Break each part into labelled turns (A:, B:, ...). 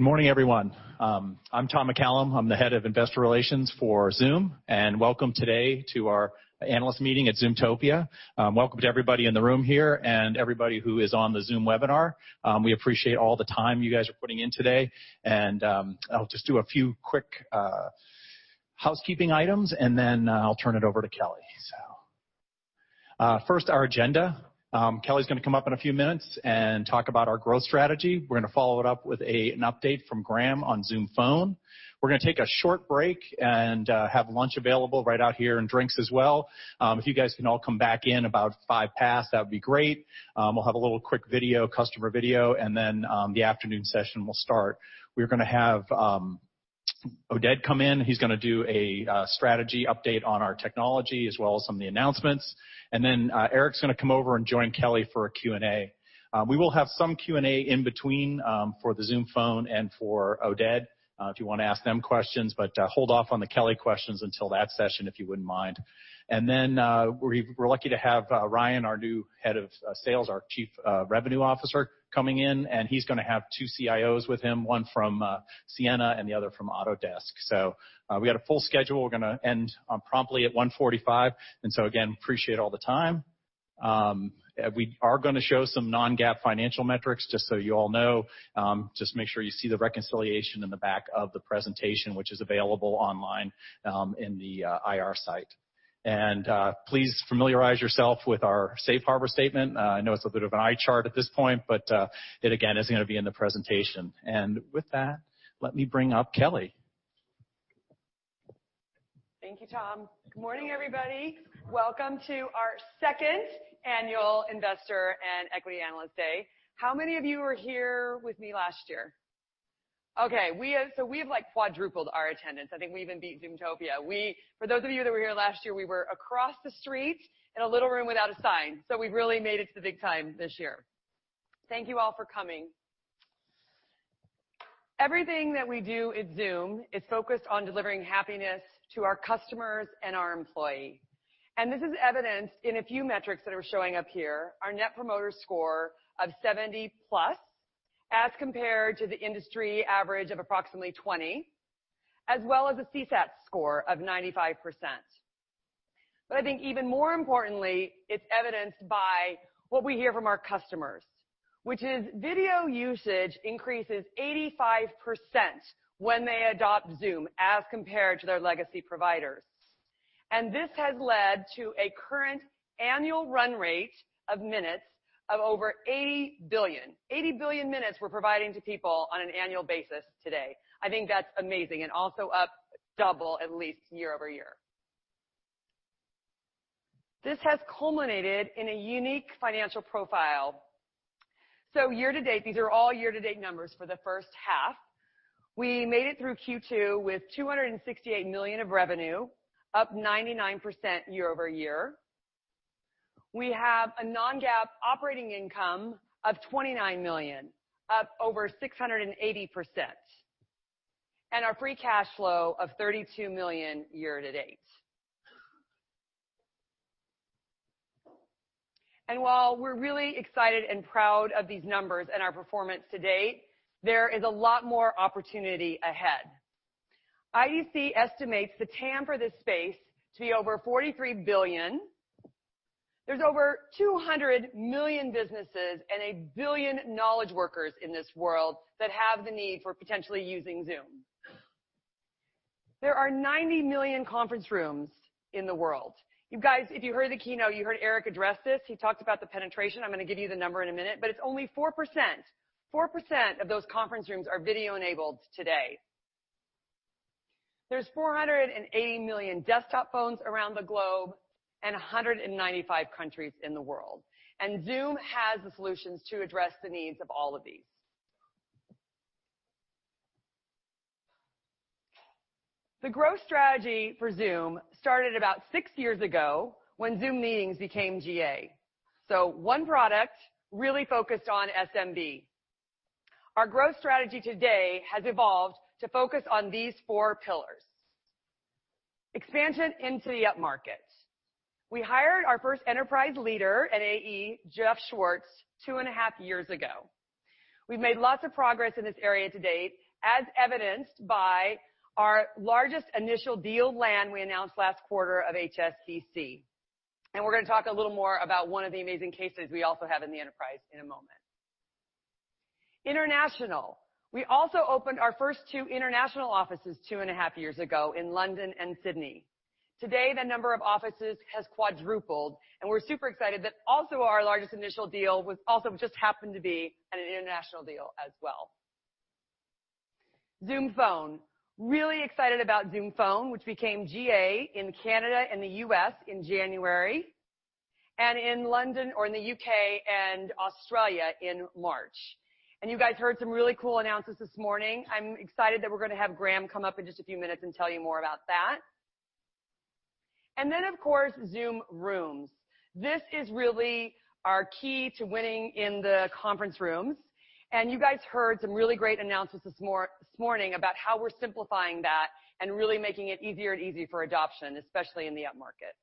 A: Good morning, everyone. I'm Tom McCallum. I'm the Head of Investor Relations for Zoom. Welcome today to our analyst meeting at Zoomtopia. Welcome to everybody in the room here and everybody who is on the Zoom webinar. We appreciate all the time you guys are putting in today. I'll just do a few quick housekeeping items, then I'll turn it over to Kelly. First, our agenda. Kelly's going to come up in a few minutes and talk about our growth strategy. We're going to follow it up with an update from Graeme on Zoom Phone. We're going to take a short break and have lunch available right out here, drinks as well. If you guys can all come back in about 5:05, that would be great. We'll have a little quick customer video, then the afternoon session will start. We're going to have Oded come in. He's going to do a strategy update on our technology, as well as some of the announcements. Eric's going to come over and join Kelly for a Q&A. We will have some Q&A in between for the Zoom Phone and for Oded, if you want to ask them questions, but hold off on the Kelly questions until that session, if you wouldn't mind. We're lucky to have Ryan, our new head of sales, our Chief Revenue Officer, coming in, and he's going to have two CIOs with him, one from Ciena and the other from Autodesk. We've got a full schedule. We're going to end promptly at 1:45. Again, appreciate all the time. We are going to show some non-GAAP financial metrics, just so you all know. Just make sure you see the reconciliation in the back of the presentation, which is available online on the IR site. Please familiarize yourself with our safe harbor statement. I know it's a bit of an eye chart at this point, but it again, is going to be in the presentation. With that, let me bring up Kelly.
B: Thank you, Tom. Good morning, everybody. Welcome to our second annual Investor and Equity Analyst Day. How many of you were here with me last year? Okay, we have quadrupled our attendance. I think we even beat Zoomtopia. For those of you that were here last year, we were across the street in a little room without a sign. We really made it to the big time this year. Thank you all for coming. Everything that we do at Zoom is focused on delivering happiness to our customers and our employees. This is evidenced in a few metrics that are showing up here. Our Net Promoter Score of 70+, as compared to the industry average of approximately 20, as well as a CSAT score of 95%. I think even more importantly, it's evidenced by what we hear from our customers, which is video usage increases 85% when they adopt Zoom as compared to their legacy providers. This has led to a current annual run rate of minutes of over 80 billion. 80 billion minutes we're providing to people on an annual basis today. I think that's amazing, and also up double at least year-over-year. This has culminated in a unique financial profile. Year-to-date, these are all year-to-date numbers for the first half. We made it through Q2 with $268 million of revenue, up 99% year-over-year. We have a non-GAAP operating income of $29 million, up over 680%, and our free cash flow of $32 million year-to-date. While we're really excited and proud of these numbers and our performance to date, there is a lot more opportunity ahead. IDC estimates the TAM for this space to be over $43 billion. There's over 200 million businesses and 1 billion knowledge workers in this world that have the need for potentially using Zoom. There are 90 million conference rooms in the world. You guys, if you heard the keynote, you heard Eric address this. He talked about the penetration. I'm going to give you the number in a minute, but it's only 4%. 4% of those conference rooms are video-enabled today. There's 480 million desktop phones around the globe and 195 countries in the world, and Zoom has the solutions to address the needs of all of these. The growth strategy for Zoom started about six years ago when Zoom Meetings became GA. One product really focused on SMB. Our growth strategy today has evolved to focus on these four pillars. Expansion into the upmarket. We hired our first enterprise leader at AE, Jeff Schwartz, two and a half years ago. We've made lots of progress in this area to date, as evidenced by our largest initial deal land we announced last quarter of HSBC. We're going to talk a little more about one of the amazing cases we also have in the enterprise in a moment. International. We also opened our first two international offices two and a half years ago in London and Sydney. Today, the number of offices has quadrupled, and we're super excited that also our largest initial deal also just happened to be an international deal as well. Zoom Phone. Really excited about Zoom Phone, which became GA in Canada and the U.S. in January, and in the U.K. and Australia in March. You guys heard some really cool announcements this morning. I'm excited that we're going to have Graeme come up in just a few minutes and tell you more about that. Of course, Zoom Rooms. This is really our key to winning in the conference rooms. You guys heard some really great announcements this morning about how we're simplifying that and really making it easier and easy for adoption, especially in the upmarket.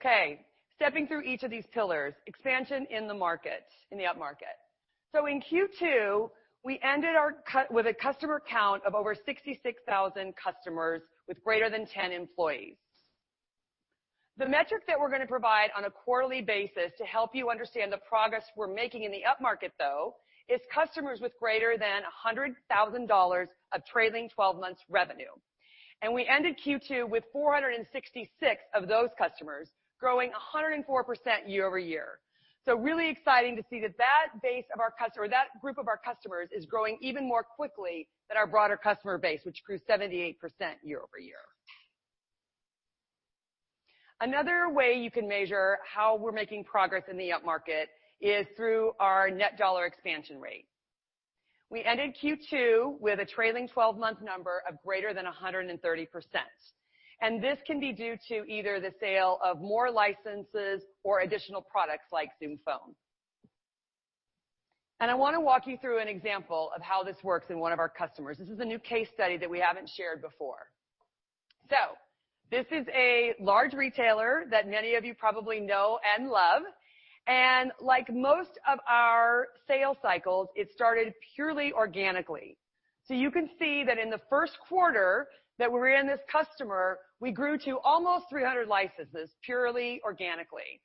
B: Okay. Stepping through each of these pillars. Expansion in the upmarket. In Q2, we ended with a customer count of over 66,000 customers with greater than 10 employees. The metric that we're going to provide on a quarterly basis to help you understand the progress we're making in the upmarket, though, is customers with greater than $100,000 of trailing 12 months revenue. We ended Q2 with 466 of those customers, growing 104% year-over-year. Really exciting to see that that base of our customer, that group of our customers is growing even more quickly than our broader customer base, which grew 78% year-over-year. Another way you can measure how we're making progress in the upmarket is through our net dollar expansion rate. We ended Q2 with a trailing 12-month number of greater than 130%. This can be due to either the sale of more licenses or additional products like Zoom Phone. I want to walk you through an example of how this works in one of our customers. This is a new case study that we haven't shared before. This is a large retailer that many of you probably know and love, and like most of our sales cycles, it started purely organically. You can see that in the first quarter that we were in this customer, we grew to almost 300 licenses, purely organically.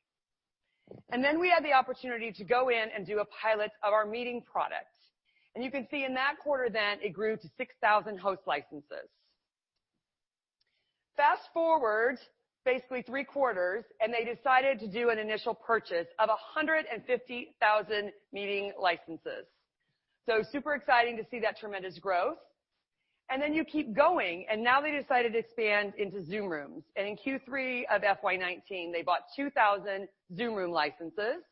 B: Then we had the opportunity to go in and do a pilot of our Zoom Meetings product. You can see in that quarter then it grew to 6,000 host licenses. Fast-forward basically three quarters. They decided to do an initial purchase of 150,000 Zoom Meetings licenses. Super exciting to see that tremendous growth. Then you keep going. Now they decided to expand into Zoom Rooms. In Q3 of FY 2019, they bought 2,000 Zoom Rooms licenses.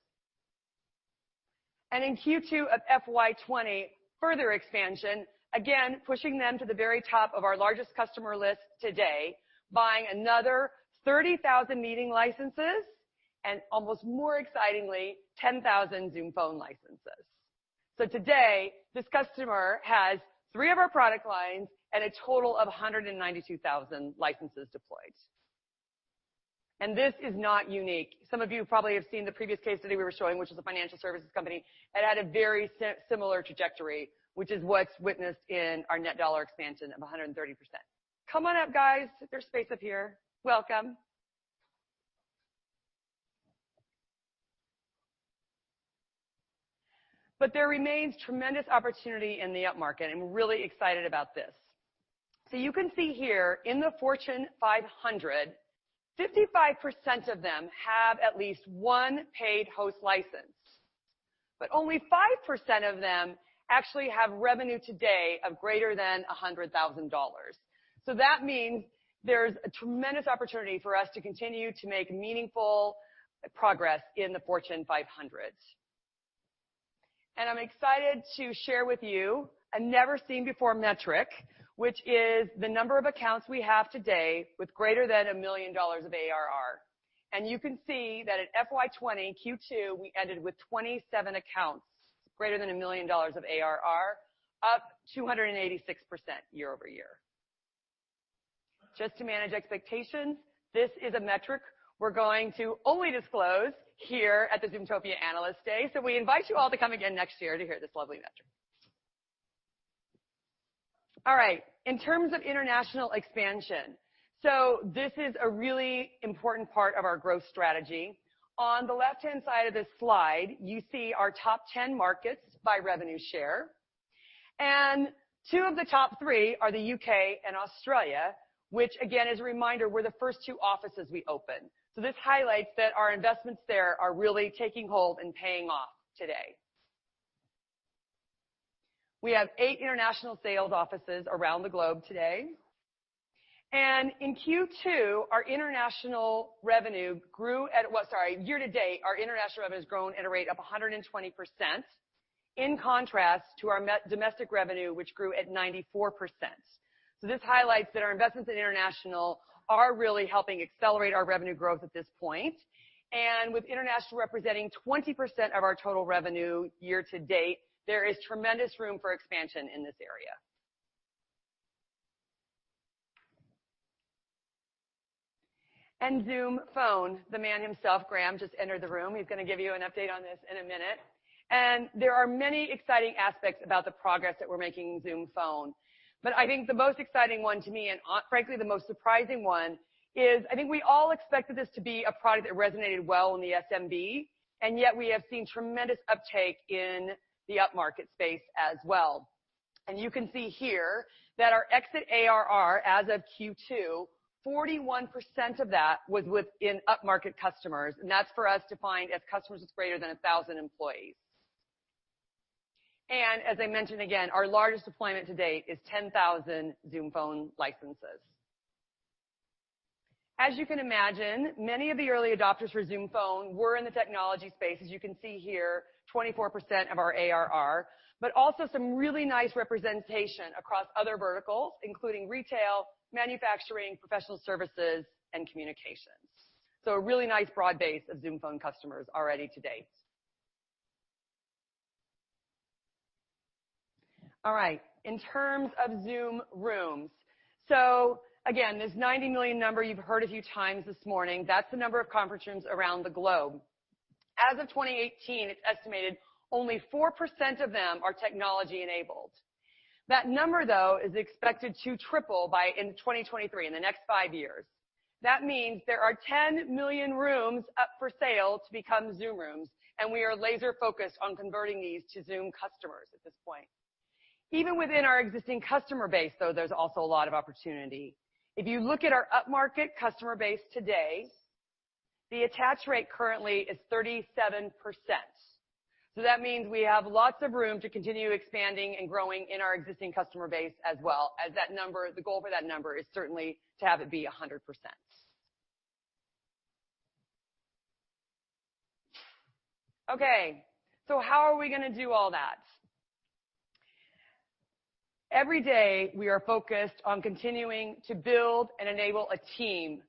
B: In Q2 of FY 2020, further expansion, again, pushing them to the very top of our largest customer list today, buying another 30,000 meeting licenses and almost more excitingly, 10,000 Zoom Phone licenses. Today, this customer has three of our product lines and a total of 192,000 licenses deployed. This is not unique. Some of you probably have seen the previous case study we were showing, which was a financial services company. It had a very similar trajectory, which is what's witnessed in our net dollar expansion of 130%. Come on up, guys. There's space up here. Welcome. There remains tremendous opportunity in the upmarket, and we're really excited about this. You can see here in the Fortune 500, 55% of them have at least one paid host license, but only 5% of them actually have revenue today of greater than $100,000. That means there's a tremendous opportunity for us to continue to make meaningful progress in the Fortune 500. I'm excited to share with you a never-seen-before metric, which is the number of accounts we have today with greater than $1 million of ARR. You can see that at FY 2020 Q2, we ended with 27 accounts, greater than $1 million of ARR, up 286% year-over-year. Just to manage expectations, this is a metric we're going to only disclose here at the Zoomtopia Analyst Day. We invite you all to come again next year to hear this lovely metric. All right. In terms of international expansion, this is a really important part of our growth strategy. On the left-hand side of this slide, you see our top 10 markets by revenue share. Two of the top three are the U.K. and Australia, which again, as a reminder, were the first two offices we opened. This highlights that our investments there are really taking hold and paying off today. We have eight international sales offices around the globe today. Year to date, our international revenue has grown at a rate of 120%, in contrast to our domestic revenue, which grew at 94%. This highlights that our investments in international are really helping accelerate our revenue growth at this point. With international representing 20% of our total revenue year to date, there is tremendous room for expansion in this area. Zoom Phone, the man himself, Graeme, just entered the room. He's going to give you an update on this in a minute. There are many exciting aspects about the progress that we're making in Zoom Phone. I think the most exciting one to me, and frankly, the most surprising one, is I think we all expected this to be a product that resonated well in the SMB, yet we have seen tremendous uptake in the upmarket space as well. You can see here that our exit ARR as of Q2, 41% of that was within upmarket customers, and that's for us defined as customers with greater than 1,000 employees. As I mentioned again, our largest deployment to date is 10,000 Zoom Phone licenses. As you can imagine, many of the early adopters for Zoom Phone were in the technology space. As you can see here, 24% of our ARR, but also some really nice representation across other verticals, including retail, manufacturing, professional services, and communications. A really nice broad base of Zoom Phone customers already to date. All right. In terms of Zoom Rooms. Again, this 90 million number you've heard a few times this morning, that's the number of conference rooms around the globe. As of 2018, it's estimated only 4% of them are technology-enabled. That number, though, is expected to triple by 2023, in the next five years. That means there are 10 million rooms up for sale to become Zoom Rooms, and we are laser-focused on converting these to Zoom customers at this point. Even within our existing customer base, though, there's also a lot of opportunity. If you look at our up-market customer base today, the attach rate currently is 37%. That means we have lots of room to continue expanding and growing in our existing customer base as well, as the goal for that number is certainly to have it be 100%. Okay. How are we going to do all that? Every day, we are focused on continuing to build and enable a team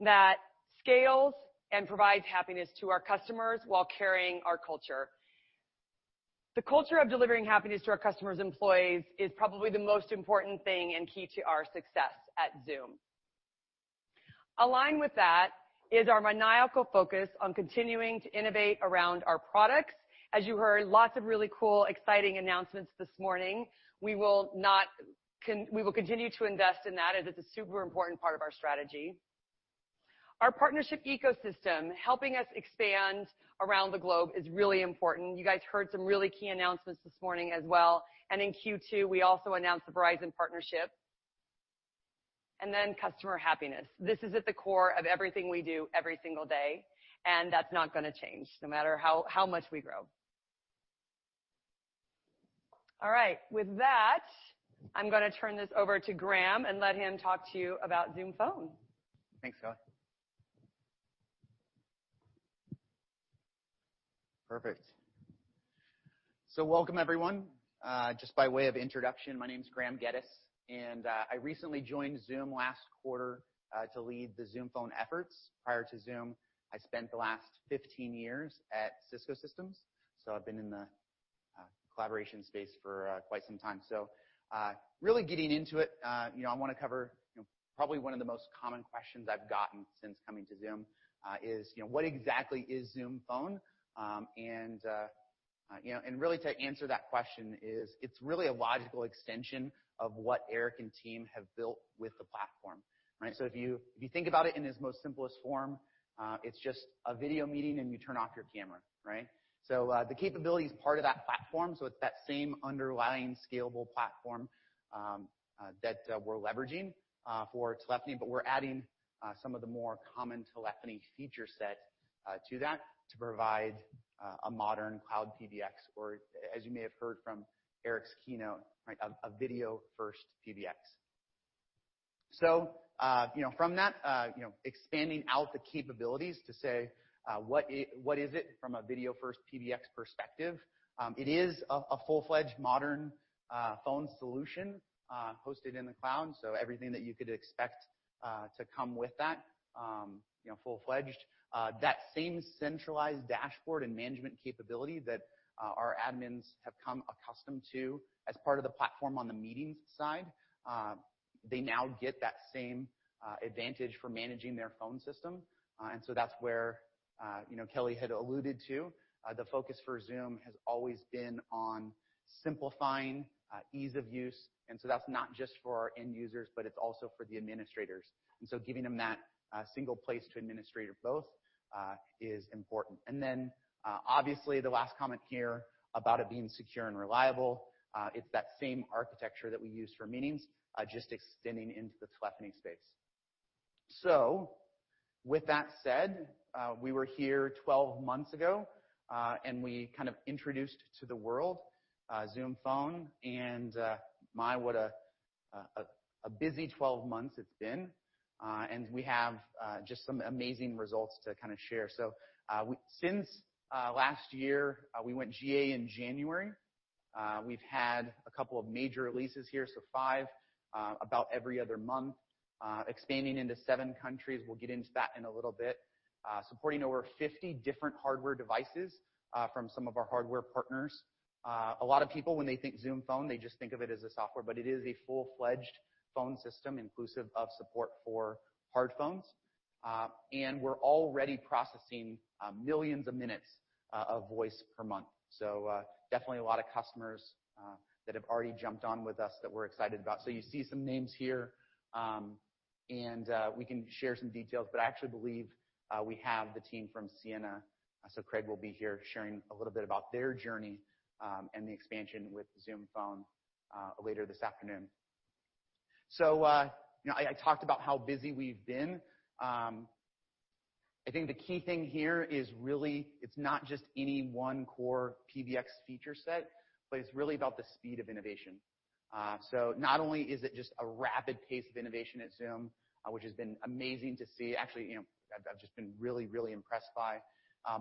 B: that scales and provides happiness to our customers while carrying our culture. The culture of delivering happiness to our customers and employees is probably the most important thing and key to our success at Zoom. Aligned with that is our maniacal focus on continuing to innovate around our products. As you heard, lots of really cool, exciting announcements this morning. We will continue to invest in that, as it's a super important part of our strategy. Our partnership ecosystem, helping us expand around the globe is really important. You guys heard some really key announcements this morning as well. In Q2, we also announced the Verizon partnership. Customer happiness is at the core of everything we do every single day, and that's not going to change, no matter how much we grow. All right. With that, I'm going to turn this over to Graeme and let him talk to you about Zoom Phone.
C: Thanks, Kelly. Perfect. Welcome, everyone. Just by way of introduction, my name's Graeme Geddes, and I recently joined Zoom last quarter to lead the Zoom Phone efforts. Prior to Zoom, I spent the last 15 years at Cisco Systems, so I've been in the collaboration space for quite some time. Really getting into it, I want to cover probably one of the most common questions I've gotten since coming to Zoom is, what exactly is Zoom Phone? Really to answer that question is it's really a logical extension of what Eric and team have built with the platform, right? If you think about it in its most simplest form, it's just a video meeting and you turn off your camera, right? The capability is part of that platform, so it's that same underlying scalable platform that we're leveraging for telephony, but we're adding some of the more common telephony feature set to that to provide a modern cloud PBX or, as you may have heard from Eric's keynote, a video-first PBX. From that, expanding out the capabilities to say what is it from a video-first PBX perspective. It is a full-fledged modern phone solution hosted in the cloud, so everything that you could expect to come with that, full-fledged. That same centralized dashboard and management capability that our admins have come accustomed to as part of the platform on the meetings side, they now get that same advantage for managing their phone system. That's where Kelly had alluded to. The focus for Zoom has always been on simplifying ease of use. That's not just for our end users, but it's also for the administrators. Giving them that single place to administrate both is important. Obviously the last comment here about it being secure and reliable, it's that same architecture that we use for meetings, just extending into the telephony space. With that said, we were here 12 months ago, and we kind of introduced to the world Zoom Phone, and my, what a busy 12 months it's been. We have just some amazing results to share. Since last year, we went GA in January. We've had a couple of major releases here, so five about every other month, expanding into seven countries. We'll get into that in a little bit. Supporting over 50 different hardware devices from some of our hardware partners. A lot of people, when they think Zoom Phone, they just think of it as a software, but it is a full-fledged phone system inclusive of support for hard phones. We're already processing millions of minutes of voice per month. Definitely a lot of customers that have already jumped on with us that we're excited about. You see some names here, and we can share some details, but I actually believe we have the team from Ciena, so Craig will be here sharing a little bit about their journey, and the expansion with Zoom Phone later this afternoon. I talked about how busy we've been. I think the key thing here is really it's not just any one core PBX feature set, but it's really about the speed of innovation. Not only is it just a rapid pace of innovation at Zoom, which has been amazing to see, I've just been really impressed by,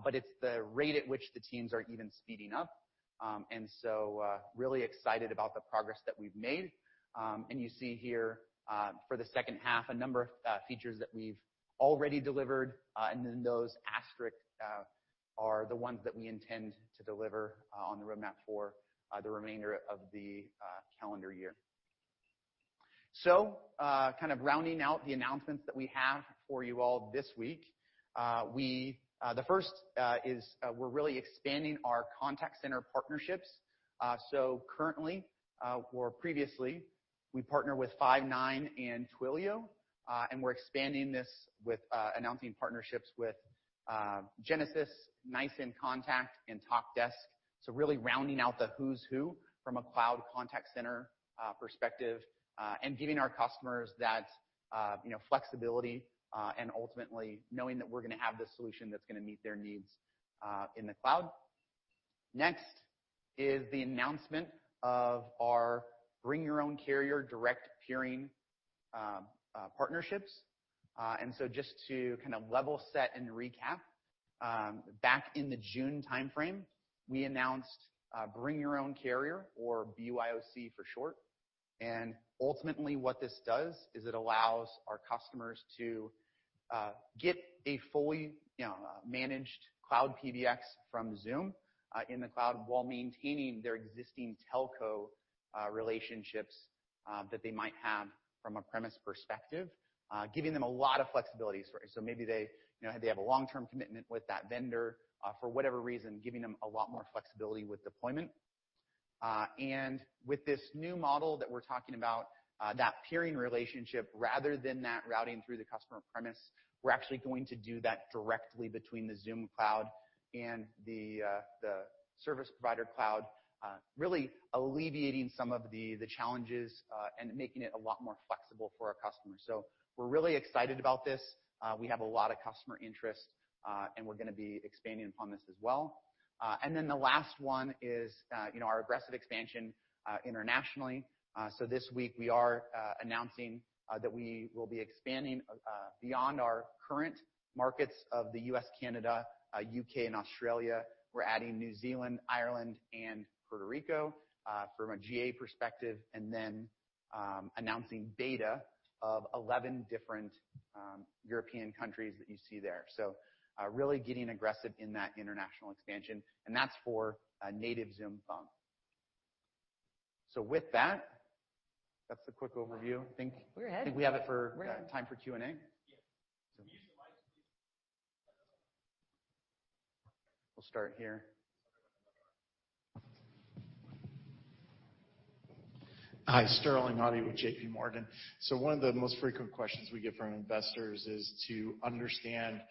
C: but it's the rate at which the teams are even speeding up, really excited about the progress that we've made. You see here, for the second half, a number of features that we've already delivered, then those asterisks are the ones that we intend to deliver on the roadmap for the remainder of the calendar year. Rounding out the announcements that we have for you all this week, the first is we're really expanding our contact center partnerships. Previously, we partnered with Five9 and Twilio, we're expanding this with announcing partnerships with Genesys, NICE inContact, and Talkdesk. Really rounding out the who's who from a cloud contact center perspective, and giving our customers that flexibility, and ultimately knowing that we're going to have the solution that's going to meet their needs in the cloud. Next is the announcement of our Bring Your Own Carrier direct peering partnerships. Just to level set and recap, back in the June timeframe, we announced Bring Your Own Carrier or BYOC for short. Ultimately what this does is it allows our customers to get a fully managed cloud PBX from Zoom in the cloud while maintaining their existing telco relationships that they might have from a premise perspective, giving them a lot of flexibility. Maybe they have a long-term commitment with that vendor, for whatever reason, giving them a lot more flexibility with deployment. With this new model that we're talking about, that peering relationship rather than that routing through the customer premise, we're actually going to do that directly between the Zoom cloud and the service provider cloud, really alleviating some of the challenges, and making it a lot more flexible for our customers. We're really excited about this. We have a lot of customer interest, and we're going to be expanding upon this as well. The last one is our aggressive expansion internationally. This week we are announcing that we will be expanding beyond our current markets of the U.S., Canada, U.K., and Australia. We're adding New Zealand, Ireland, and Puerto Rico from a GA perspective, and then announcing beta of 11 different European countries that you see there. Really getting aggressive in that international expansion, and that's for a native Zoom Phone. With that's the quick overview.
B: We're ahead.
C: I think we have time for Q&A.
D: Yes. Can you use the mic, please?
C: We'll start here.
D: Hi. Sterling Auty with JP Morgan. One of the most frequent questions we get from investors is to understand,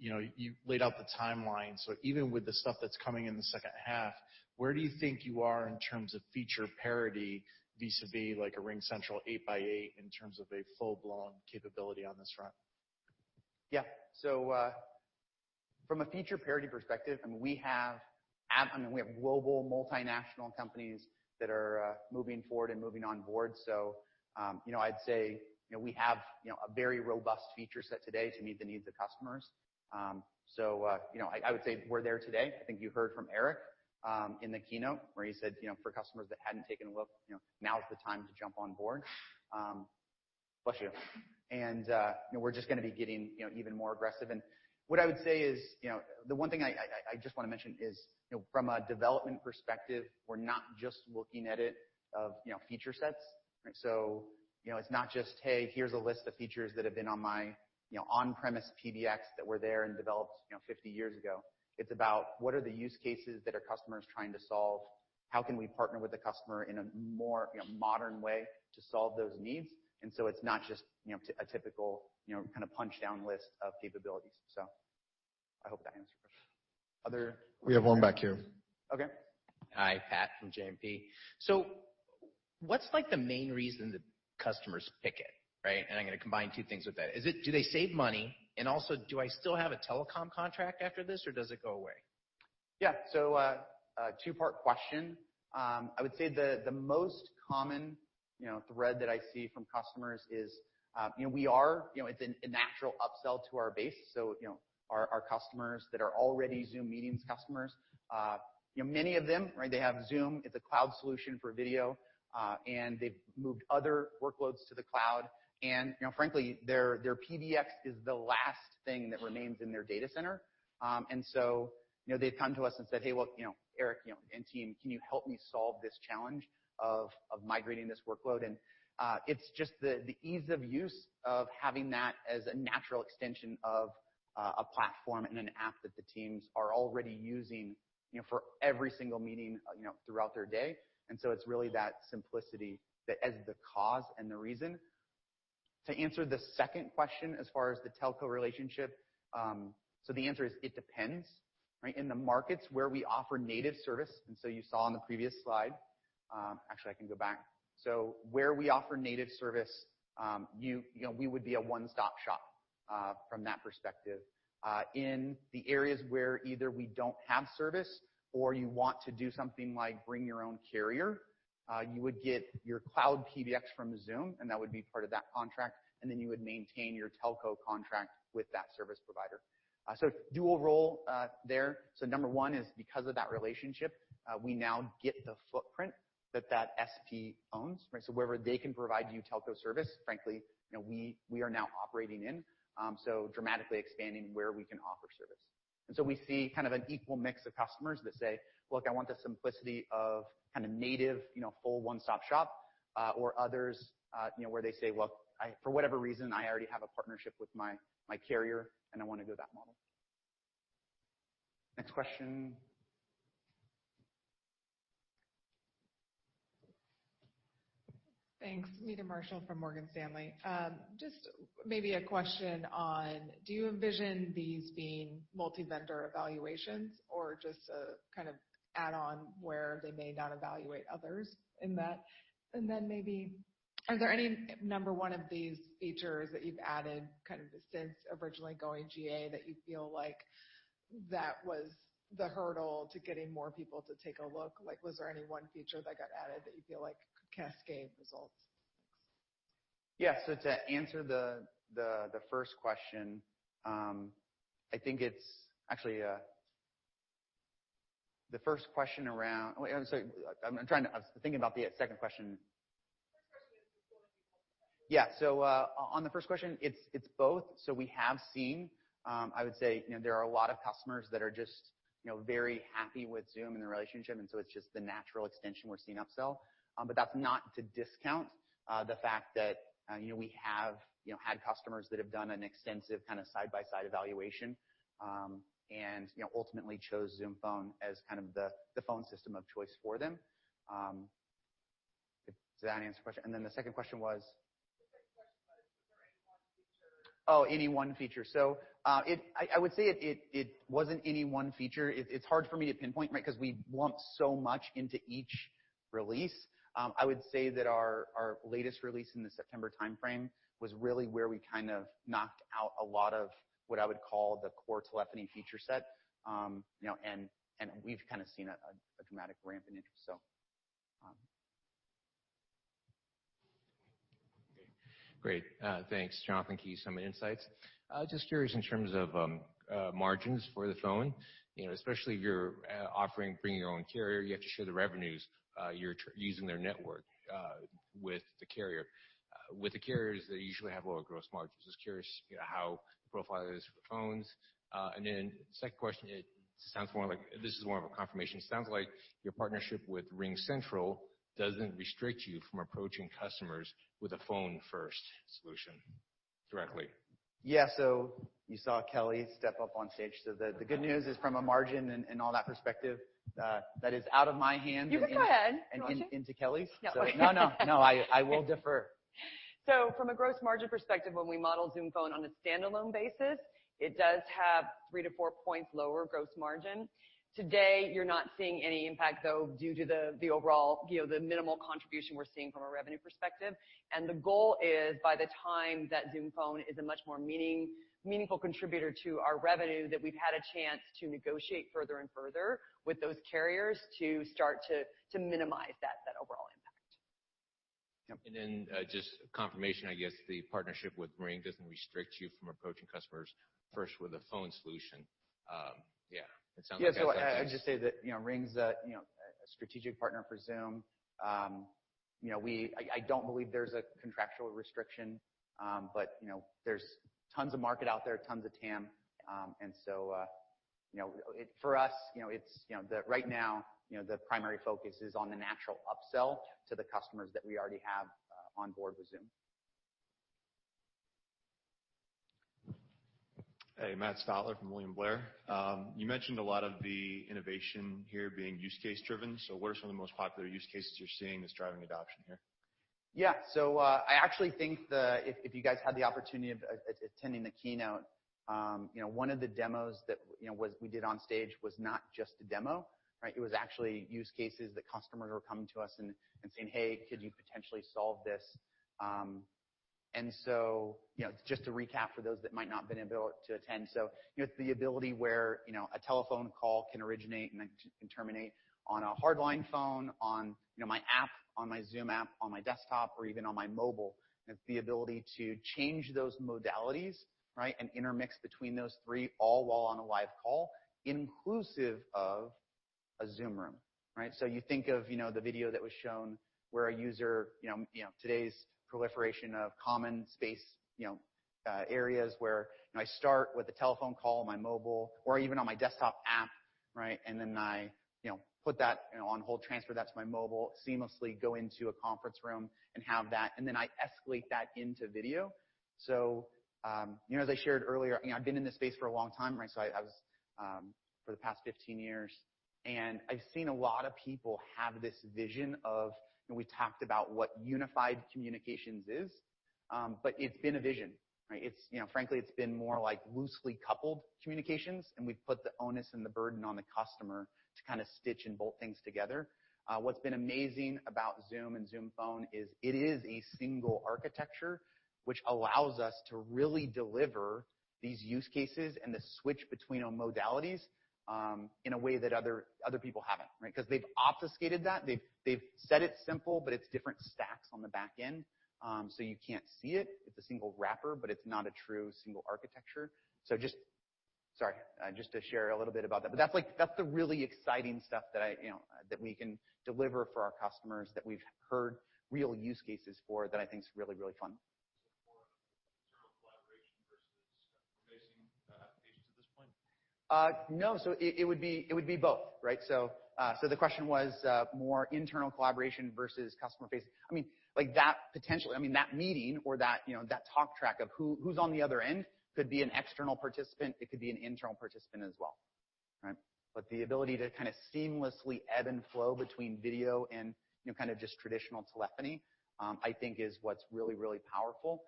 D: you laid out the timeline, even with the stuff that's coming in the second half, where do you think you are in terms of feature parity vis-a-vis like a RingCentral 8x8 in terms of a full-blown capability on this front?
C: Yeah. From a feature parity perspective, we have global multinational companies that are moving forward and moving on board. I'd say we have a very robust feature set today to meet the needs of customers. I would say we're there today. I think you heard from Eric in the keynote where he said, for customers that hadn't taken a look, now's the time to jump on board. Bless you. We're just going to be getting even more aggressive. What I would say is, the one thing I just want to mention is from a development perspective, we're not just looking at it of feature sets. It's not just, hey, here's a list of features that have been on my on-premise PBX that were there and developed 50 years ago. It's about what are the use cases that our customer is trying to solve. How can we partner with the customer in a more modern way to solve those needs? It's not just a typical punch down list of capabilities. I hope that answers your question.
A: We have one back here.
C: Okay.
E: Hi. Pat from JMP. What's the main reason that customers pick it, right? I'm going to combine two things with that. Do they save money, and also do I still have a telecom contract after this, or does it go away?
C: Yeah. A two-part question. I would say the most common thread that I see from customers is it's a natural upsell to our base. Our customers that are already Zoom Meetings customers, many of them, they have Zoom, it's a cloud solution for video, and they've moved other workloads to the cloud, and frankly, their PBX is the last thing that remains in their data center. They've come to us and said, "Hey, look, Eric and team, can you help me solve this challenge of migrating this workload?" It's just the ease of use of having that as a natural extension of a platform and an app that the teams are already using for every single meeting throughout their day. It's really that simplicity as the cause and the reason. To answer the second question as far as the telco relationship, the answer is it depends. In the markets where we offer native service, you saw on the previous slide. Actually, I can go back. Where we offer native service, we would be a one-stop shop from that perspective. In the areas where either we don't have service or you want to do something like Bring Your Own Carrier, you would get your cloud PBX from Zoom, and that would be part of that contract, and then you would maintain your telco contract with that service provider. Dual role there. Number one is because of that relationship, we now get the footprint that that SP owns. Wherever they can provide you telco service, frankly, we are now operating in, so dramatically expanding where we can offer service. We see an equal mix of customers that say, "Look, I want the simplicity of native full one-stop shop," or others where they say, "Look, for whatever reason, I already have a partnership with my carrier, and I want to go that model." Next question.
F: Thanks. Meta Marshall from Morgan Stanley. Just maybe a question on, do you envision these being multi-vendor evaluations or just a kind of add-on where they may not evaluate others in that? Maybe are there any number one of these features that you've added since originally going GA that you feel like that was the hurdle to getting more people to take a look? Was there any one feature that got added that you feel like could cascade results? Thanks.
C: Yeah. To answer the first question, I think it's actually the first question around. Oh, wait, I'm sorry. I was thinking about the second question.
F: The first question is if it's going to be multi-vendor.
C: Yeah. On the first question, it's both. We have seen, I would say, there are a lot of customers that are just very happy with Zoom and the relationship, it's just the natural extension we're seeing upsell. That's not to discount the fact that we have had customers that have done an extensive kind of side-by-side evaluation, and ultimately chose Zoom Phone as kind of the phone system of choice for them. Does that answer the question? The second question was?
F: The second question was there any one feature
C: Oh, any one feature. I would say it wasn't any one feature. It's hard for me to pinpoint, right, because we lump so much into each release. I would say that our latest release in the September timeframe was really where we kind of knocked out a lot of what I would call the core telephony feature set. We've kind of seen a dramatic ramp in interest.
G: Okay, great. Thanks, Jonathan Kees, Summit Insights. Just curious in terms of margins for the phone, especially if you're offering Bring Your Own Carrier, you have to share the revenues, you're using their network, with the carrier. With the carriers they usually have lower gross margins. Just curious how the profile is for phones. Second question, it sounds more like this is more of a confirmation. It sounds like your partnership with RingCentral doesn't restrict you from approaching customers with a phone-first solution directly.
C: Yeah. You saw Kelly step up on stage. The good news is from a margin and all that perspective, that is out of my hands.
B: You can go ahead. Do you want to?
C: and into Kelly's.
B: No.
C: No, I will defer.
B: From a gross margin perspective, when we model Zoom Phone on a standalone basis, it does have 3 to 4 points lower gross margin. Today, you're not seeing any impact, though, due to the overall minimal contribution we're seeing from a revenue perspective. The goal is by the time that Zoom Phone is a much more meaningful contributor to our revenue, that we've had a chance to negotiate further and further with those carriers to start to minimize that overall impact.
C: Yep.
G: Just confirmation, I guess the partnership with RingCentral doesn't restrict you from approaching customers first with a phone solution. Yeah. It sounds like that's the case.
C: Yeah. I'd just say that Ring's a strategic partner for Zoom. I don't believe there's a contractual restriction. There's tons of market out there, tons of TAM. For us, right now the primary focus is on the natural upsell to the customers that we already have on board with Zoom.
H: Hey, Matt Stotler from William Blair. You mentioned a lot of the innovation here being use case driven. What are some of the most popular use cases you're seeing that's driving adoption here?
C: I actually think that if you guys had the opportunity of attending the keynote, one of the demos that we did on stage was not just a demo, right? It was actually use cases that customers were coming to us and saying, "Hey, could you potentially solve this?" Just to recap for those that might not been able to attend, you have the ability where a telephone call can originate and then terminate on a hardline phone, on my app, on my Zoom app, on my desktop, or even on my mobile. It's the ability to change those modalities, right, and intermix between those three all while on a live call, inclusive of a Zoom Room. Right? You think of the video that was shown where a user, today's proliferation of common space areas where I start with a telephone call on my mobile or even on my desktop app, right. I put that on hold, transfer that to my mobile, seamlessly go into a conference room and have that, and then I escalate that into video. As I shared earlier, I've been in this space for a long time, right. I was, for the past 15 years, and I've seen a lot of people have this vision of, we talked about what unified communications is. It's been a vision, right. Frankly, it's been more like loosely coupled communications, and we've put the onus and the burden on the customer to kind of stitch and bolt things together. What's been amazing about Zoom and Zoom Phone is it is a single architecture which allows us to really deliver these use cases and the switch between modalities, in a way that other people haven't, right? They've obfuscated that. They've said it's simple, but it's different stacks on the back end. You can't see it. It's a single wrapper, but it's not a true single architecture. Sorry, just to share a little bit about that. That's the really exciting stuff that we can deliver for our customers that we've heard real use cases for that I think is really fun.
H: More internal collaboration versus customer-facing applications at this point?
C: No. It would be both, right? The question was more internal collaboration versus customer-facing. That potentially, that meeting or that talk track of who's on the other end could be an external participant, it could be an internal participant as well. Right. The ability to seamlessly ebb and flow between video and just traditional telephony, I think is what's really, really powerful.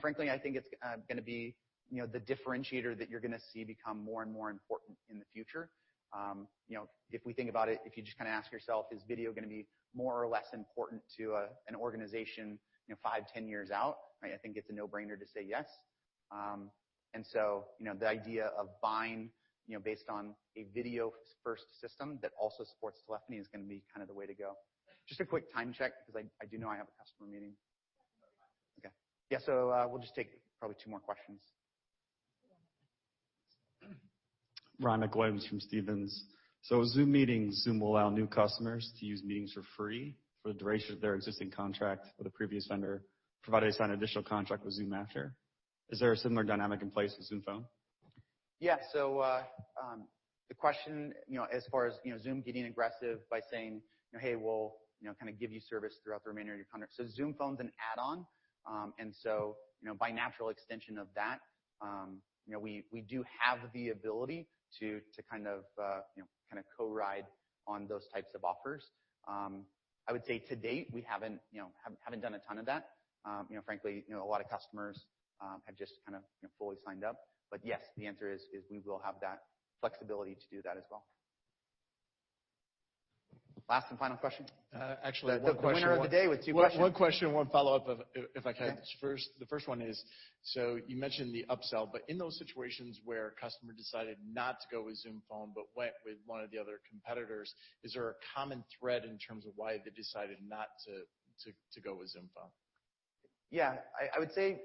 C: Frankly, I think it's going to be the differentiator that you're going to see become more and more important in the future. If we think about it, if you just ask yourself, is video going to be more or less important to an organization five, 10 years out? I think it's a no-brainer to say yes. The idea of buying based on a video-first system that also supports telephony is going to be the way to go. Just a quick time check, because I do know I have a customer meeting.
I: You have about five minutes.
A: Okay. Yeah, we'll just take probably two more questions.
I: Ryan MacWilliams from Stephens. Zoom Meetings, Zoom will allow new customers to use Meetings for free for the duration of their existing contract with a previous vendor, provided they sign an additional contract with Zoom after. Is there a similar dynamic in place with Zoom Phone?
C: Yeah. The question as far as Zoom getting aggressive by saying, "Hey, we'll give you service throughout the remainder of your contract." Zoom Phone's an add-on. By natural extension of that, we do have the ability to co-ride on those types of offers. I would say to date, we haven't done a ton of that. Frankly, a lot of customers have just fully signed up. Yes, the answer is we will have that flexibility to do that as well. Last and final question.
D: Actually, one question.
C: The winner of the day with two questions.
D: One question, one follow-up, if I could.
C: Yeah.
D: The first one is, you mentioned the upsell, in those situations where a customer decided not to go with Zoom Phone but went with one of the other competitors, is there a common thread in terms of why they decided not to go with Zoom Phone?
C: I would say,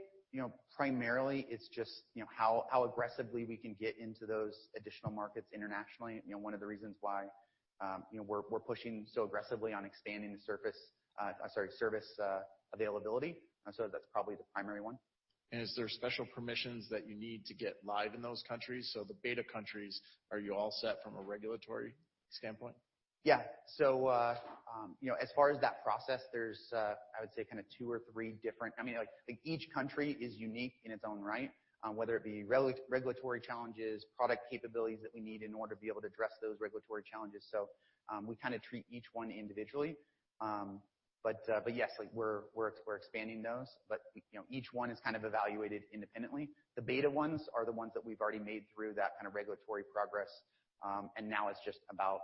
C: primarily, it's just how aggressively we can get into those additional markets internationally. One of the reasons why we're pushing so aggressively on expanding the service availability. That's probably the primary one.
D: Is there special permissions that you need to get live in those countries? The beta countries, are you all set from a regulatory standpoint?
C: Yeah. As far as that process, there's, I would say, two or three. Each country is unique in its own right, whether it be regulatory challenges, product capabilities that we need in order to be able to address those regulatory challenges. We treat each one individually. Yes, we're expanding those, but each one is evaluated independently. The beta ones are the ones that we've already made through that regulatory progress. Now it's just about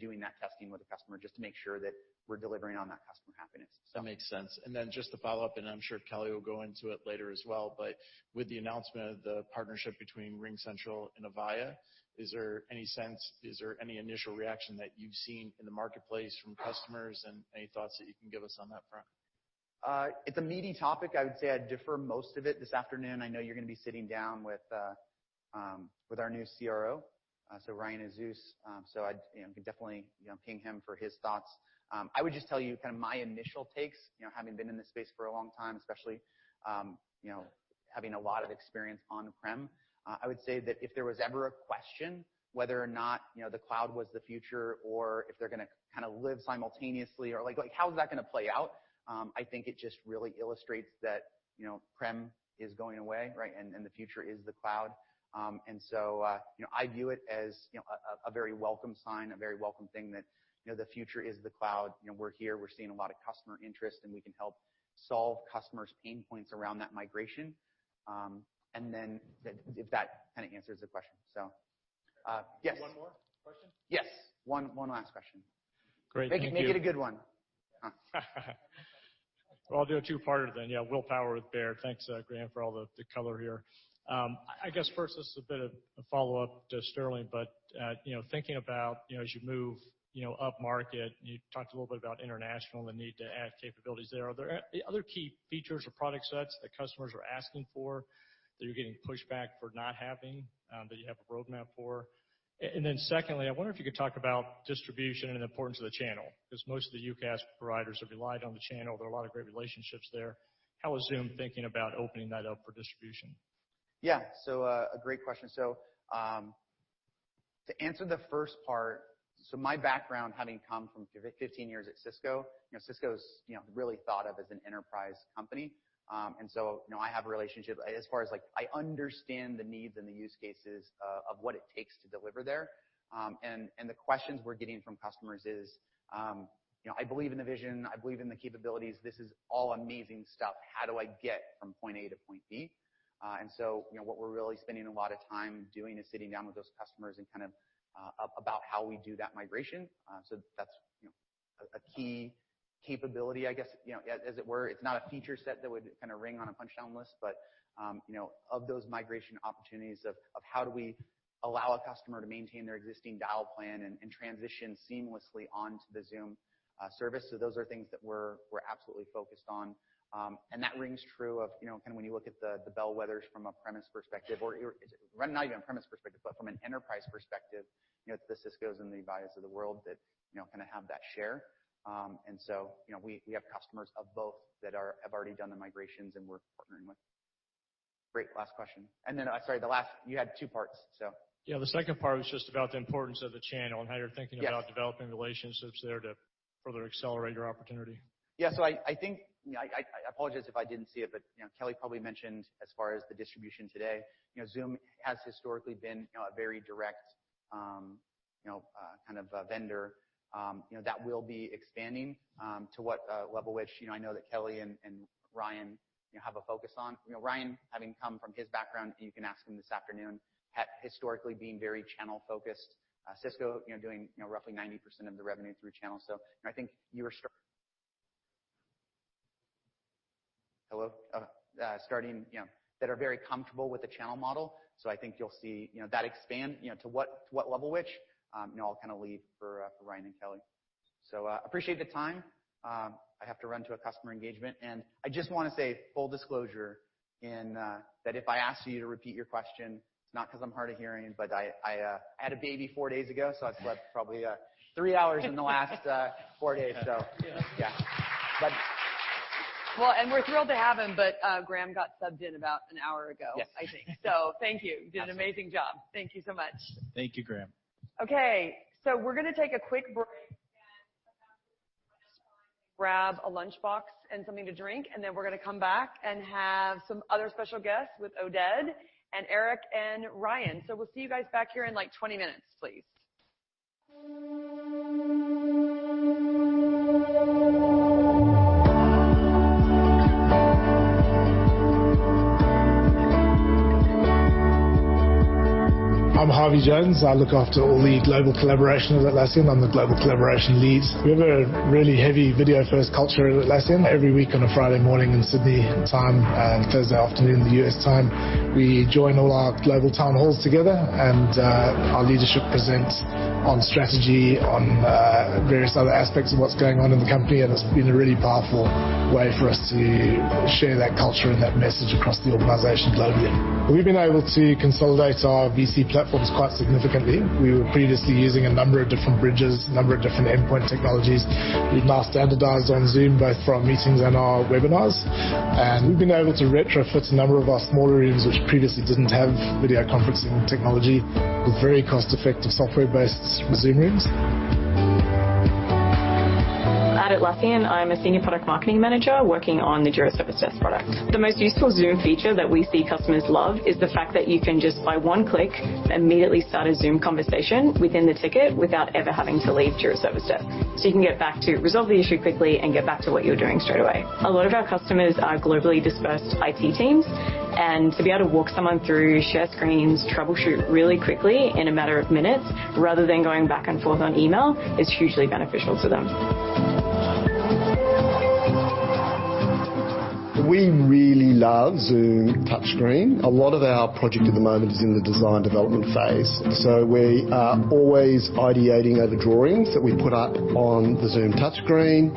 C: doing that testing with a customer just to make sure that we're delivering on that customer happiness.
D: That makes sense. Just to follow up, and I'm sure Kelly will go into it later as well, but with the announcement of the partnership between RingCentral and Avaya, is there any sense, is there any initial reaction that you've seen in the marketplace from customers and any thoughts that you can give us on that front?
C: It's a meaty topic. I would say I'd defer most of it. This afternoon, I know you're going to be sitting down with our new CRO, so Ryan Azus, so I'd definitely ping him for his thoughts. I would just tell you my initial takes, having been in this space for a long time, especially having a lot of experience on-prem. I would say that if there was ever a question whether or not the cloud was the future or if they're going to live simultaneously or how is that going to play out, I think it just really illustrates that prem is going away, right, and the future is the cloud. I view it as a very welcome sign, a very welcome thing that the future is the cloud. We're here, we're seeing a lot of customer interest, and we can help solve customers' pain points around that migration. If that answers the question. Yes.
A: One more question?
C: Yes. One last question.
J: Great. Thank you.
C: Make it a good one.
J: I'll do a two-parter then. Yeah. Will Power with Baird. Thanks, Graeme, for all the color here. I guess first, this is a bit of a follow-up to Sterling, but thinking about as you move upmarket, you talked a little bit about international and the need to add capabilities there. Are there other key features or product sets that customers are asking for, that you're getting pushback for not having, that you have a roadmap for? Secondly, I wonder if you could talk about distribution and the importance of the channel, because most of the UCaaS providers have relied on the channel. There are a lot of great relationships there. How is Zoom thinking about opening that up for distribution?
C: A great question. To answer the first part, my background having come from 15 years at Cisco's really thought of as an enterprise company. I have a relationship as far as, I understand the needs and the use cases of what it takes to deliver there. The questions we're getting from customers is, "I believe in the vision, I believe in the capabilities. This is all amazing stuff. How do I get from point A to point B?" What we're really spending a lot of time doing is sitting down with those customers and kind of about how we do that migration. That's a key capability, I guess, as it were. It's not a feature set that would ring on a punch down list, but of those migration opportunities of how do we allow a customer to maintain their existing dial plan and transition seamlessly onto the Zoom service. Those are things that we're absolutely focused on. That rings true of when you look at the bellwethers from a premise perspective, or not even a premise perspective, but from an enterprise perspective, the Ciscos and the Avayas of the world that have that share. We have customers of both that have already done the migrations, and we're partnering with. Great, last question. Sorry, the last, you had two parts.
J: Yeah, the second part was just about the importance of the channel and how you're thinking about-
C: Yes
J: developing relationships there to
A: Further accelerate your opportunity.
C: Yeah. I apologize if I didn't see it, but Kelly probably mentioned as far as the distribution today, Zoom has historically been a very direct kind of vendor. That will be expanding to what level, which I know that Kelly and Ryan have a focus on. Ryan, having come from his background, you can ask him this afternoon, historically being very channel-focused. Cisco doing roughly 90% of the revenue through channels. I think you were Hello? Starting that are very comfortable with the channel model. I think you'll see that expand. To what level, which I'll kind of leave for Ryan and Kelly. Appreciate the time. I have to run to a customer engagement, and I just want to say, full disclosure, that if I ask you to repeat your question, it's not because I'm hard of hearing. I had a baby four days ago, so I've slept probably three hours in the last four days. yeah.
B: Well, we're thrilled to have him, but Graeme got subbed in about an hour ago.
C: Yes.
B: I think. Thank you. You did an amazing job. Thank you so much.
A: Thank you, Graeme.
B: Okay, we're going to take a quick break, and grab a lunchbox and something to drink, then we're going to come back and have some other special guests with Oded and Eric and Ryan. We'll see you guys back here in 20 minutes, please.
K: I'm Harvey Jones. I look after all the global collaboration at Atlassian. I'm the global collaboration lead. We have a really heavy video-first culture at Atlassian. Every week on a Friday morning in Sydney time and Thursday afternoon in the U.S. time, we join all our global town halls together. Our leadership presents on strategy, on various other aspects of what's going on in the company. It's been a really powerful way for us to share that culture and that message across the organization globally. We've been able to consolidate our VC platforms quite significantly. We were previously using a number of different bridges, a number of different endpoint technologies. We've now standardized on Zoom, both for our meetings and our webinars. We've been able to retrofit a number of our smaller rooms, which previously didn't have video conferencing technology, with very cost-effective software-based Zoom Rooms.
L: I'm at Atlassian. I'm a senior product marketing manager working on the Jira Service Desk product. The most useful Zoom feature that we see customers love is the fact that you can just by one click, immediately start a Zoom conversation within the ticket without ever having to leave Jira Service Desk. You can get back to resolve the issue quickly and get back to what you were doing straight away. A lot of our customers are globally dispersed IT teams, and to be able to walk someone through share screens, troubleshoot really quickly in a matter of minutes, rather than going back and forth on email, is hugely beneficial to them.
K: We really love Zoom touchscreen. A lot of our project at the moment is in the design development phase. We are always ideating over drawings that we put up on the Zoom touchscreen,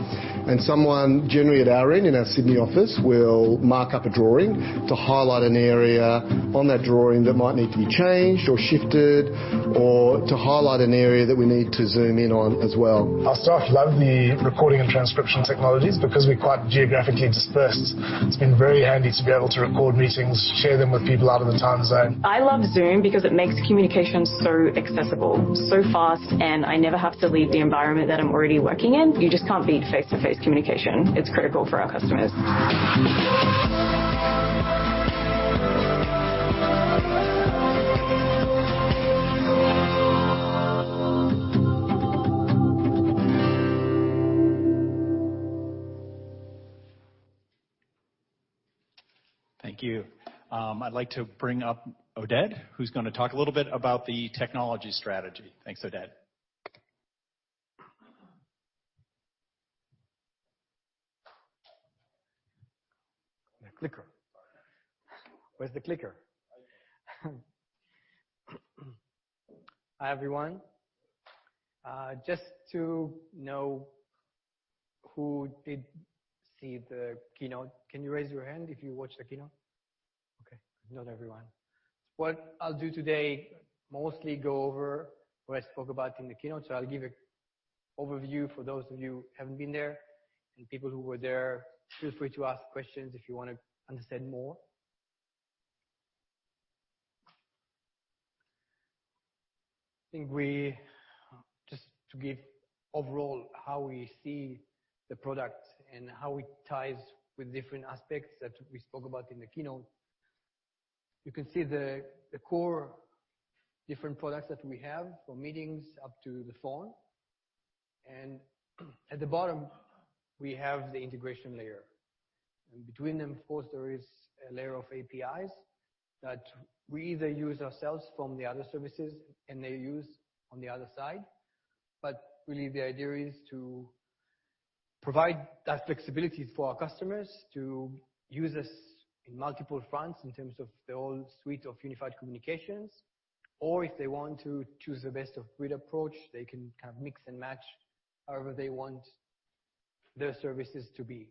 K: and someone, generally at our end in our Sydney office, will mark up a drawing to highlight an area on that drawing that might need to be changed or shifted, or to highlight an area that we need to zoom in on as well. Our staff love the recording and transcription technologies. We're quite geographically dispersed, it's been very handy to be able to record meetings, share them with people out of the time zone.
L: I love Zoom because it makes communication so accessible, so fast, and I never have to leave the environment that I'm already working in. You just can't beat face-to-face communication. It's critical for our customers.
A: Thank you. I'd like to bring up Oded, who's going to talk a little bit about the technology strategy. Thanks, Oded.
M: The clicker. Where's the clicker? Hi, everyone. Just to know who did see the keynote, can you raise your hand if you watched the keynote? Okay. Not everyone. What I'll do today, mostly go over what I spoke about in the keynote. I'll give an overview for those of you who haven't been there. People who were there, feel free to ask questions if you want to understand more. I think we just to give overall how we see the product and how it ties with different aspects that we spoke about in the keynote. You can see the core different products that we have for meetings up to the phone. At the bottom, we have the integration layer. Between them, of course, there is a layer of APIs that we either use ourselves from the other services, and they use on the other side. Really the idea is to provide that flexibility for our customers to use us in multiple fronts in terms of the whole suite of unified communications, or if they want to choose the best of breed approach, they can kind of mix and match however they want their services to be.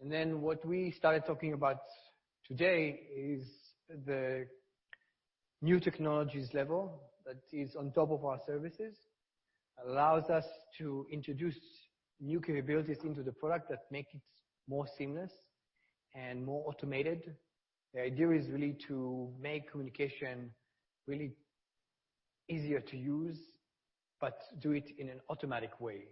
M: What we started talking about today is the new technologies level that is on top of our services. Allows us to introduce new capabilities into the product that make it more seamless and more automated. The idea is really to make communication really easier to use, but do it in an automatic way.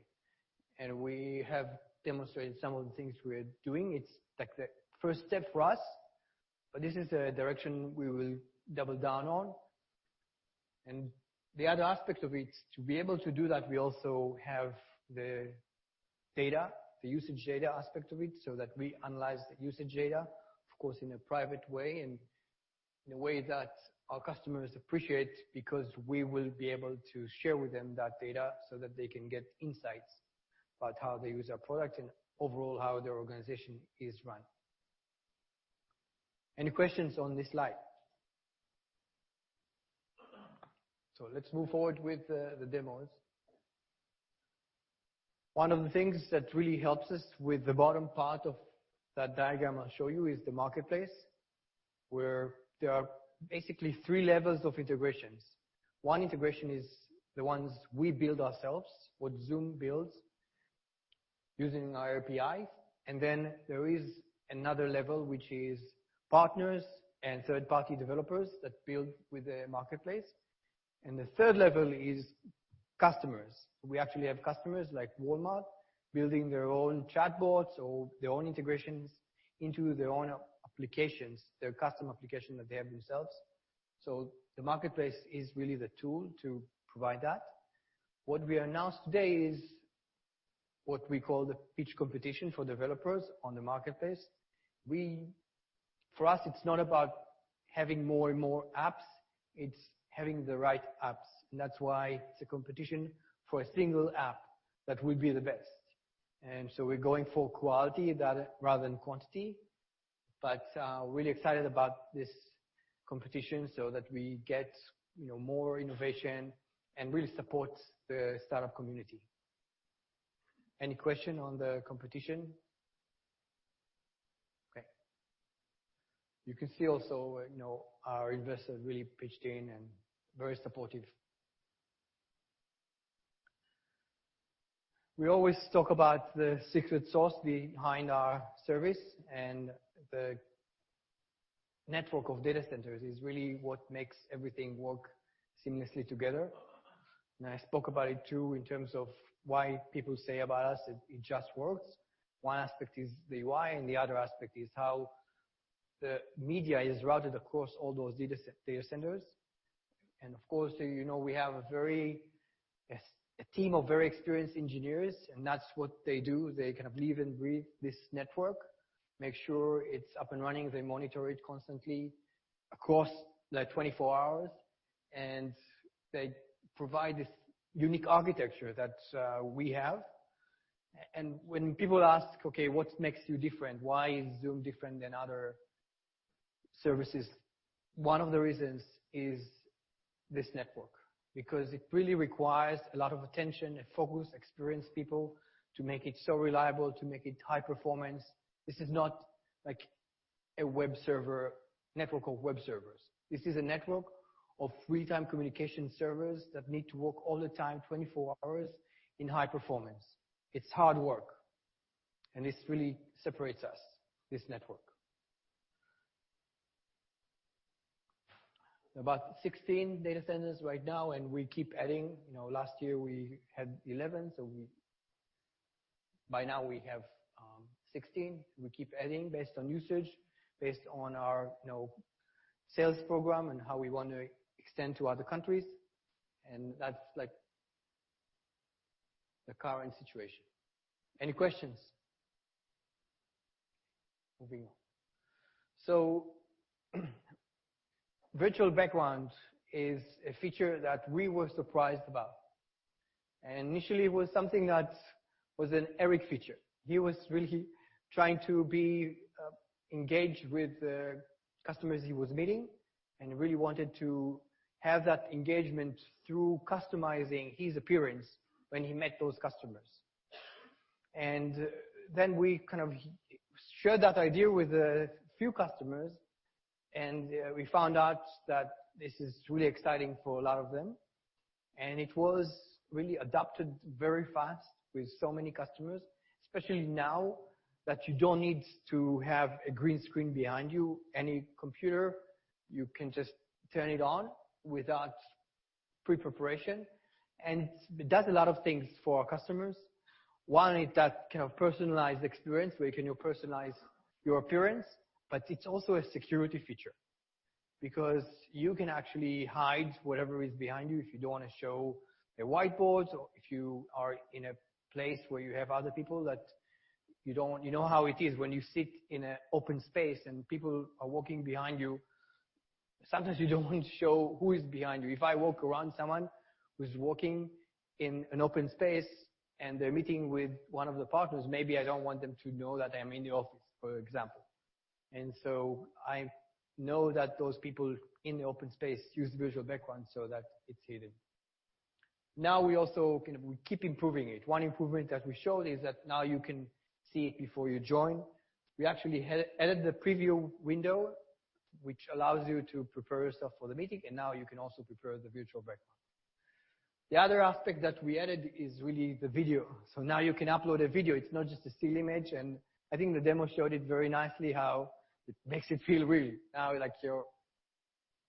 M: We have demonstrated some of the things we're doing. It's the first step for us, but this is a direction we will double down on. The other aspect of it, to be able to do that, we also have the data, the usage data aspect of it, so that we analyze the usage data, of course, in a private way and in a way that our customers appreciate, because we will be able to share with them that data so that they can get insights about how they use our product and overall, how their organization is run. Any questions on this slide? Let's move forward with the demos. One of the things that really helps us with the bottom part of that diagram I'll show you is the marketplace, where there are basically 3 levels of integrations. One integration is the ones we build ourselves, what Zoom builds using our API. There is another level, which is partners and third-party developers that build with the marketplace. The third level is customers. We actually have customers like Walmart building their own chatbots or their own integrations into their own applications, their custom application that they have themselves. The marketplace is really the tool to provide that. What we announced today is what we call the pitch competition for developers on the marketplace. For us, it's not about having more and more apps, it's having the right apps. That's why it's a competition for a single app that will be the best. We're going for quality data rather than quantity. Really excited about this competition so that we get more innovation and really support the startup community. Any question on the competition? Okay. You can see also our investors really pitched in and very supportive. We always talk about the secret sauce behind our service, and the network of data centers is really what makes everything work seamlessly together. I spoke about it too, in terms of why people say about us, "It just works." One aspect is the why, and the other aspect is how the media is routed across all those data centers. Of course, you know we have a team of very experienced engineers, and that's what they do. They live and breathe this network, make sure it's up and running. They monitor it constantly across the 24 hours. They provide this unique architecture that we have. When people ask, "Okay, what makes you different? Why is Zoom different than other services?" One of the reasons is this network. Because it really requires a lot of attention and focus, experienced people, to make it so reliable, to make it high performance. This is not like a network of web servers. This is a network of real-time communication servers that need to work all the time, 24 hours, in high performance. It's hard work, this really separates us, this network. About 16 data centers right now, we keep adding. Last year we had 11, by now we have 16. We keep adding based on usage, based on our sales program and how we want to extend to other countries, that's the current situation. Any questions? Moving on. Virtual background is a feature that we were surprised about. Initially, it was something that was an Eric feature. He was really trying to be engaged with the customers he was meeting, really wanted to have that engagement through customizing his appearance when he met those customers. Then we kind of shared that idea with a few customers, and we found out that this is really exciting for a lot of them. It was really adopted very fast with so many customers, especially now that you don't need to have a green screen behind you. Any computer, you can just turn it on without pre-preparation. It does a lot of things for our customers. One is that kind of personalized experience where you can personalize your appearance, but it's also a security feature because you can actually hide whatever is behind you if you don't want to show a whiteboard or if you are in a place where you have other people that you don't want, you know how it is when you sit in an open space and people are walking behind you. Sometimes you don't want to show who is behind you. If I walk around someone who's walking in an open space and they're meeting with one of the partners, maybe I don't want them to know that I'm in the office, for example. I know that those people in the open space use visual background so that it's hidden. Now, we also keep improving it. One improvement that we showed is that now you can see it before you join. We actually added the preview window, which allows you to prepare yourself for the meeting, and now you can also prepare the virtual background. The other aspect that we added is really the video. Now you can upload a video. It's not just a still image, and I think the demo showed it very nicely how it makes it feel real. Now, like you're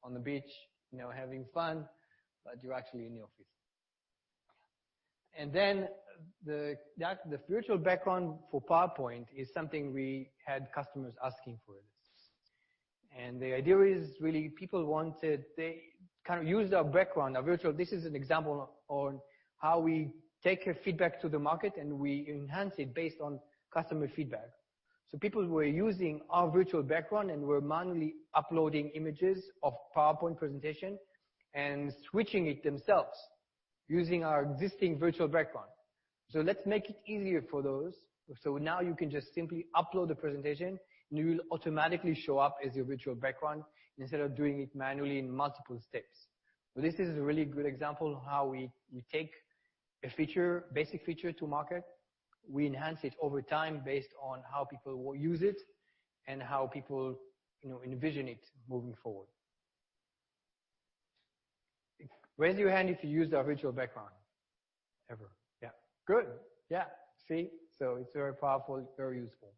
M: on the beach, having fun, but you're actually in the office. The virtual background for PowerPoint is something we had customers asking for. This is an example on how we take a feedback to the market, and we enhance it based on customer feedback. People were using our virtual background and were manually uploading images of PowerPoint presentation and switching it themselves using our existing virtual background. Let's make it easier for those. Now you can just simply upload the presentation, and it will automatically show up as your virtual background instead of doing it manually in multiple steps. This is a really good example how we take a basic feature to market. We enhance it over time based on how people will use it and how people envision it moving forward. Raise your hand if you use our virtual background ever. Yeah. Good. Yeah. See? It's very powerful, very useful.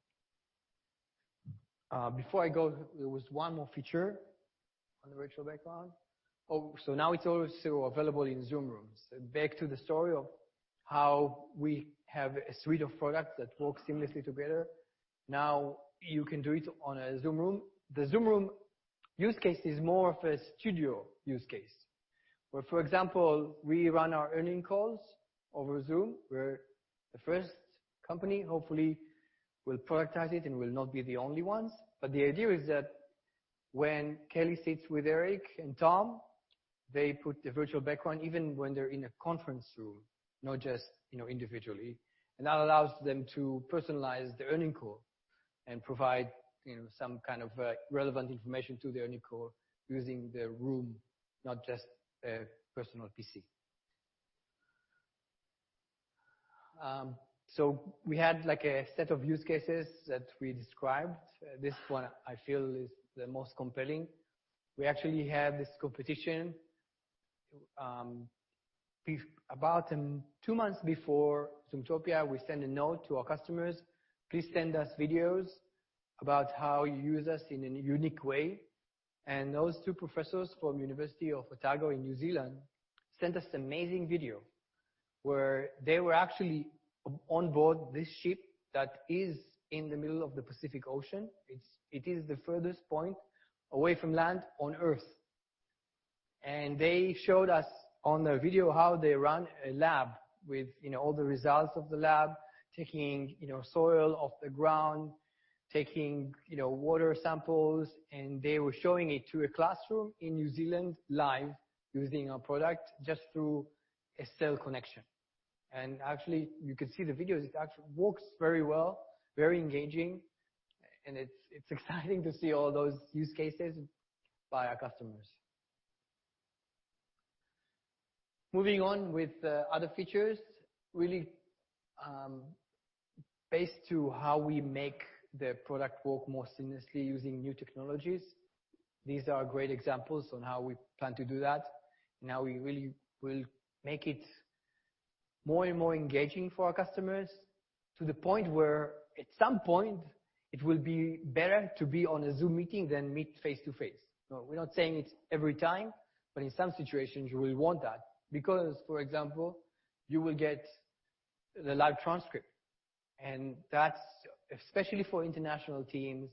M: Before I go, there was one more feature on the virtual background. Now it's also available in Zoom Rooms. Back to the story of how we have a suite of products that work seamlessly together. You can do it on a Zoom Room. The Zoom Room use case is more of a studio use case, where, for example, we run our earning calls over Zoom. We're the first company. Hopefully, we'll productize it and will not be the only ones. The idea is that when Kelly sits with Eric and Tom, they put the virtual background even when they're in a conference room, not just individually. That allows them to personalize their earning call and provide some kind of relevant information to the earning call using the room, not just a personal PC. We had a set of use cases that we described. This one I feel is the most compelling. We actually had this competition, about two months before Zoomtopia, we sent a note to our customers. Please send us videos about how you use us in a unique way." Those two professors from University of Otago in New Zealand sent us an amazing video where they were actually on board this ship that is in the middle of the Pacific Ocean. It is the furthest point away from land on Earth. They showed us on their video how they run a lab with all the results of the lab, taking soil off the ground, taking water samples, and they were showing it to a classroom in New Zealand live using our product just through a cell connection. Actually, you can see the videos. It actually works very well, very engaging, and it's exciting to see all those use cases by our customers. Moving on with other features, really based to how we make the product work more seamlessly using new technologies. These are great examples on how we plan to do that. We really will make it more and more engaging for our customers to the point where at some point it will be better to be on a Zoom Meeting than meet face-to-face. We're not saying it's every time, in some situations, you will want that. For example, you will get the live transcript, and that's especially for international teams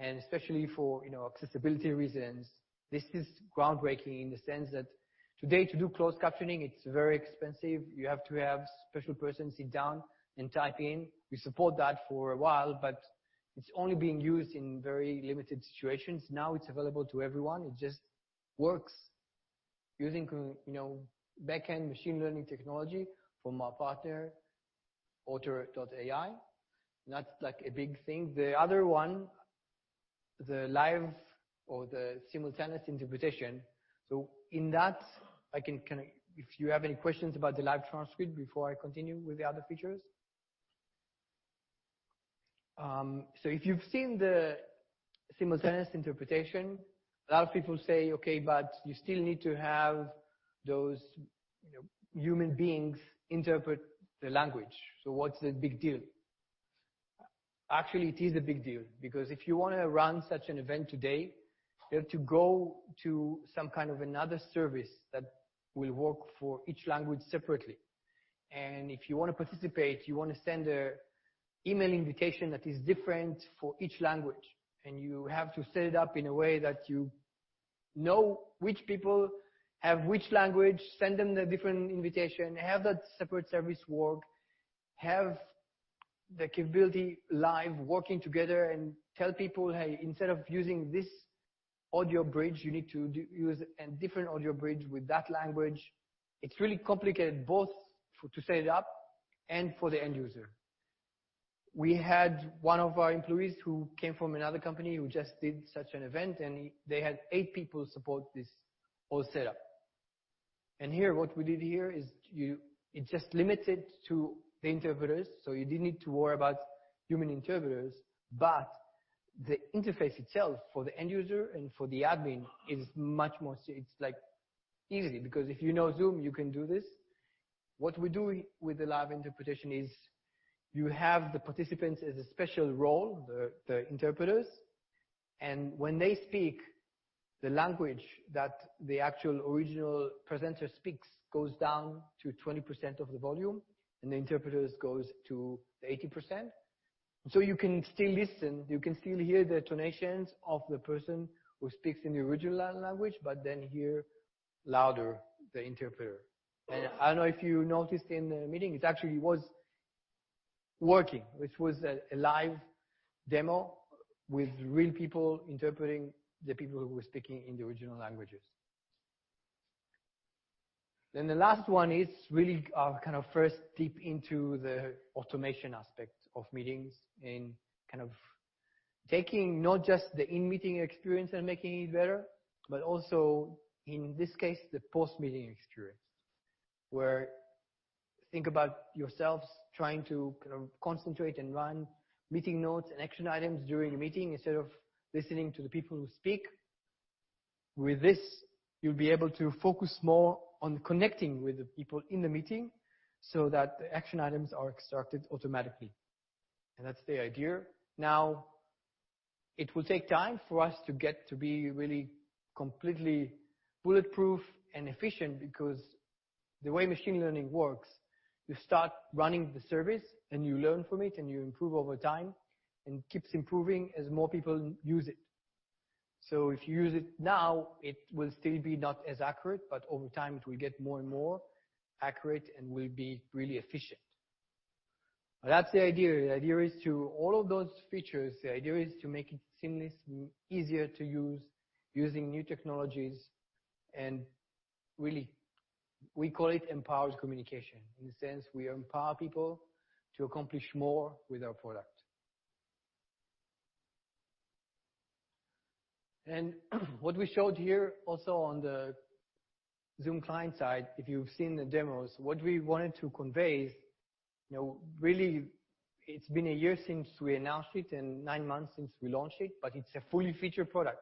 M: and especially for accessibility reasons, this is groundbreaking in the sense that today to do closed captioning, it's very expensive. You have to have special person sit down and type in. We support that for a while, it's only being used in very limited situations. It's available to everyone. It just works using backend machine learning technology from our partner, Otter.ai. That's like a big thing. The other one is the live or the simultaneous interpretation. In that, if you have any questions about the live transcript before I continue with the other features? If you've seen the simultaneous interpretation, a lot of people say, "Okay, but you still need to have those human beings interpret the language. What's the big deal?" Actually, it is a big deal because if you want to run such an event today, you have to go to some kind of another service that will work for each language separately. If you want to participate, you want to send an email invitation that is different for each language, and you have to set it up in a way that you know which people have which language, send them the different invitation, have that separate service work, have the capability live working together, and tell people, "Hey, instead of using this audio bridge, you need to use a different audio bridge with that language." It's really complicated both to set it up and for the end user. We had one of our employees who came from another company who just did such an event, and they had eight people support this whole setup. Here, what we did here is it just limited to the interpreters, so you didn't need to worry about human interpreters. But the interface itself for the end user and for the admin is much more easy because if you know Zoom, you can do this. What we do with the live interpretation is you have the participants as a special role, the interpreters, and when they speak the language that the actual original presenter speaks goes down to 20% of the volume, and the interpreters goes to the 80%. You can still listen, you can still hear the intonations of the person who speaks in the original language, but then hear louder the interpreter. I don't know if you noticed in the meeting, it actually was working. This was a live demo with real people interpreting the people who were speaking in the original languages. The last one is really our first deep into the automation aspect of meetings and taking not just the in-meeting experience and making it better, but also in this case, the post-meeting experience, where think about yourselves trying to concentrate and run meeting notes and action items during the meeting instead of listening to the people who speak. With this, you'll be able to focus more on connecting with the people in the meeting so that the action items are extracted automatically. That's the idea. Now, it will take time for us to get to be really completely bulletproof and efficient because the way machine learning works, you start running the service, and you learn from it, and you improve over time, and keeps improving as more people use it. If you use it now, it will still be not as accurate, but over time, it will get more and more accurate and will be really efficient. That's the idea. The idea is to all of those features, the idea is to make it seamless, easier to use, using new technologies, and really, we call it empowered communication. In a sense, we empower people to accomplish more with our product. What we showed here also on the Zoom client side, if you've seen the demos, what we wanted to convey, really, it's been a year since we announced it and nine months since we launched it, but it's a fully featured product.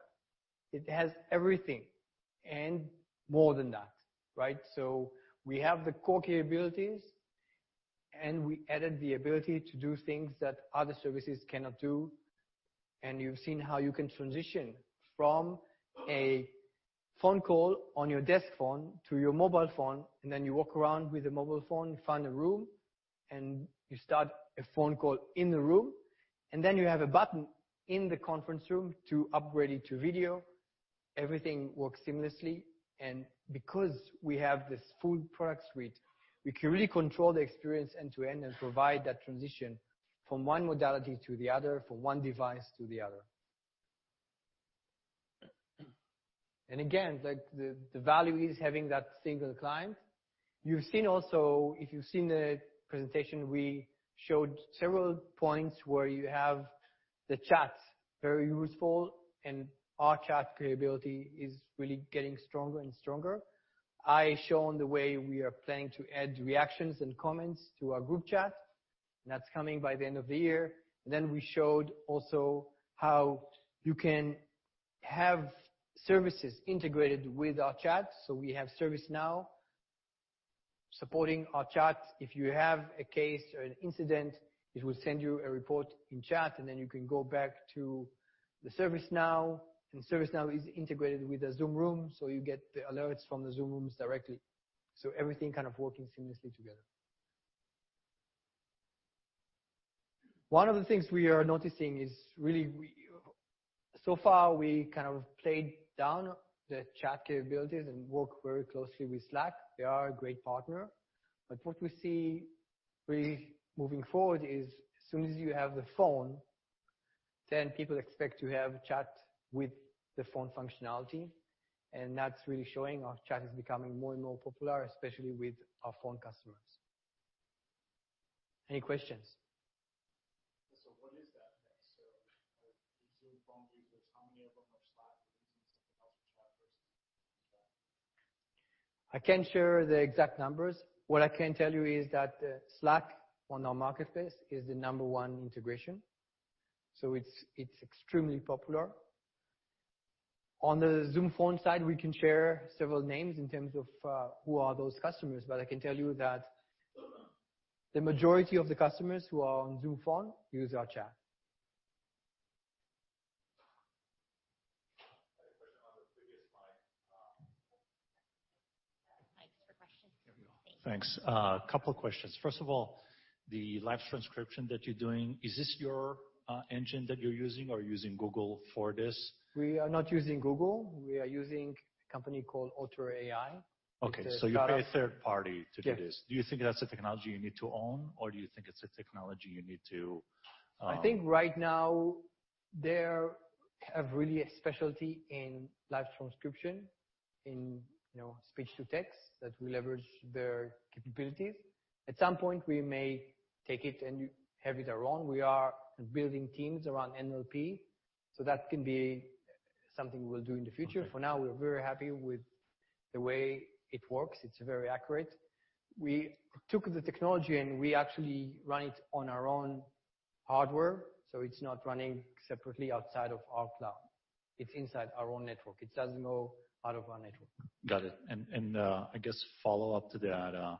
M: It has everything and more than that. We have the core capabilities, and we added the ability to do things that other services cannot do. You've seen how you can transition from a phone call on your desk phone to your mobile phone, and then you walk around with a mobile phone, you find a room, and you start a phone call in the room, and then you have a button in the conference room to upgrade it to video. Everything works seamlessly. Because we have this full product suite, we can really control the experience end-to-end and provide that transition from one modality to the other, from one device to the other. Again, the value is having that single client. You've seen also, if you've seen the presentation, we showed several points where you have the Chat, very useful, and our Chat capability is really getting stronger and stronger. I shown the way we are planning to add reactions and comments to our group Chat. That's coming by the end of the year. We showed also how you can have services integrated with our chat. We have ServiceNow supporting our chat. If you have a case or an incident, it will send you a report in chat, and then you can go back to the ServiceNow, and ServiceNow is integrated with the Zoom Room, so you get the alerts from the Zoom Rooms directly. Everything kind of working seamlessly together. One of the things we are noticing is really, so far, we kind of played down the chat capabilities and work very closely with Slack. They are a great partner. What we see really moving forward is as soon as you have the phone, then people expect to have Chat with the phone functionality, and that's really showing our Chat is becoming more and more popular, especially with our phone customers. Any questions?
D: What is that, like, so Zoom Phone users, how many of them have Slack using something else for chat versus chat?
M: I can't share the exact numbers. What I can tell you is that Slack on our marketplace is the number one integration. It's extremely popular. On the Zoom Phone side, we can share several names in terms of who are those customers. I can tell you that the majority of the customers who are on Zoom Phone use our Zoom Chat.
N: I had a question on the previous slide.
A: Mics for questions.
N: Here we go.
A: Thank you.
N: Thanks. A couple questions. First of all, the live transcription that you're doing, is this your engine that you're using or using Google for this?
M: We are not using Google. We are using a company called Otter.ai.
N: Okay. You pay a third party to do this?
M: Yes.
N: Do you think that's a technology you need to own, or do you think it's a technology you need?
M: I think right now they have really a specialty in live transcription, in speech-to-text that we leverage their capabilities. At some point, we may take it and have it alone. We are building teams around NLP, so that can be something we'll do in the future. For now, we're very happy with the way it works. It's very accurate. We took the technology, and we actually run it on our own hardware, so it's not running separately outside of our cloud. It's inside our own network. It doesn't go out of our network.
N: Got it. I guess follow-up to that,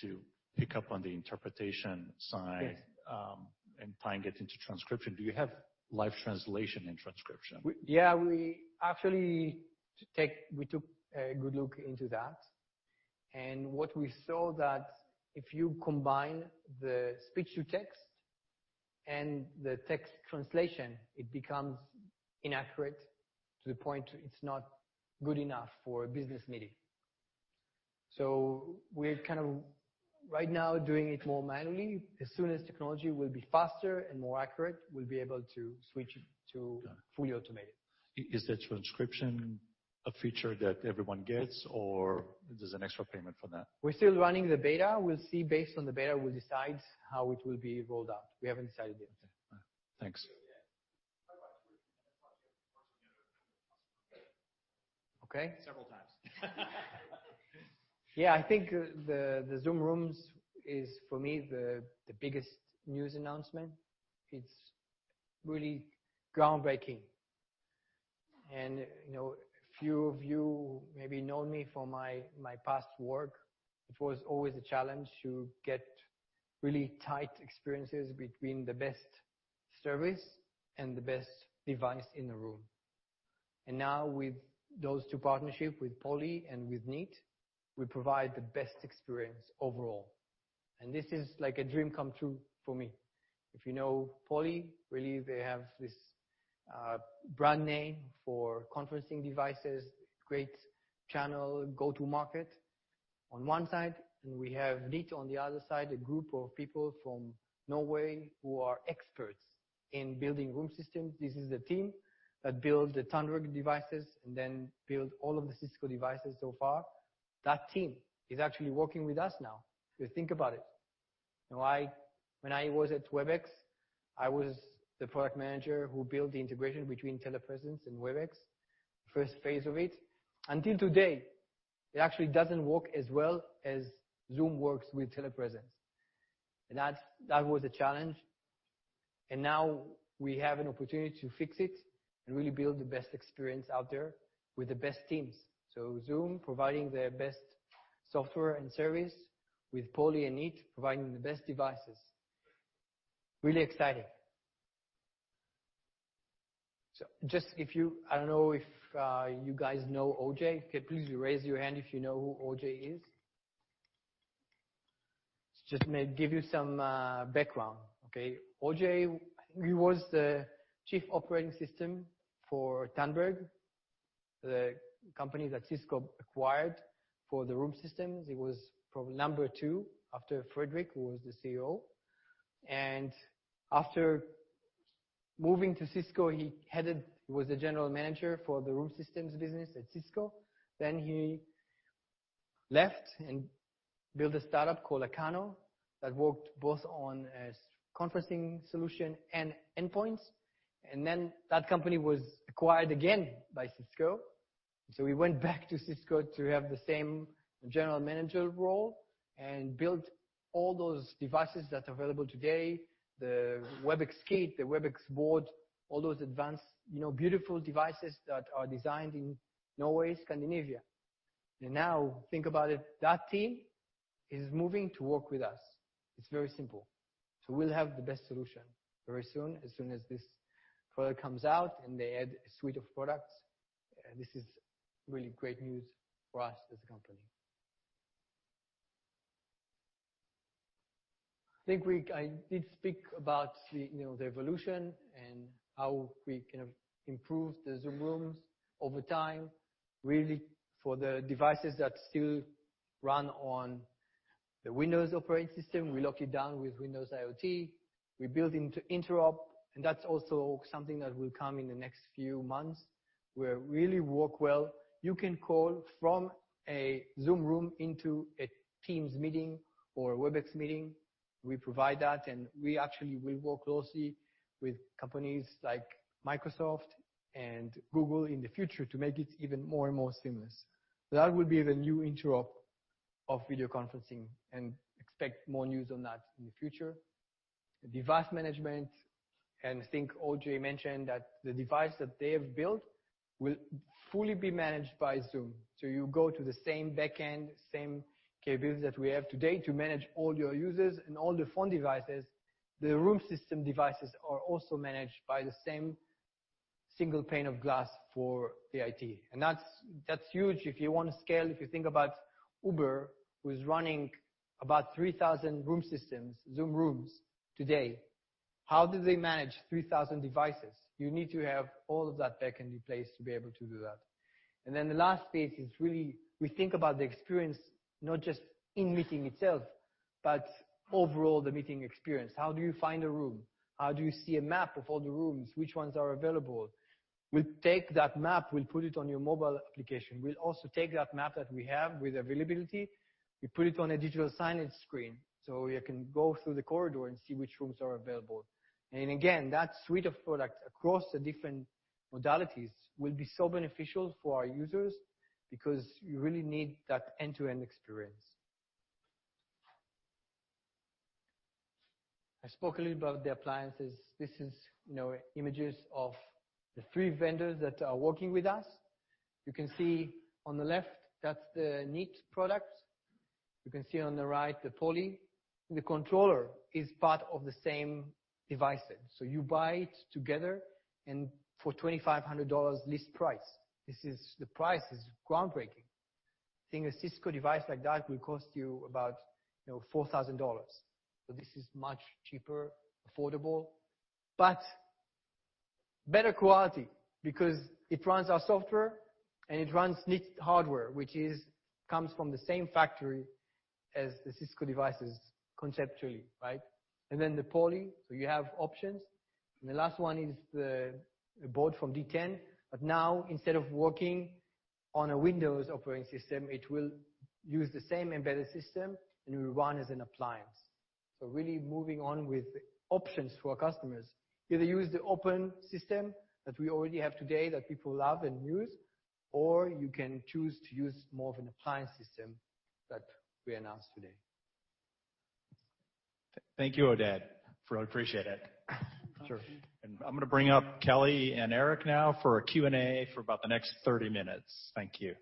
N: to pick up on the interpretation side.
M: Yes
N: Tying it into transcription, do you have live translation in transcription?
M: We actually took a good look into that, and what we saw that if you combine the speech-to-text and the text translation, it becomes inaccurate to the point it's not good enough for a business meeting. We're kind of right now doing it more manually. As soon as technology will be faster and more accurate, we'll be able to switch it to fully automated.
N: Is the transcription a feature that everyone gets, or there's an extra payment for that?
M: We're still running the beta. We'll see based on the beta, we'll decide how it will be rolled out. We haven't decided yet.
N: Okay. Thanks.
M: Okay.
N: Several times.
M: Yeah, I think the Zoom Rooms is for me the biggest news announcement. It's really groundbreaking. A few of you maybe know me for my past work. It was always a challenge to get really tight experiences between the best service and the best device in the room. Now with those two partnership with Poly and with Neat, we provide the best experience overall. This is like a dream come true for me. If you know Poly, really, they have this brand name for conferencing devices, great channel, go-to market on one side, and we have Neat on the other side, a group of people from Norway who are experts in building room systems. This is the team that built the Tandberg devices and then built all of the Cisco devices so far. That team is actually working with us now. If you think about it, when I was at Webex, I was the product manager who built the integration between TelePresence and Webex, first phase of it. Until today, it actually doesn't work as well as Zoom works with TelePresence, and that was a challenge. Now we have an opportunity to fix it and really build the best experience out there with the best teams. Zoom providing their best software and service, with Poly and Neat providing the best devices. Really exciting. I don't know if you guys know OJ. Okay, please raise your hand if you know who OJ is. Just give you some background, okay? OJ, he was the Chief Operating Officer for Tandberg, the company that Cisco acquired for the room systems. He was probably number 2 after Fredrik, who was the CEO. After moving to Cisco, he was the general manager for the room systems business at Cisco. He left and built a startup called Acano that worked both on conferencing solution and endpoints. That company was acquired again by Cisco. He went back to Cisco to have the same general manager role and built all those devices that are available today, the Webex Kit, the Webex Board, all those advanced beautiful devices that are designed in Norway, Scandinavia. Think about it, that team is moving to work with us. It's very simple. We'll have the best solution very soon, as soon as this product comes out, and they add a suite of products. This is really great news for us as a company. I think I did speak about the evolution and how we kind of improved the Zoom Rooms over time, really for the devices that still run on the Windows operating system. We lock it down with Windows IoT. We build into interop, and that's also something that will come in the next few months, where it really work well. You can call from a Zoom Room into a Teams meeting or a Webex meeting. We provide that. We actually will work closely with companies like Microsoft and Google in the future to make it even more and more seamless. That will be the new interop of video conferencing, and expect more news on that in the future. Device management. I think OJ mentioned that the device that they have built will fully be managed by Zoom. You go to the same back end, same capabilities that we have today to manage all your users and all the phone devices. The room system devices are also managed by the same single pane of glass for the IT. That's huge if you want to scale. If you think about Uber, who's running about 3,000 room systems, Zoom Rooms today. How do they manage 3,000 devices? You need to have all of that back end in place to be able to do that. The last piece is really we think about the experience, not just in meeting itself, but overall the meeting experience. How do you find a room? How do you see a map of all the rooms? Which ones are available? We'll take that map, we'll put it on your mobile application. We'll also take that map that we have with availability, we put it on a digital signage screen, so you can go through the corridor and see which rooms are available. Again, that suite of products across the different. modalities will be so beneficial for our users because you really need that end-to-end experience. I spoke a little about the appliances. These are images of the three vendors that are working with us. You can see on the left, that's the Neat product. You can see on the right, the Poly. The controller is part of the same devices. You buy it together and for $2,500 list price. The price is groundbreaking. I think a Cisco device like that will cost you about $4,000. This is much cheaper, affordable, but better quality because it runs our software and it runs Neat hardware, which comes from the same factory as the Cisco devices conceptually. The Poly, you have options. The last one is the board from DTEN. Now instead of working on a Windows operating system, it will use the same embedded system, and it will run as an appliance. Really moving on with options for our customers. Either use the open system that we already have today that people love and use, or you can choose to use more of an appliance system that we announced today.
A: Thank you, Oded. Really appreciate it.
O: Sure.
A: I'm going to bring up Kelly and Eric now for a Q&A for about the next 30 minutes. Thank you.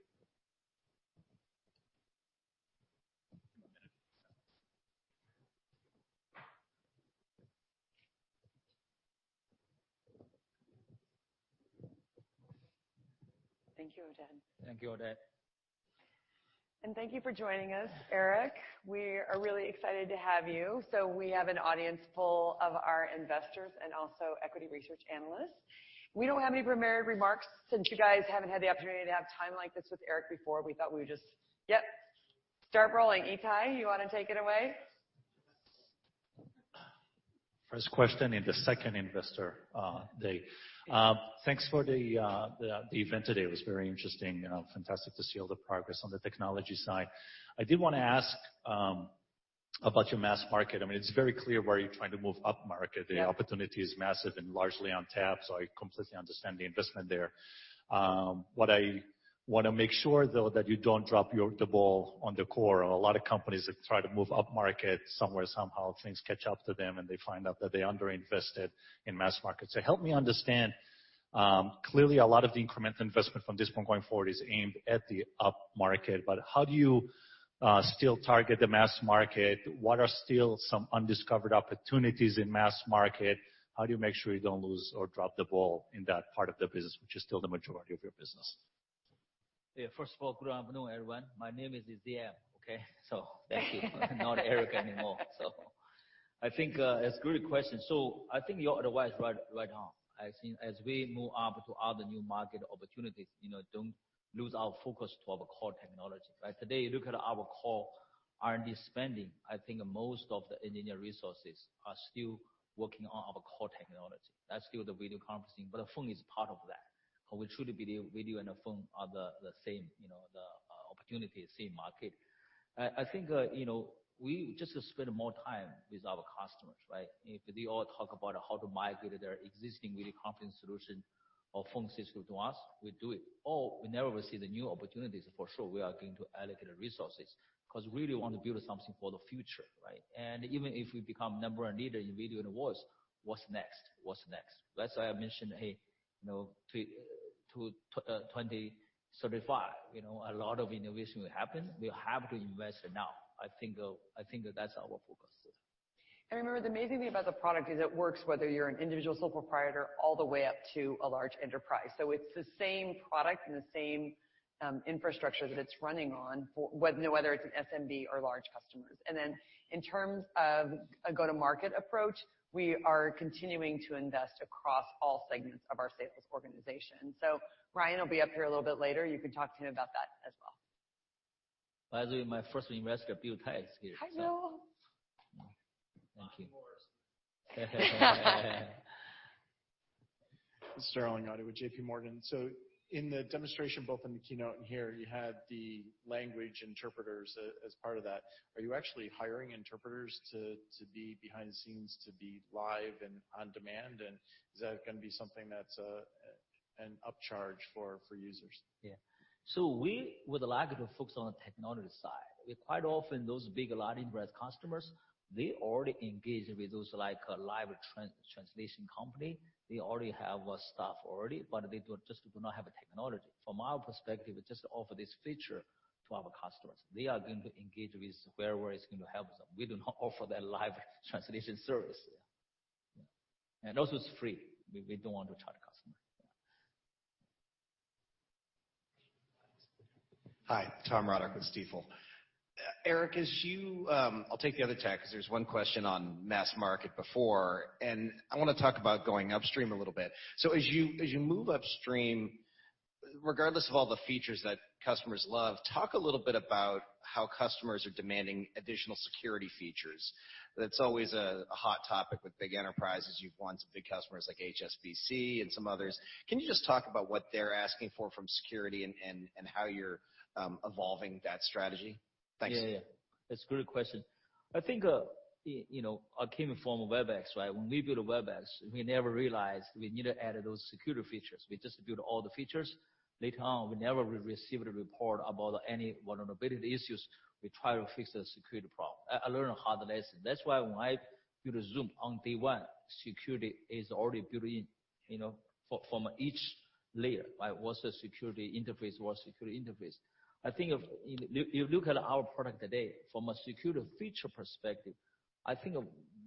B: Thank you, Oded. Thank you, Oded. Thank you for joining us, Eric. We are really excited to have you. We have an audience full of our investors and also equity research analysts. We don't have any prepared remarks. Since you guys haven't had the opportunity to have time like this with Eric before, we thought we would just, yep, start rolling. Itai, you want to take it away?
N: First question in the second investor day. Thanks for the event today. It was very interesting. Fantastic to see all the progress on the technology side. I did want to ask about your mass market. It is very clear where you are trying to move up market.
O: Yeah.
N: The opportunity is massive and largely untapped. I completely understand the investment there. What I want to make sure, though, that you don't drop the ball on the core. A lot of companies that try to move up market, somewhere, somehow, things catch up to them, and they find out that they underinvested in mass market. Help me understand. Clearly, a lot of the incremental investment from this point going forward is aimed at the upmarket, but how do you still target the mass market? What are still some undiscovered opportunities in mass market? How do you make sure you don't lose or drop the ball in that part of the business, which is still the majority of your business?
O: Yeah, first of all, good afternoon, everyone. My name is DM, okay? Thank you. I'm not Eric anymore. I think it's a good question. I think your advice is right on. As we move up to other new market opportunities, don't lose our focus to our core technology. Today, look at our core R&D spending. I think most of the engineer resources are still working on our core technology. That's still the video conferencing, but the phone is part of that. We truly believe video and a phone are the same, the opportunity is the same market. I think we just spend more time with our customers. If they all talk about how to migrate their existing video conferencing solution or phone system to us, we do it. Whenever we see the new opportunities, for sure, we are going to allocate resources because we really want to build something for the future. Even if we become number one leader in video in the world, what's next? That's why I mentioned, to 2035, a lot of innovation will happen. We have to invest now. I think that's our focus.
B: Remember, the amazing thing about the product is it works whether you're an individual sole proprietor all the way up to a large enterprise. It's the same product and the same infrastructure that it's running on, whether it's an SMB or large customers. In terms of a go-to-market approach, we are continuing to invest across all segments of our sales organization. Ryan will be up here a little bit later. You can talk to him about that as well.
O: By the way, my first investor, Bill Tai, is here.
B: I know.
O: Thank you.
D: This is Sterling Auty with JP Morgan. In the demonstration, both in the keynote and here, you had the language interpreters as part of that. Are you actually hiring interpreters to be behind the scenes, to be live and on-demand, and is that going to be something that's an upcharge for users?
O: Yeah. We would like to focus on the technology side. Quite often, those big, large enterprise customers, they already engage with those live translation company. They already have staff already, but they just do not have the technology. From our perspective, just offer this feature to our customers. They are going to engage with whoever is going to help them. We do not offer that live translation service. It's free. We don't want to charge customers.
P: Hi, Tom Roderick with Stifel. Eric, I'll take the other tack because there's one question on mass market before, and I want to talk about going upstream a little bit. As you move upstreamRegardless of all the features that customers love, talk a little bit about how customers are demanding additional security features. That's always a hot topic with big enterprises. You've won some big customers like HSBC and some others. Can you just talk about what they're asking for from security and how you're evolving that strategy? Thanks.
O: Yeah. That's a good question. I think, I came from Webex, right? When we built Webex, we never realized we needed to add those security features. We just built all the features. Later on, we never received a report about any vulnerability issues. We try to fix the security problem. I learned a hard lesson. That's why when I built Zoom, on day one, security is already built in from each layer. What's the security interface? I think if you look at our product today, from a security feature perspective, I think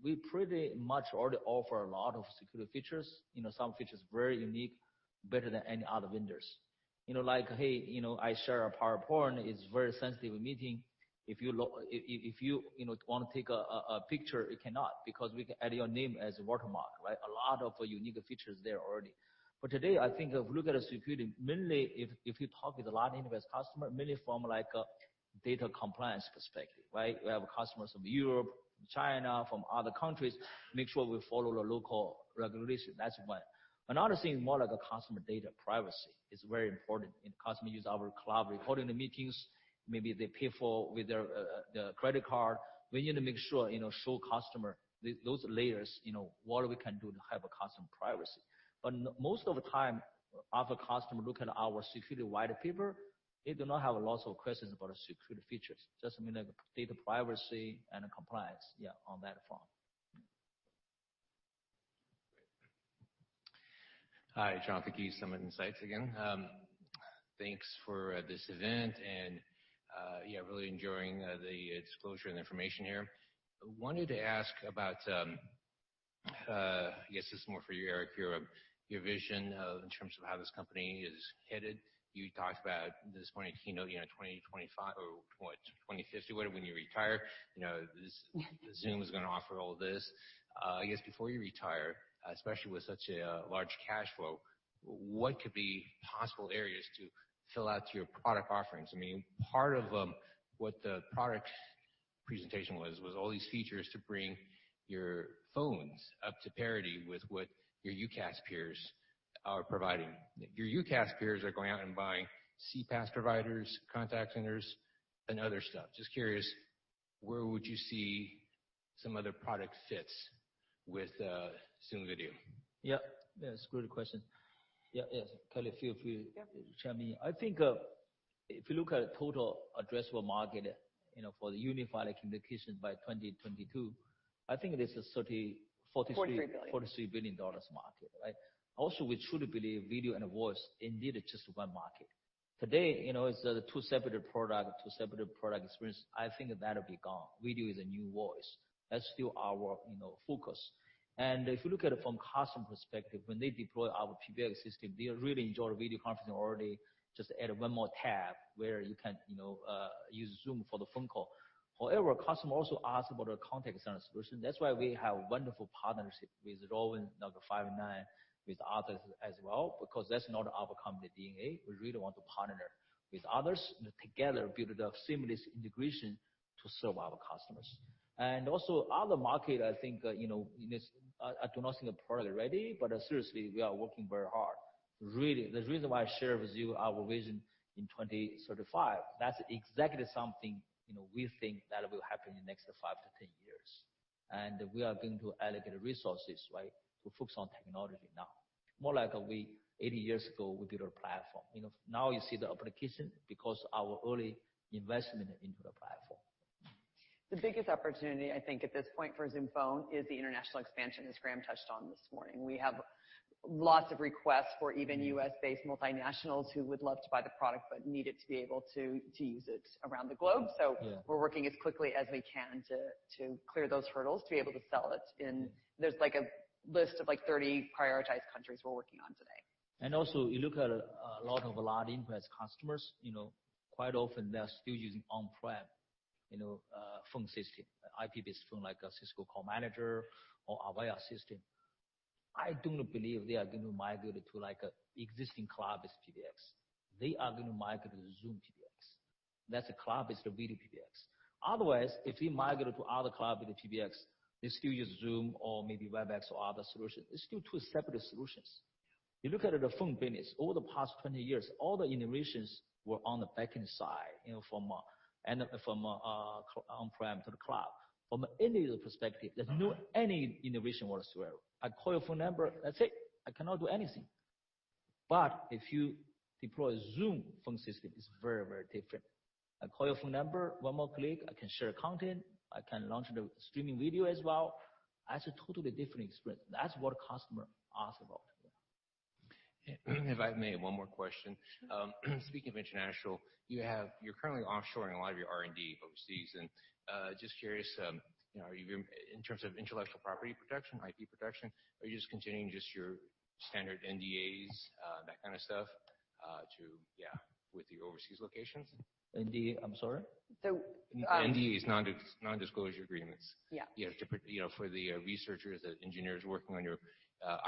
O: we pretty much already offer a lot of security features, some features very unique, better than any other vendors. Like, hey, I share a PowerPoint, it's a very sensitive meeting. If you want to take a picture, it cannot, because we can add your name as a watermark, right? A lot of unique features there already. Today, I think if you look at security, mainly if you talk with a lot of enterprise customer, mainly from a data compliance perspective, right? We have customers from Europe, China, from other countries, make sure we follow the local regulations. That's one. Another thing is more like customer data privacy is very important, and customer use our cloud recording the meetings. Maybe they pay with their credit card. We need to make sure, show customer those layers, what we can do to have customer privacy. Most of the time, other customer look at our security white paper, they do not have lots of questions about security features. Just mainly data privacy and compliance. Yeah, on that front.
G: Hi, Jonathan Kees, Summit Insights again. Thanks for this event, and really enjoying the disclosure and information here. Wanted to ask about, I guess this is more for you, Eric, your vision of in terms of how this company is headed. You talked about this morning keynote, 2025 or what, 2050, whatever, when you retire, Zoom is going to offer all this. I guess before you retire, especially with such a large cash flow, what could be possible areas to fill out your product offerings? Part of what the product presentation was all these features to bring your phones up to parity with what your UCaaS peers are providing. Your UCaaS peers are going out and buying CPaaS providers, contact centers, and other stuff. Just curious, where would you see some other product fits with Zoom Video?
O: Yeah. That's a good question. Yeah. Kelly, feel free to chime in.
B: Yep.
O: I think if you look at total addressable market for the unified communications by 2022, I think it is a 30, 43-
B: $43 billion.
O: $43 billion market, right? We truly believe video and voice indeed are just one market. Today, it's two separate product, two separate product experience. I think that'll be gone. Video is a new voice. That's still our focus. If you look at it from customer perspective, when they deploy our PBX system, they really enjoy video conferencing already. Just add one more tab where you can use Zoom for the phone call. However, customer also ask about a contact center solution. That's why we have wonderful partnership with Rowen, Five9, with others as well, because that's not our company DNA. We really want to partner with others and together build a seamless integration to serve our customers. Other market, I do not think we're totally ready, but seriously, we are working very hard. Really. The reason why I share with you our vision in 2035, that's exactly something we think that will happen in the next 5 to 10 years. We are going to allocate resources, right, to focus on technology now. More like we, 80 years ago, we built our platform. Now you see the application because our early investment into the platform.
B: The biggest opportunity, I think, at this point for Zoom Phone is the international expansion, as Graeme touched on this morning. We have lots of requests for even U.S.-based multinationals who would love to buy the product but need it to be able to use it around the globe.
O: Yeah.
B: We're working as quickly as we can to clear those hurdles, to be able to sell it. There's a list of 30 prioritized countries we're working on today.
O: Also, you look at a lot of large enterprise customers, quite often they're still using on-prem phone system, IP-based phone like a Cisco Call Manager or Avaya system. I do not believe they are going to migrate to existing cloud-based PBX. They are going to migrate to Zoom PBX. That's a cloud-based video PBX. Otherwise, if we migrate to other cloud-based PBX, they still use Zoom or maybe Webex or other solution. It's still two separate solutions. You look at the phone business, over the past 20 years, all the innovations were on the back end side, from on-prem to the cloud. From an end-user perspective, there's not any innovation whatsoever. I call your phone number, that's it. I cannot do anything. If you deploy Zoom phone system, it's very different. I call your phone number, one more click, I can share content, I can launch the streaming video as well. That's a totally different experience. That's what customer ask about.
G: If I may, one more question. Speaking of international, you're currently offshoring a lot of your R&D overseas, and just curious, in terms of intellectual property protection, IP protection, are you continuing your standard NDAs, that kind of stuff? With the overseas locations?
O: I'm sorry?
G: NDAs, non-disclosure agreements.
B: Yeah.
O: Yeah.
G: For the researchers and engineers working on your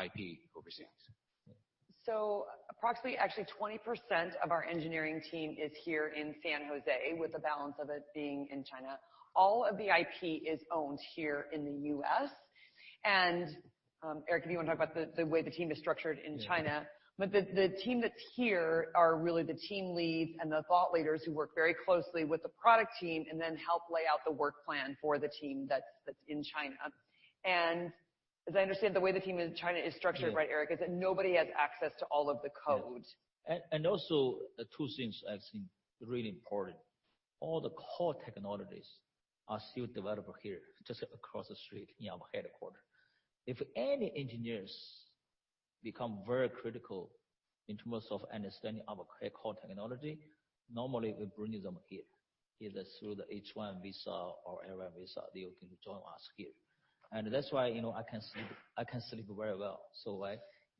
G: IP overseas.
B: Approximately actually 20% of our engineering team is here in San Jose, with the balance of it being in China. All of the IP is owned here in the U.S., Eric, if you want to talk about the way the team is structured in China. The team that's here are really the team leads and the thought leaders who work very closely with the product team and then help lay out the work plan for the team that's in China. As I understand, the way the team in China is structured, right, Eric, is that nobody has access to all of the code.
O: Yeah. Two things I think really important. All the core technologies are still developed here, just across the street in our headquarters. If any engineers become very critical in terms of understanding our core technology, normally, we bring them here, either through the H-1B visa or other visa. They can join us here. That's why I can sleep very well.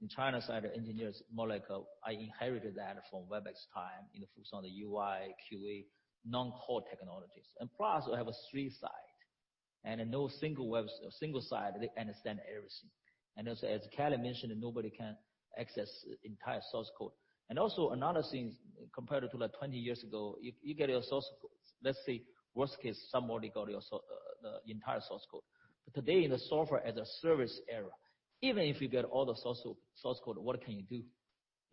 O: In China side, engineers more like I inherited that from Webex time, and focused on the UI, QA, non-core technologies. Plus, we have a three side, no single side, they understand everything. As Kelly mentioned, nobody can access entire source code. Another thing, compared to 20 years ago, you get your source code. Let's say worst case, somebody got the entire source code. Today, in the software-as-a-service era, even if you get all the source code, what can you do?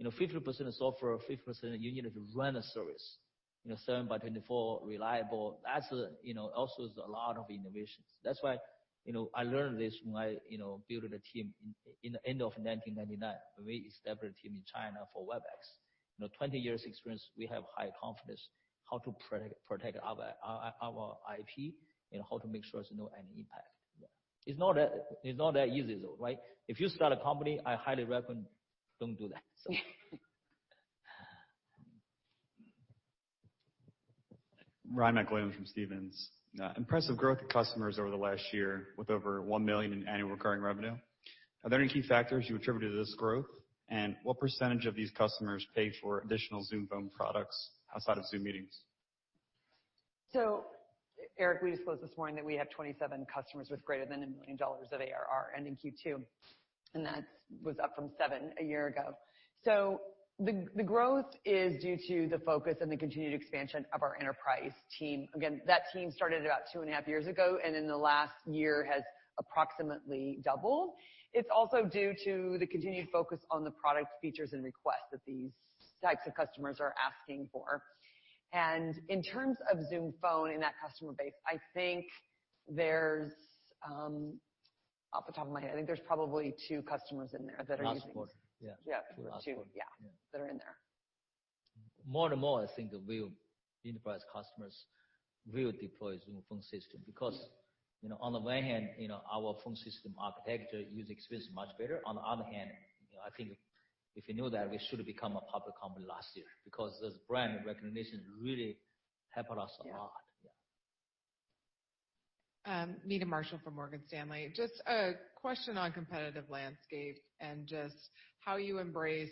O: 50% of software, 50% you need to run a service, seven by 24 reliable. That's also is a lot of innovations. That's why I learned this when I build a team in the end of 1999, when we established a team in China for Webex. 20 years experience, we have high confidence how to protect our IP and how to make sure there's no any impact.
I: Yeah.
O: It's not that easy, though. If you start a company, I highly recommend don't do that.
I: Ryan MacWilliams from Stephens. Impressive growth of customers over the last year with over $1 million in annual recurring revenue. Are there any key factors you attribute to this growth? What percentage of these customers pay for additional Zoom Phone products outside of Zoom Meetings?
B: Eric, we disclosed this morning that we have 27 customers with greater than $1 million of ARR ending Q2, and that was up from seven a year ago. The growth is due to the focus and the continued expansion of our enterprise team. Again, that team started about two and a half years ago, and in the last year has approximately doubled. It's also due to the continued focus on the product features and requests that these types of customers are asking for. In terms of Zoom Phone and that customer base, off the top of my head, I think there's probably two customers in there that are using.
O: Large corporate, yeah.
B: Yeah.
O: Large corporate.
B: Yeah. That are in there.
O: More and more, I think enterprise customers will deploy Zoom Phone system, because, on the one hand, our phone system architecture user experience is much better. On the other hand, I think if we knew that we should've become a public company last year, because this brand recognition really helped us a lot.
B: Yeah.
O: Yeah.
F: Meta Marshall from Morgan Stanley. Just a question on competitive landscape and just how you embrace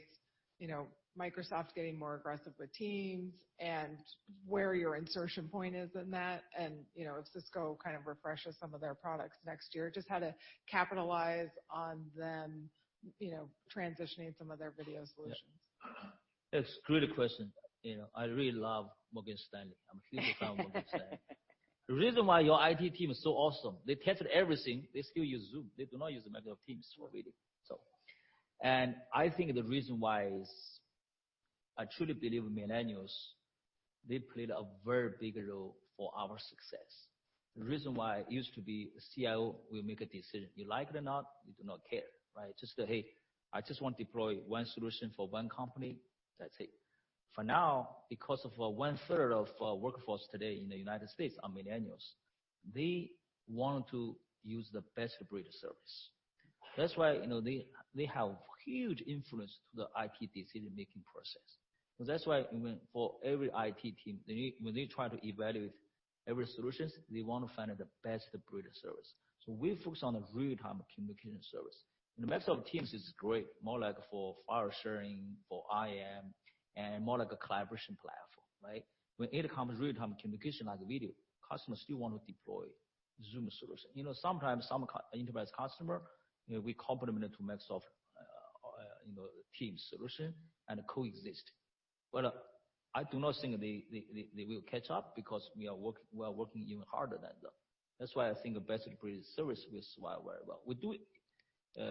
F: Microsoft getting more aggressive with Teams and where your insertion point is in that and if Cisco kind of refreshes some of their products next year, just how to capitalize on them transitioning some of their video solutions?
O: That's great question. I really love Morgan Stanley. I'm a huge fan of Morgan Stanley. The reason why your IT team is so awesome, they tested everything, they still use Zoom. They do not use Microsoft Teams for video. I think the reason why is I truly believe millennials, they played a very big role for our success. The reason why used to be CIO will make a decision. You like it or not, we do not care. Just go, "Hey, I just want to deploy one solution for one company." That's it. For now, because of one-third of our workforce today in the U.S. are millennials, they want to use the best-of-breed service. That's why they have huge influence to the IT decision-making process. That's why when for every IT team, when they try to evaluate every solution, they want to find the best breed of service. We focus on the real-time communication service. Microsoft Teams is great, more like for file sharing, for IM, and more like a collaboration platform. When it comes real-time communication like video, customers still want to deploy Zoom solution. Sometimes some enterprise customer, we complement to Microsoft Teams solution and coexist. I do not think they will catch up, because we are working even harder than them. That's why I think the best breed of service is why we're well. We do it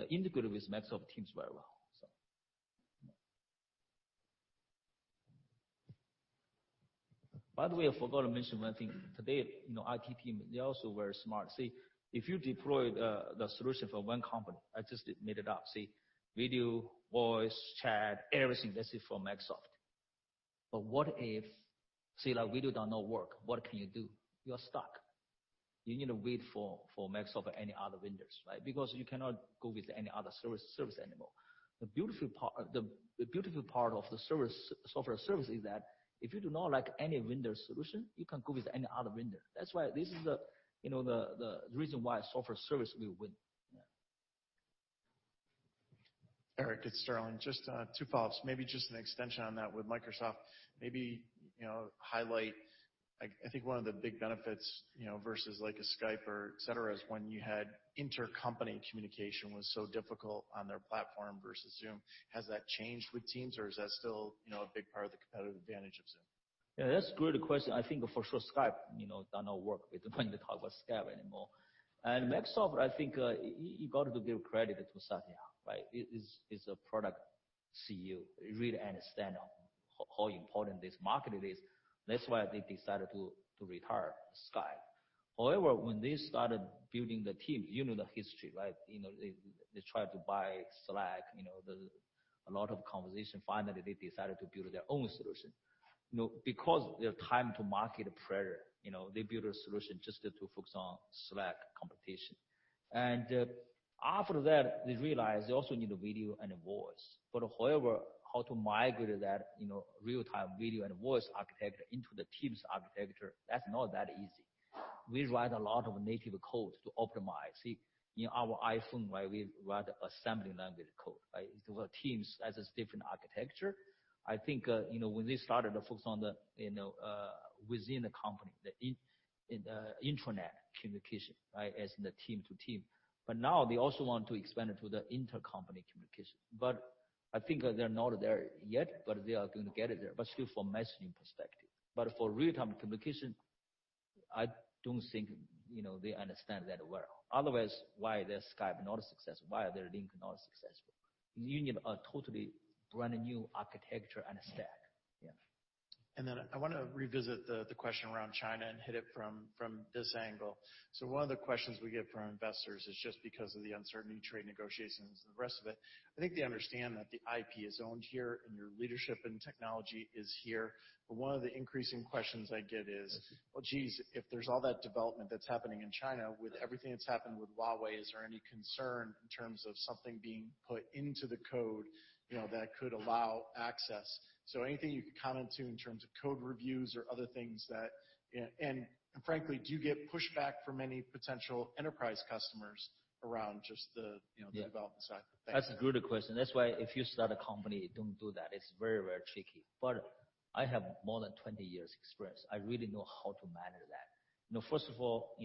O: integrated with Microsoft Teams very well. By the way, I forgot to mention one thing. Today, our IT team, they're also very smart. If you deploy the solution for one company, I just made it up. See, video, voice, chat, everything, let's say from Microsoft. What if, say, video does not work? What can you do? You're stuck. You need to wait for Microsoft or any other vendors. You cannot go with any other service anymore. The beautiful part of the software service is that if you do not like any vendor solution, you can go with any other vendor. That's why this is the reason why software service will win.
D: Eric, it's Sterling. Just two thoughts, maybe just an extension on that with Microsoft, maybe highlight, I think one of the big benefits, versus like a Skype or et cetera, is when you had intercompany communication was so difficult on their platform versus Zoom. Has that changed with Teams or is that still a big part of the competitive advantage of Zoom?
O: Yeah, that's a good question. I think for sure Skype, does not work when you talk about Skype anymore. Microsoft, I think, you got to give credit to Satya. He's a product CEO. He really understands how important this market is. That's why they decided to retire Skype. However, when they started building the team, you know the history, right? They tried to buy Slack. There was a lot of conversation. Finally, they decided to build their own solution. Because their time to market pressure, they built a solution just to focus on Slack competition. After that, they realized they also need video and voice. However, how to migrate that real-time video and voice architecture into the Teams architecture, that's not that easy. We write a lot of native code to optimize. See in our iPhone, why we write assembly language code. For Teams, as a different architecture, I think when they started to focus on within the company, the intranet communication as in the team to team. Now they also want to expand it to the intercompany communication. I think they're not there yet, but they are going to get it there, but still from messaging perspective. For real-time communication, I don't think they understand that well. Otherwise, why their Skype not successful? Why their LinkedIn not successful? You need a totally brand-new architecture and a stack. Yeah.
D: I want to revisit the question around China and hit it from this angle. One of the questions we get from investors is just because of the uncertainty, trade negotiations, and the rest of it, I think they understand that the IP is owned here and your leadership and technology is here. One of the increasing questions I get is, "Well, geez, if there's all that development that's happening in China, with everything that's happened with Huawei, is there any concern in terms of something being put into the code that could allow access?" Anything you could comment to in terms of code reviews or other things that, and frankly, do you get pushback from any potential enterprise customers around just the-
O: Yeah.
D: the development side? Thanks.
O: That's a good question. That's why if you start a company, don't do that. It's very tricky. I have more than 20 years experience. I really know how to manage that. First of all,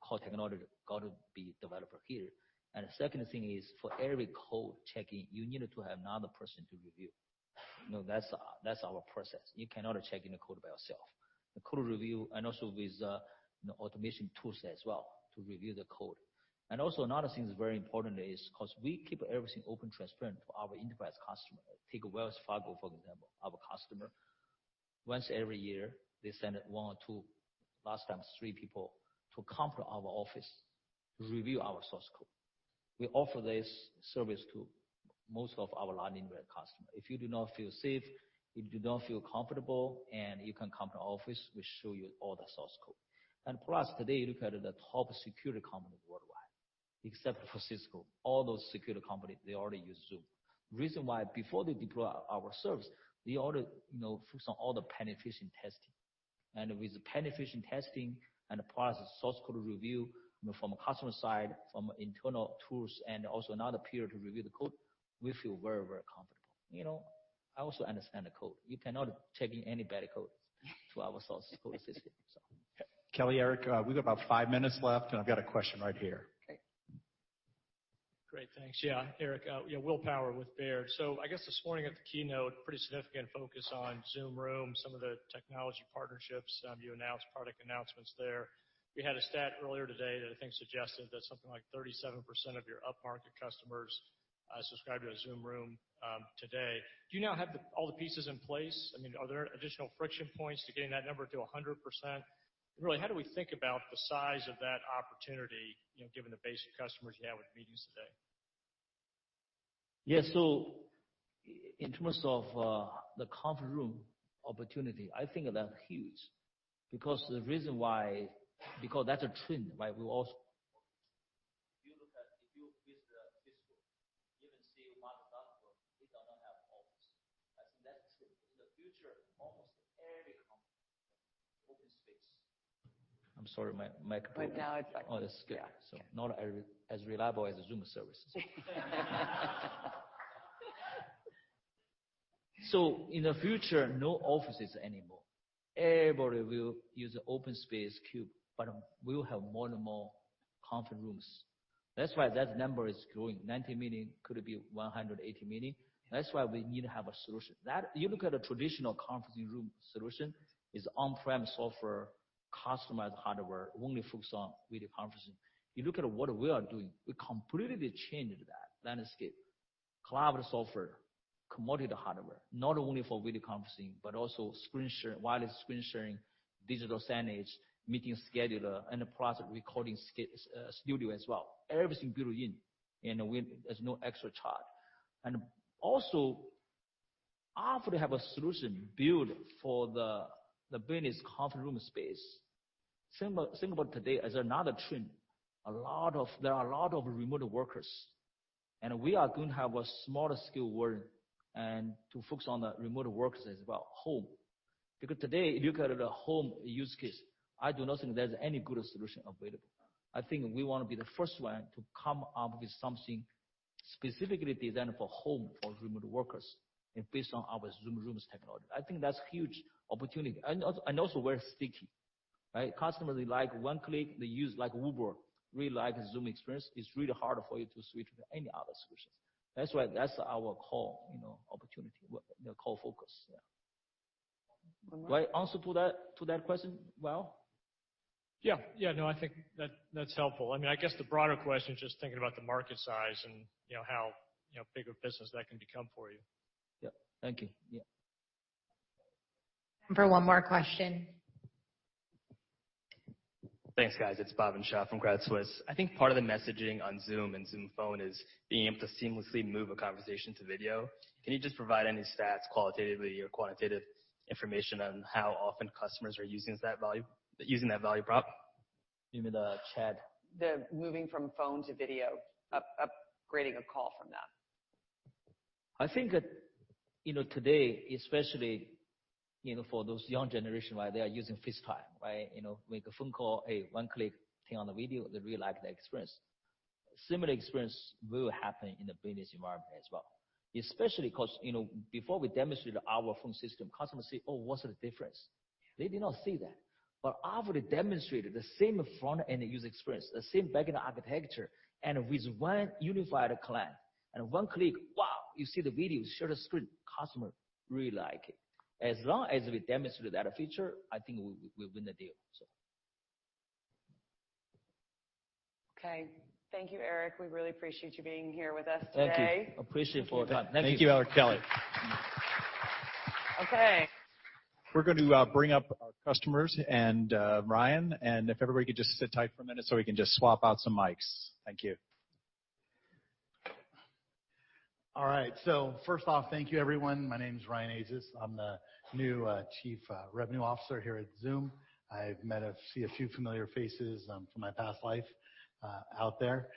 O: core technology got to be developed here. The second thing is, for every code checking, you needed to have another person to review. That's our process. You cannot check in the code by yourself. The code review and also with the automation tools as well to review the code. Also another thing is very important is because we keep everything open, transparent to our enterprise customer. Take Wells Fargo, for example, our customer. Once every year, they send one or two, last time, three people to come to our office to review our source code. We offer this service to most of our large enterprise customer. If you do not feel safe, if you do not feel comfortable, and you can come to our office, we show you all the source code. Plus, today, look at the top security company worldwide, except for Cisco, all those security companies, they already use Zoom. Reason why, before they deploy our service, they already focus on all the penetration testing. With the penetration testing and plus source code review from a customer side, from internal tools, and also another peer to review the code, we feel very comfortable. I also understand the code. You cannot check in any bad code to our source code system.
A: Kelly, Eric, we've got about five minutes left, and I've got a question right here.
D: Okay.
J: Great. Thanks. Yeah, Eric, yeah, Will Power with Baird. I guess this morning at the keynote, pretty significant focus on Zoom Rooms, some of the technology partnerships. You announced product announcements there. We had a stat earlier today that I think suggested that something like 37% of your up-market customers subscribe to a Zoom Room today. Do you now have all the pieces in place? Are there additional friction points to getting that number to 100%? Really, how do we think about the size of that opportunity, given the base of customers you have with meetings today?
O: Yeah. In terms of the conference room opportunity, I think that's huge, because the reason why, because that's a trend. If you look at, if you visit Facebook, even see Microsoft, they do not have office. I think that's a trend. In the future, almost every company, open space. I'm sorry, my mic-
D: Now it's back.
O: on the Skype.
D: Yeah. Okay.
O: Not as reliable as the Zoom service. In the future, no offices anymore. Everybody will use open space cube, but we will have more and more conference rooms. That's why that number is growing. 90 million could be 180 million. That's why we need to have a solution. You look at a traditional conferencing room solution, is on-prem software, customized hardware, only focused on video conferencing. You look at what we are doing. We completely changed that landscape. Cloud software, commodity hardware, not only for video conferencing but also wireless screen sharing, digital signage, meeting scheduler, and project recording studio as well. Everything built in, and there's no extra charge. Also, after they have a solution built for the business conference room space, think about today as another trend. There are a lot of remote workers, and we are going to have a smaller scale world and to focus on the remote workers as well, home. Because today, if you look at the home use case, I do not think there's any good solution available. I think we want to be the first one to come up with something specifically designed for home, for remote workers, and based on our Zoom Rooms technology. I think that's huge opportunity and also very sticky, right? Customers, they like one click. They use like Uber, really like Zoom experience. It's really hard for you to switch to any other solutions. That's our core opportunity, the core focus, yeah. Do I answer to that question well?
J: Yeah. No, I think that's helpful. I guess the broader question is just thinking about the market size and how big of a business that can become for you.
O: Yeah. Thank you. Yeah.
B: Time for one more question.
Q: Thanks, guys. It's Bhavin Shah from Crowdsource. I think part of the messaging on Zoom and Zoom Phone is being able to seamlessly move a conversation to video. Can you just provide any stats, qualitatively or quantitative information, on how often customers are using that value prop?
O: You mean the chat?
B: The moving from phone to video, upgrading a call from that.
O: I think that today, especially, for those young generation, they are using FaceTime. Make a phone call, one click, turn on the video, they really like that experience. Similar experience will happen in the business environment as well. Especially because, before we demonstrated our phone system, customers say, "Oh, what's the difference?" They did not see that. After they demonstrated the same front-end user experience, the same back-end architecture, and with one unified client, and one click, wow, you see the video, share the screen, customer really like it. As long as we demonstrate that feature, I think we'll win the deal.
B: Okay. Thank you, Eric. We really appreciate you being here with us today.
O: Thank you. Appreciate for your time. Thank you.
J: Thank you, Eric Yuan.
B: Okay.
R: We're going to bring up our customers and Ryan. If everybody could just sit tight for a minute so we can just swap out some mics. Thank you. All right. First off, thank you everyone. My name's Ryan Azus. I'm the new Chief Revenue Officer here at Zoom. I see a few familiar faces from my past life out there.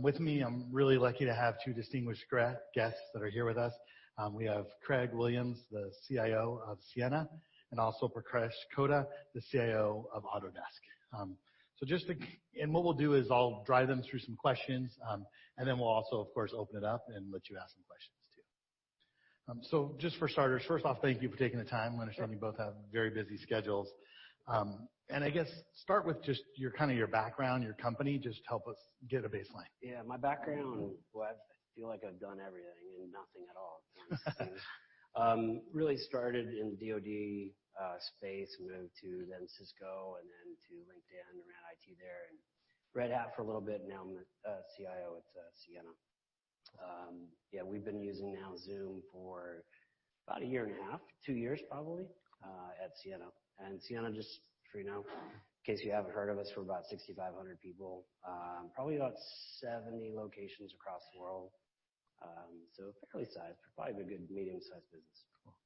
R: With me, I'm really lucky to have two distinguished guests that are here with us. We have Craig Williams, the CIO of Ciena, and also Prakash Kota, the CIO of Autodesk. What we'll do is I'll drive them through some questions, then we'll also, of course, open it up and let you ask some questions, too. Just for starters, first off, thank you for taking the time. I understand you both have very busy schedules. I guess start with just your background, your company, just to help us get a baseline.
S: My background, well, I feel like I've done everything and nothing at all in a sense. Really started in the DoD space, moved to then Cisco and then to LinkedIn, around IT there, and Red Hat for a little bit. Now I'm the CIO at Ciena. We've been using now Zoom for about a year and a half, two years probably, at Ciena. Ciena, just for you to know, in case you haven't heard of us, we're about 6,500 people, probably about 70 locations across the world. Fairly sized, probably a good medium-sized business.
R: Cool.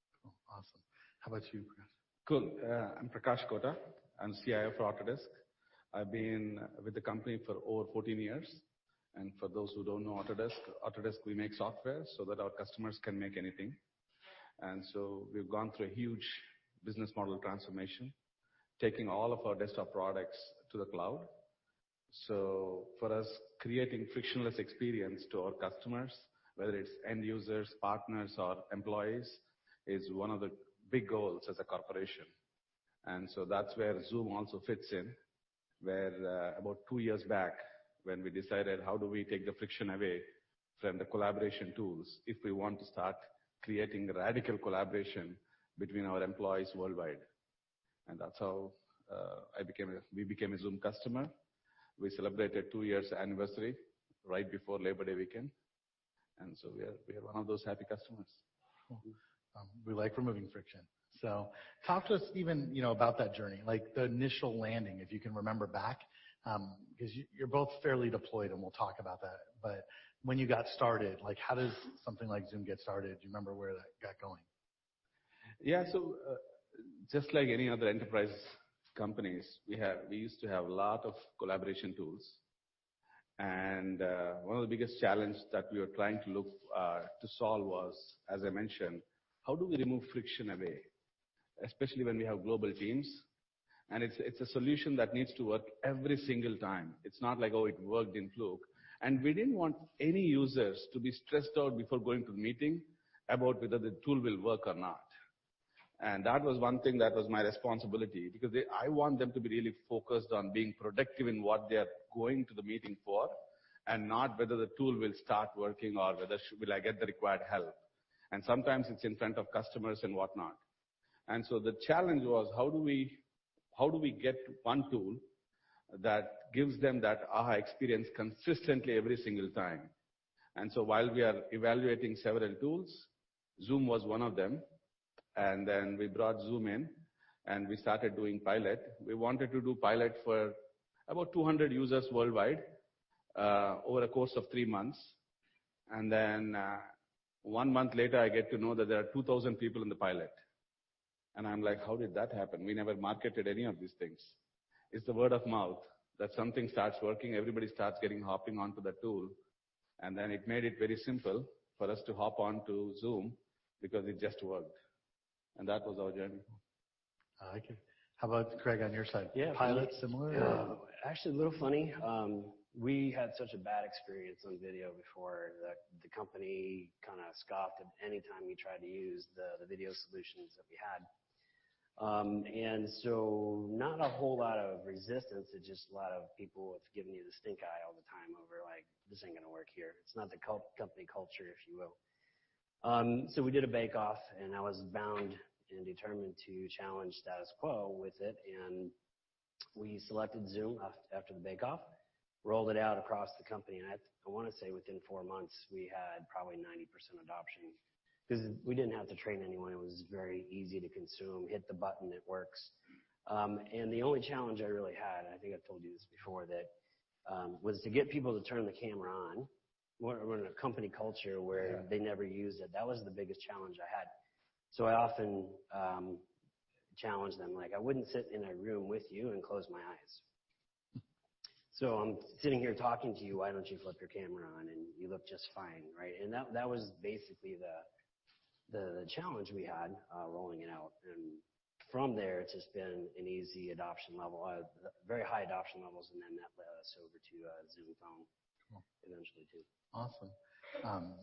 R: Awesome. How about you, Prakash?
T: Cool. I'm Prakash Kota. I'm CIO for Autodesk. I've been with the company for over 14 years. For those who don't know Autodesk, we make software so that our customers can make anything. We've gone through a huge business model transformation, taking all of our desktop products to the cloud. For us, creating frictionless experience to our customers, whether it's end users, partners, or employees, is one of the big goals as a corporation. That's where Zoom also fits in, where about two years back when we decided how do we take the friction away from the collaboration tools if we want to start creating radical collaboration between our employees worldwide. That's how we became a Zoom customer. We celebrated two years anniversary right before Labor Day weekend, we are one of those happy customers.
R: We like removing friction. Talk to us even about that journey, like the initial landing, if you can remember back. You're both fairly deployed, and we'll talk about that. When you got started, how does something like Zoom get started? Do you remember where that got going?
T: Yeah. Just like any other enterprise companies, we used to have lot of collaboration tools. One of the biggest challenge that we were trying to look to solve was, as I mentioned, how do we remove friction away? Especially when we have global teams. It's a solution that needs to work every single time. It's not like, it worked in fluke. We didn't want any users to be stressed out before going to the meeting about whether the tool will work or not. That was one thing that was my responsibility, because I want them to be really focused on being productive in what they are going to the meeting for, and not whether the tool will start working or whether will I get the required help. Sometimes it's in front of customers and whatnot. The challenge was how do we get one tool that gives them that aha experience consistently every single time? While we are evaluating several tools, Zoom was one of them, and then we brought Zoom in and we started doing pilot. We wanted to do pilot for about 200 users worldwide, over a course of three months. One month later, I get to know that there are 2,000 people in the pilot. I'm like, "How did that happen? We never marketed any of these things." It's the word of mouth, that something starts working, everybody starts getting hopping onto the tool. It made it very simple for us to hop onto Zoom because it just worked. That was our journey.
R: I like it. How about Craig, on your side?
S: Yeah.
R: Pilot similar, or?
S: Actually, a little funny. We had such a bad experience on video before that the company kind of scoffed at any time we tried to use the video solutions that we had. Not a whole lot of resistance, it's just a lot of people giving you the stink eye all the time over like, "This ain't going to work here." It's not the company culture, if you will. We did a bake-off, and I was bound and determined to challenge status quo with it. We selected Zoom after the bake-off, rolled it out across the company, and I want to say within four months, we had probably 90% adoption because we didn't have to train anyone. It was very easy to consume. Hit the button, it works. The only challenge I really had, I think I've told you this before, that was to get people to turn the camera on. We're in a company culture where.
R: Yeah
S: they never used it. That was the biggest challenge I had. I often challenge them, like, "I wouldn't sit in a room with you and close my eyes. I'm sitting here talking to you, why don't you flip your camera on and you look just fine," right? That was basically the challenge we had rolling it out. From there, it's just been an easy adoption level. Very high adoption levels, and then that led us over to Zoom Phone.
R: Cool
S: eventually too.
R: Awesome.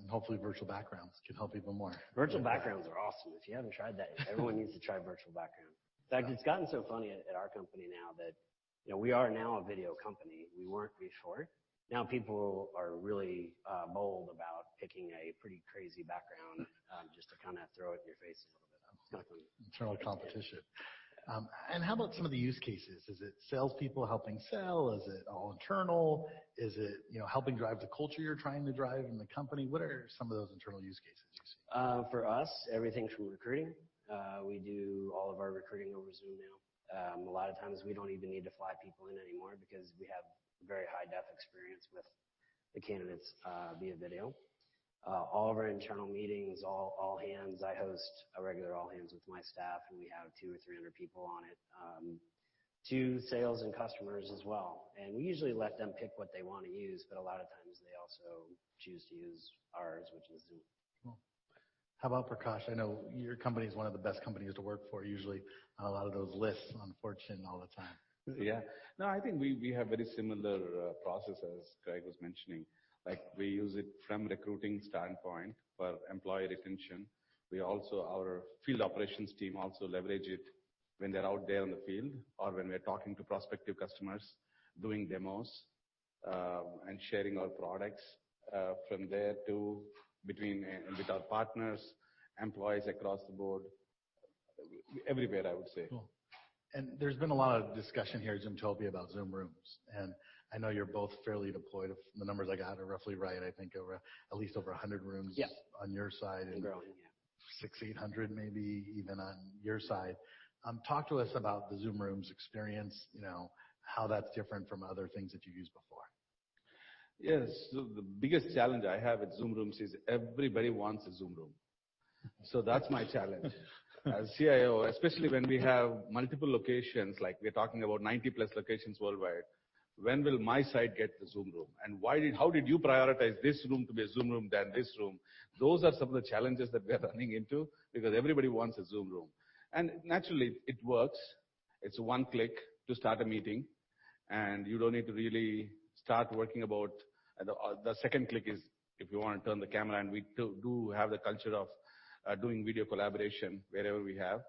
R: Hopefully virtual backgrounds can help even more.
S: Virtual backgrounds are awesome. If you haven't tried that, everyone needs to try virtual background. In fact, it's gotten so funny at our company now that we are now a video company. We weren't before. Now people are really bold about picking a pretty crazy background just to kind of throw it in your face a little bit.
R: Exactly. Internal competition. How about some of the use cases? Is it salespeople helping sell? Is it all internal? Is it helping drive the culture you're trying to drive in the company? What are some of those internal use cases?
S: For us, everything's from recruiting. We do all of our recruiting over Zoom now. A lot of times we don't even need to fly people in anymore because we have very high def experience with the candidates via video. All of our internal meetings, all hands, I host a regular all hands with my staff, and we have two or 300 people on it, to sales and customers as well. We usually let them pick what they want to use, but a lot of times they also choose to use ours, which is Zoom.
R: Cool. How about Prakash? I know your company is one of the best companies to work for, usually on a lot of those lists on Fortune all the time.
T: No, I think we have very similar processes Craig was mentioning. Like, we use it from recruiting standpoint for employee retention. Our field operations team also leverage it when they're out there in the field or when we're talking to prospective customers, doing demos, and sharing our products from there to between with our partners, employees across the board, everywhere I would say.
R: Cool. There's been a lot of discussion here at Zoomtopia about Zoom Rooms. I know you're both fairly deployed. The numbers I got are roughly right, I think over at least over 100 rooms.
S: Yeah
R: on your side.
S: growing, yeah.
R: six to 800 maybe even on your side. Talk to us about the Zoom Rooms experience, how that's different from other things that you've used before.
T: Yes. The biggest challenge I have with Zoom Rooms is everybody wants a Zoom Room. That's my challenge as CIO, especially when we have multiple locations, like we're talking about 90 plus locations worldwide. When will my side get the Zoom Room? How did you prioritize this room to be a Zoom Room than this room? Those are some of the challenges that we are running into because everybody wants a Zoom Room. Naturally, it works. It's one click to start a meeting, and you don't need to really start working about the second click is if you want to turn the camera on. We do have the culture of doing video collaboration wherever we have.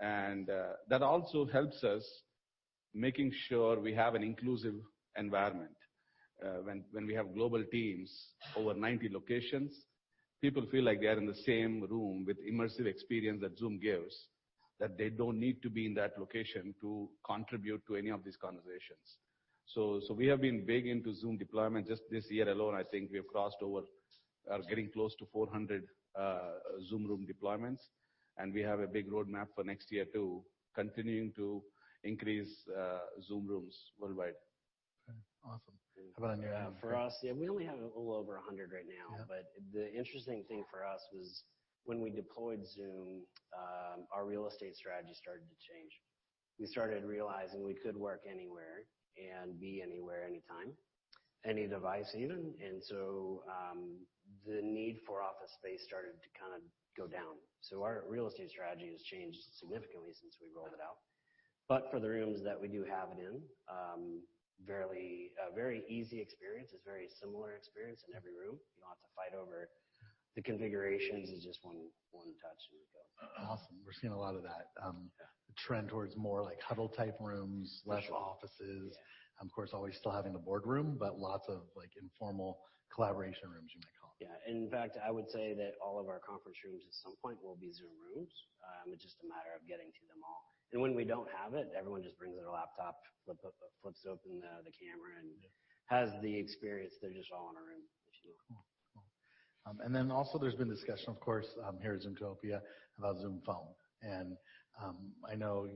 T: That also helps us making sure we have an inclusive environment. When we have global teams over 90 locations, people feel like they are in the same room with immersive experience that Zoom gives, that they don't need to be in that location to contribute to any of these conversations. We have been big into Zoom deployment. Just this year alone, I think we have crossed over or getting close to 400 Zoom Rooms deployments, and we have a big roadmap for next year too, continuing to increase Zoom Rooms worldwide.
R: Okay. Awesome. How about on your end?
S: For us, yeah, we only have a little over 100 right now.
R: Yeah.
S: The interesting thing for us was when we deployed Zoom, our real estate strategy started to change. We started realizing we could work anywhere and be anywhere, anytime, any device even. The need for office space started to kind of go down. Our real estate strategy has changed significantly since we rolled it out. For the rooms that we do have it in, very easy experience. It's very similar experience in every room. You don't have to fight over the configurations. It's just one touch and you go.
R: Awesome. We're seeing a lot of that.
S: Yeah
R: trend towards more like huddle type rooms.
S: For sure.
R: less offices.
S: Yeah.
R: Of course, always still having the boardroom, but lots of informal collaboration rooms you might call them.
S: Yeah. In fact, I would say that all of our conference rooms at some point will be Zoom Rooms. It's just a matter of getting to them all. When we don't have it, everyone just brings their laptop, flips open the camera, and has the experience. They're just all in a room, if you will.
R: Cool. Also there's been discussion, of course, here at Zoomtopia about Zoom Phone. I know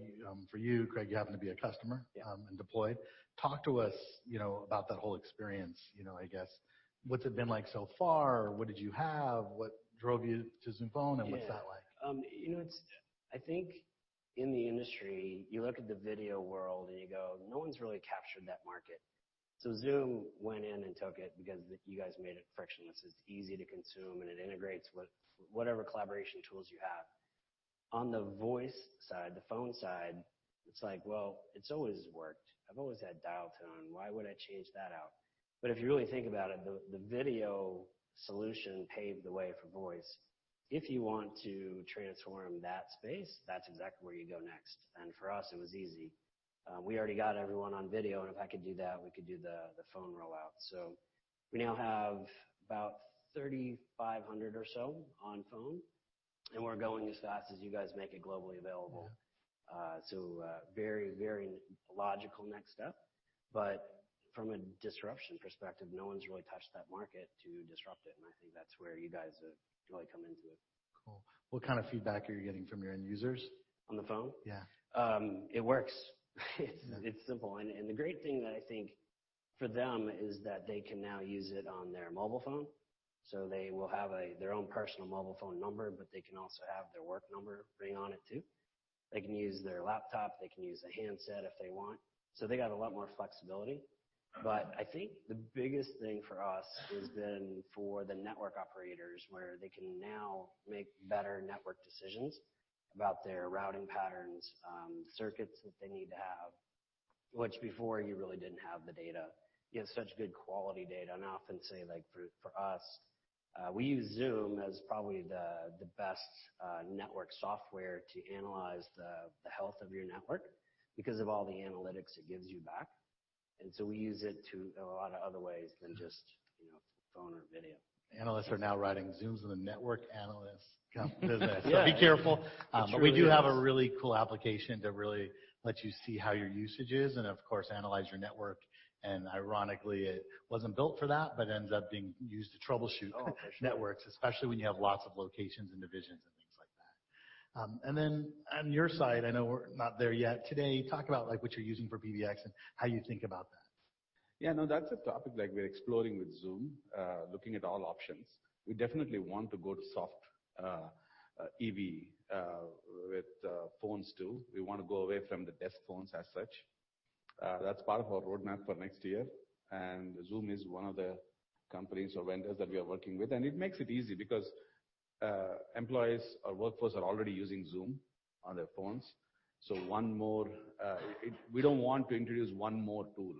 R: for you, Craig, you happen to be a customer.
S: Yeah
R: Deployed. Talk to us about that whole experience, I guess. What's it been like so far? What did you have? What drove you to Zoom Phone, and what's that like?
S: I think in the industry, you look at the video world and you go, "No one's really captured that market." Zoom went in and took it because you guys made it frictionless. It's easy to consume, and it integrates with whatever collaboration tools you have. On the voice side, the phone side, it's like, well, it's always worked. I've always had dial tone. Why would I change that out? If you really think about it, the video solution paved the way for voice. If you want to transform that space, that's exactly where you go next, and for us, it was easy. We already got everyone on video, and if I could do that, we could do the Zoom Phone rollout. We now have about 3,500 or so on Zoom Phone, and we're going as fast as you guys make it globally available.
R: Yeah.
S: A very logical next step. From a disruption perspective, no one's really touched that market to disrupt it, and I think that's where you guys have really come into it.
R: Cool. What kind of feedback are you getting from your end users?
S: On the phone?
R: Yeah.
S: It works. It's simple. The great thing that I think for them is that they can now use it on their mobile phone. They will have their own personal mobile phone number, but they can also have their work number ring on it, too. They can use their laptop. They can use a handset if they want. They got a lot more flexibility. I think the biggest thing for us is then for the network operators, where they can now make better network decisions about their routing patterns, circuits that they need to have, which before you really didn't have the data. You have such good quality data, and I often say, for us, we use Zoom as probably the best network software to analyze the health of your network because of all the analytics it gives you back. We use it to a lot of other ways than just phone or video.
R: Analysts are now writing Zooms in the network analyst business.
S: Yeah.
R: Be careful.
S: It's true.
R: We do have a really cool application to really let you see how your usage is and, of course, analyze your network, and ironically, it wasn't built for that but ends up being used to troubleshoot.
S: Oh, for sure.
R: networks, especially when you have lots of locations and divisions and things like that. On your side, I know we're not there yet today, talk about what you're using for PBX and how you think about that.
T: Yeah, no, that's a topic we're exploring with Zoom, looking at all options. We definitely want to go to soft EV with phones, too. We want to go away from the desk phones as such. That's part of our roadmap for next year, and Zoom is one of the companies or vendors that we are working with, and it makes it easy because employees or workforce are already using Zoom on their phones. We don't want to introduce one more tool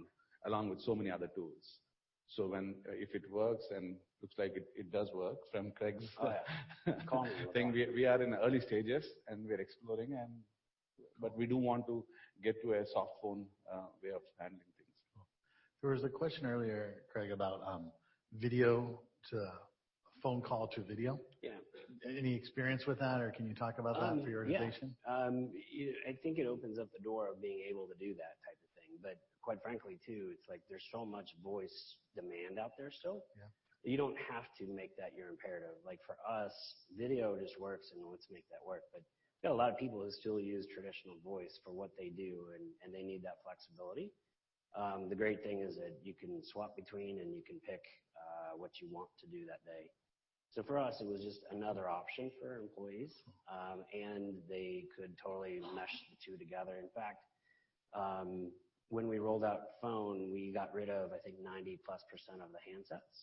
T: along with so many other tools. If it works, and looks like it does work from Craig's.
S: Call view
T: thing. We are in early stages, and we're exploring, but we do want to get to a soft phone way of handling things.
R: Cool. There was a question earlier, Craig, about phone call to video.
S: Yeah.
R: Any experience with that, or can you talk about that for your organization?
S: Yeah. I think it opens up the door of being able to do that type of thing. Quite frankly, too, it's like there's so much voice demand out there still.
R: Yeah
S: that you don't have to make that your imperative. Like for us, video just works, and let's make that work. We've got a lot of people who still use traditional voice for what they do, and they need that flexibility. The great thing is that you can swap between, and you can pick what you want to do that day. For us, it was just another option for employees, and they could totally mesh the two together. In fact, when we rolled out Phone, we got rid of, I think, 90-plus% of the handsets,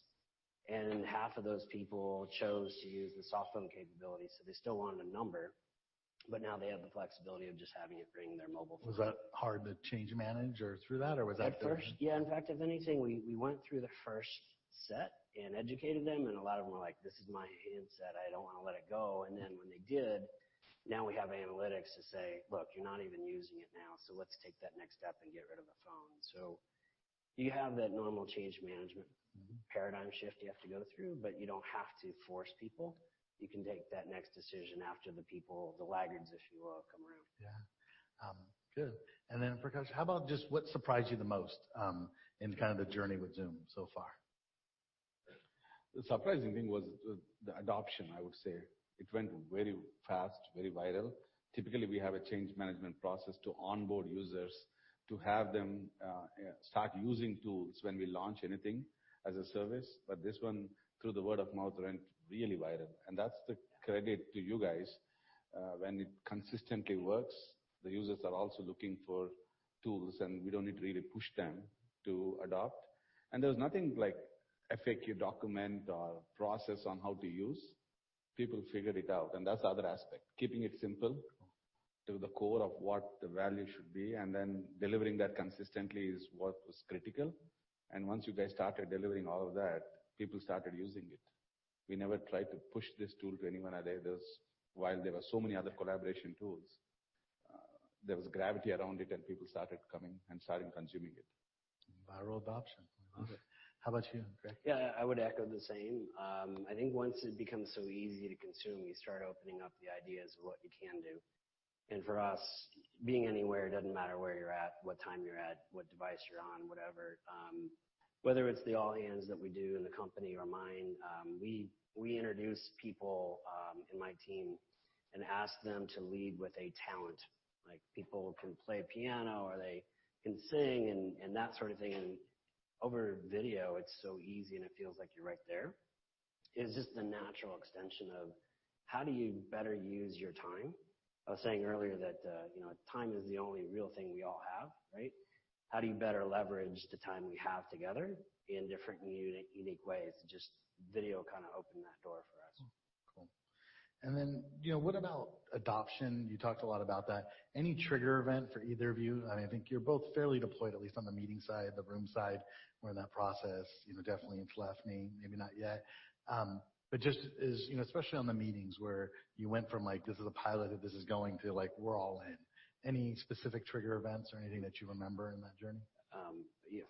S: and half of those people chose to use the soft phone capabilities. They still wanted a number, but now they have the flexibility of just having it ring their mobile phone.
R: Was that hard to change management through that or was that different?
S: At first, yeah. In fact, if anything, we went through the first set and educated them. A lot of them were like, "This is my handset. I don't want to let it go." When they did, now we have analytics to say, "Look, you're not even using it now, so let's take that next step and get rid of the phone." You have that normal change management paradigm shift you have to go through, but you don't have to force people. You can take that next decision after the people, the laggards, if you will, come around.
R: Yeah. Good. Prakash, how about just what surprised you the most in the journey with Zoom so far?
T: The surprising thing was the adoption, I would say. It went very fast, very viral. Typically, we have a change management process to onboard users to have them start using tools when we launch anything as a service, but this one, through the word of mouth, went really viral, and that's the credit to you guys. When it consistently works, the users are also looking for tools, and we don't need to really push them to adopt. There's nothing like FAQ document or process on how to use. People figured it out, and that's the other aspect. Keeping it simple to the core of what the value should be and then delivering that consistently is what was critical. Once you guys started delivering all of that, people started using it. We never tried to push this tool to anyone out there. While there were so many other collaboration tools, there was gravity around it, and people started coming and started consuming it.
R: Viral adoption.
T: Yeah.
R: How about you, Craig?
S: Yeah, I would echo the same. I think once it becomes so easy to consume, you start opening up the ideas of what you can do. For us, being anywhere, it doesn't matter where you're at, what time you're at, what device you're on, whatever. Whether it's the all-hands that we do in the company or mine, we introduce people in my team and ask them to lead with a talent. Like, people can play piano, or they can sing and that sort of thing, and over video, it's so easy, and it feels like you're right there. It's just the natural extension of how do you better use your time? I was saying earlier that time is the only real thing we all have, right? How do you better leverage the time we have together in different and unique ways? Just video kind of opened that door for us.
R: Cool. Then what about adoption? You talked a lot about that. Any trigger event for either of you? I think you're both fairly deployed, at least on the meeting side, the room side. We're in that process, definitely in Flefning, maybe not yet. Just especially on the meetings where you went from like, "This is a pilot" to "This is going to like, we're all in." Any specific trigger events or anything that you remember in that journey?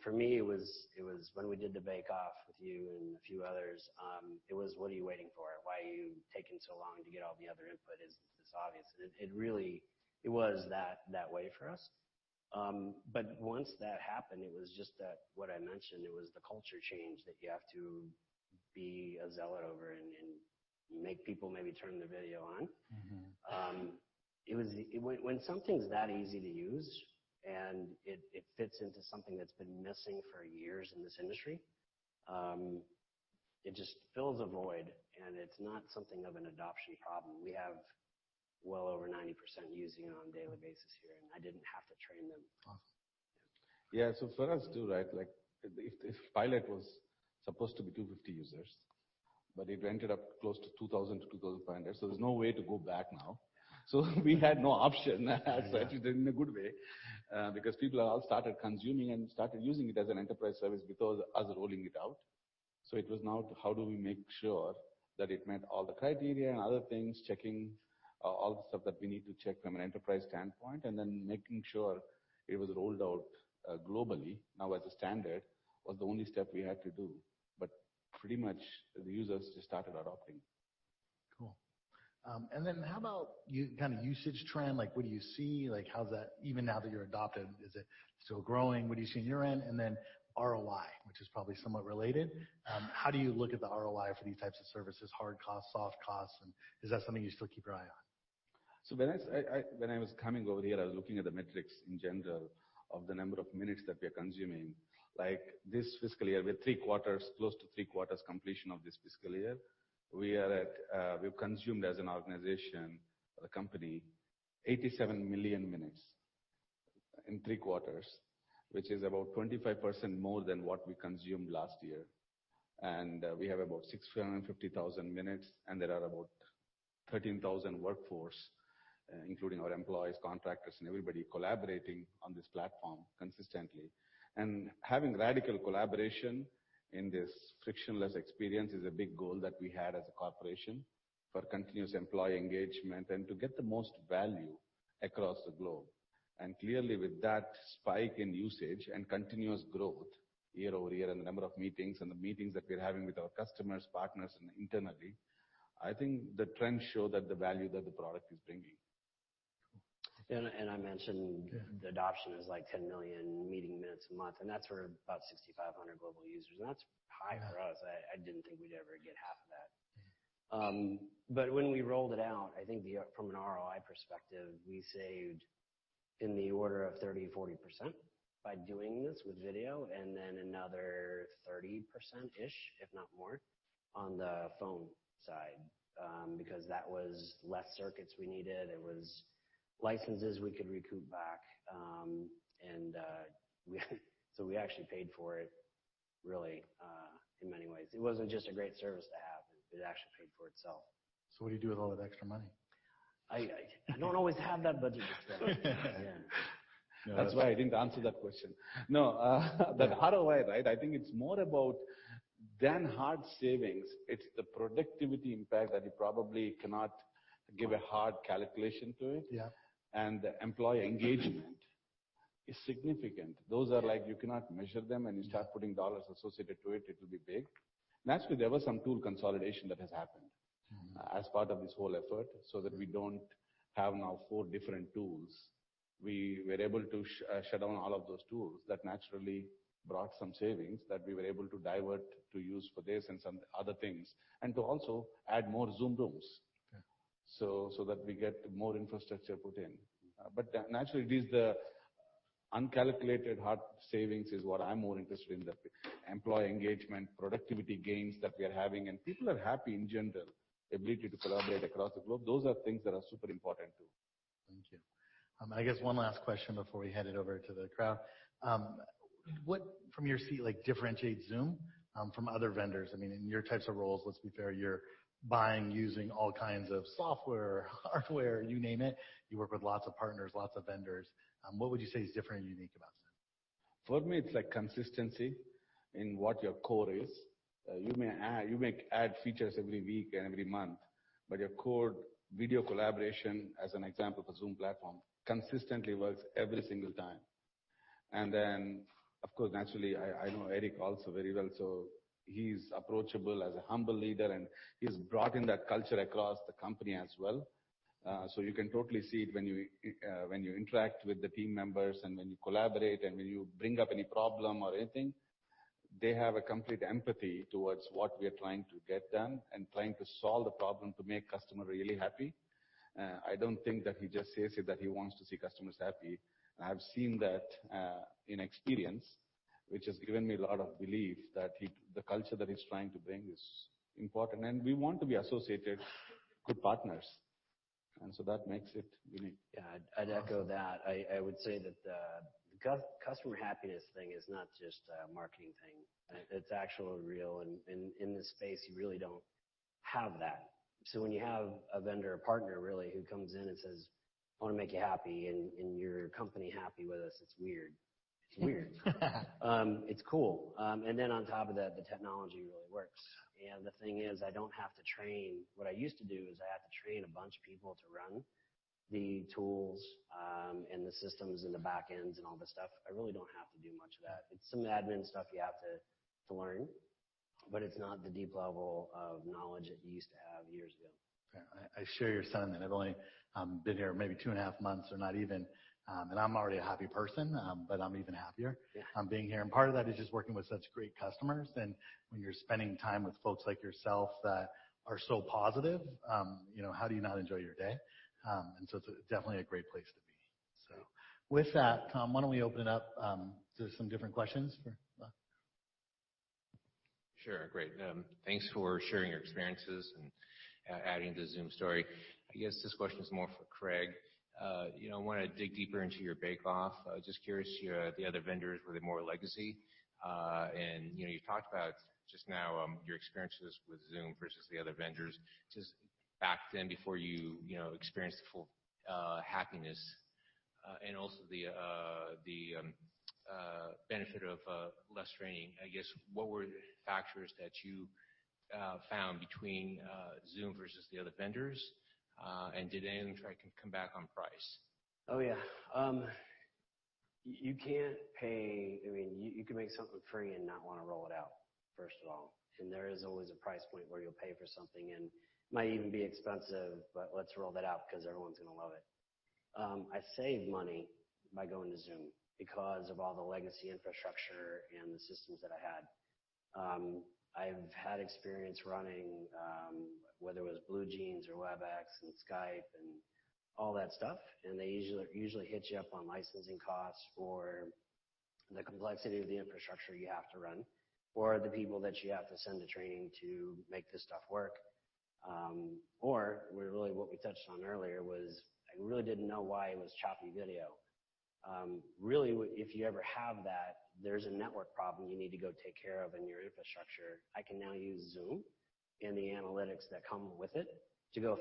S: For me, it was when we did the bake off with you and a few others. It was, "What are you waiting for? Why are you taking so long to get all the other input? Isn't this obvious?" It really was that way for us. Once that happened, it was just that what I mentioned, it was the culture change that you have to be a zealot over and make people maybe turn their video on. Something's that easy to use and it fits into something that's been missing for years in this industry, it just fills a void, and it's not something of an adoption problem. We have well over 90% using it on a daily basis here, I didn't have to train them.
R: Awesome.
T: Yeah. For us, too, right, the pilot was supposed to be 250 users, but it ended up close to 2,000 to 2,500. There's no way to go back now. We had no option. Actually, in a good way because people all started consuming and started using it as an enterprise service because us rolling it out. It was now how do we make sure that it met all the criteria and other things, checking all the stuff that we need to check from an enterprise standpoint, and then making sure it was rolled out globally now as a standard, was the only step we had to do. Pretty much the users just started adopting.
R: Cool. How about kind of usage trend? Like what do you see? Even now that you're adopted, is it still growing? What do you see on your end? ROI, which is probably somewhat related. How do you look at the ROI for these types of services, hard costs, soft costs, and is that something you still keep your eye on?
T: When I was coming over here, I was looking at the metrics in general of the number of minutes that we are consuming. Like this fiscal year, we're close to three-quarters completion of this fiscal year. We've consumed as an organization or a company, 87 million minutes in three quarters, which is about 25% more than what we consumed last year. We have about 650,000 minutes, and there are about 13,000 workforce, including our employees, contractors, and everybody collaborating on this platform consistently. Having radical collaboration in this frictionless experience is a big goal that we had as a corporation for continuous employee engagement and to get the most value across the globe. Clearly, with that spike in usage and continuous growth year-over-year in the number of meetings and the meetings that we're having with our customers, partners, and internally, I think the trends show that the value that the product is bringing.
S: And I mentioned-
R: Yeah
S: the adoption is like 10 million meeting minutes a month, and that's for about 6,500 global users. That's high for us. I didn't think we'd ever get half of that. When we rolled it out, I think from an ROI perspective, we saved in the order of 30%-40% by doing this with video and then another 30%-ish, if not more, on the phone side because that was less circuits we needed. It was licenses we could recoup back. We actually paid for it really, in many ways. It wasn't just a great service to have. It actually paid for itself.
R: What do you do with all that extra money?
S: I don't always have that budget, to tell you the truth.
T: That's why I didn't answer that question. No, ROI, right? I think it's more about than hard savings, it's the productivity impact that you probably cannot give a hard calculation to.
R: Yeah.
T: The employee engagement is significant. Those are like you cannot measure them, and you start putting dollars associated to it will be big. Naturally, there was some tool consolidation that has happened as part of this whole effort so that we don't have now four different tools. We were able to shut down all of those tools that naturally brought some savings that we were able to divert to use for this and some other things, and to also add more Zoom Rooms.
R: Okay
T: That we get more infrastructure put in. Naturally, it is the uncalculated hard savings is what I'm more interested in, the employee engagement, productivity gains that we are having. People are happy in general, ability to collaborate across the globe. Those are things that are super important, too.
R: Thank you. I guess one last question before we head it over to the crowd. What, from your seat, differentiates Zoom from other vendors? In your types of roles, let's be fair, you're buying, using all kinds of software, hardware, you name it. You work with lots of partners, lots of vendors. What would you say is different and unique about Zoom?
T: For me, it's like consistency in what your core is. You may add features every week and every month, but your core video collaboration, as an example of a Zoom platform, consistently works every single time. Of course, naturally, I know Eric also very well. He's approachable as a humble leader, and he's brought in that culture across the company as well. You can totally see it when you interact with the team members and when you collaborate and when you bring up any problem or anything. They have a complete empathy towards what we are trying to get done and trying to solve the problem to make customer really happy. I don't think that he just says it, that he wants to see customers happy. I have seen that in experience, which has given me a lot of belief that the culture that he's trying to bring is important, and we want to be associated with good partners. That makes it unique.
S: Yeah. I'd echo that. I would say that the customer happiness thing is not just a marketing thing. It's actually real. In this space, you really don't have that. When you have a vendor or partner really who comes in and says, "I want to make you happy and your company happy with us," it's weird. It's weird. It's cool. On top of that, the technology really works. The thing is, I don't have to train. What I used to do is I had to train a bunch of people to run the tools, and the systems, and the backends, and all this stuff. I really don't have to do much of that. It's some admin stuff you have to learn, but it's not the deep level of knowledge that you used to have years ago.
R: Fair. I share your sentiment. I've only been here maybe two and a half months or not even, and I'm already a happy person, but I'm even happier.
S: Yeah
R: being here. Part of that is just working with such great customers. When you're spending time with folks like yourself that are so positive, how do you not enjoy your day? So it's definitely a great place to be. With that, Tom, why don't we open it up to some different questions for them?
G: Sure. Great. Thanks for sharing your experiences and adding to Zoom's story. I guess this question is more for Craig. I want to dig deeper into your bake-off. I was just curious, the other vendors, were they more legacy? You talked about just now, your experiences with Zoom versus the other vendors. Just back then before you experienced the full happiness, and also the benefit of less training, I guess, what were the factors that you found between Zoom versus the other vendors? Did any of them try to come back on price?
S: Oh, yeah. You can make something free and not want to roll it out, first of all. There is always a price point where you'll pay for something and it might even be expensive, but let's roll that out because everyone's going to love it. I saved money by going to Zoom because of all the legacy infrastructure and the systems that I had. I've had experience running, whether it was BlueJeans or Webex and Skype and all that stuff, and they usually hit you up on licensing costs or the complexity of the infrastructure you have to run, or the people that you have to send to training to make this stuff work. Really what we touched on earlier was I really didn't know why it was choppy video. Really, if you ever have that, there's a network problem you need to go take care of in your infrastructure. I can now use Zoom and the analytics that come with it to go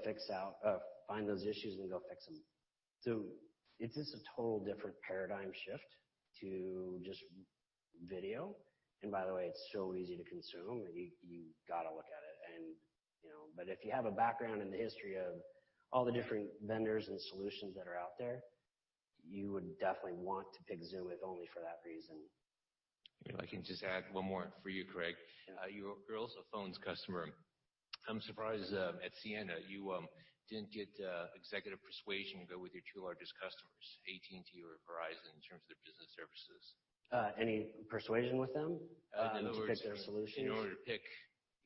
S: find those issues and go fix them. It's just a total different paradigm shift to just video. By the way, it's so easy to consume, and you've got to look at it. If you have a background in the history of all the different vendors and solutions that are out there, you would definitely want to pick Zoom if only for that reason.
G: If I can just add one more for you, Craig.
S: Yeah.
G: You're also a phones customer. I'm surprised, at Ciena, you didn't get executive persuasion to go with your two largest customers, AT&T or Verizon, in terms of their business services.
S: Any persuasion with them.
G: In other words.
S: to pick their solutions?
G: In order to pick-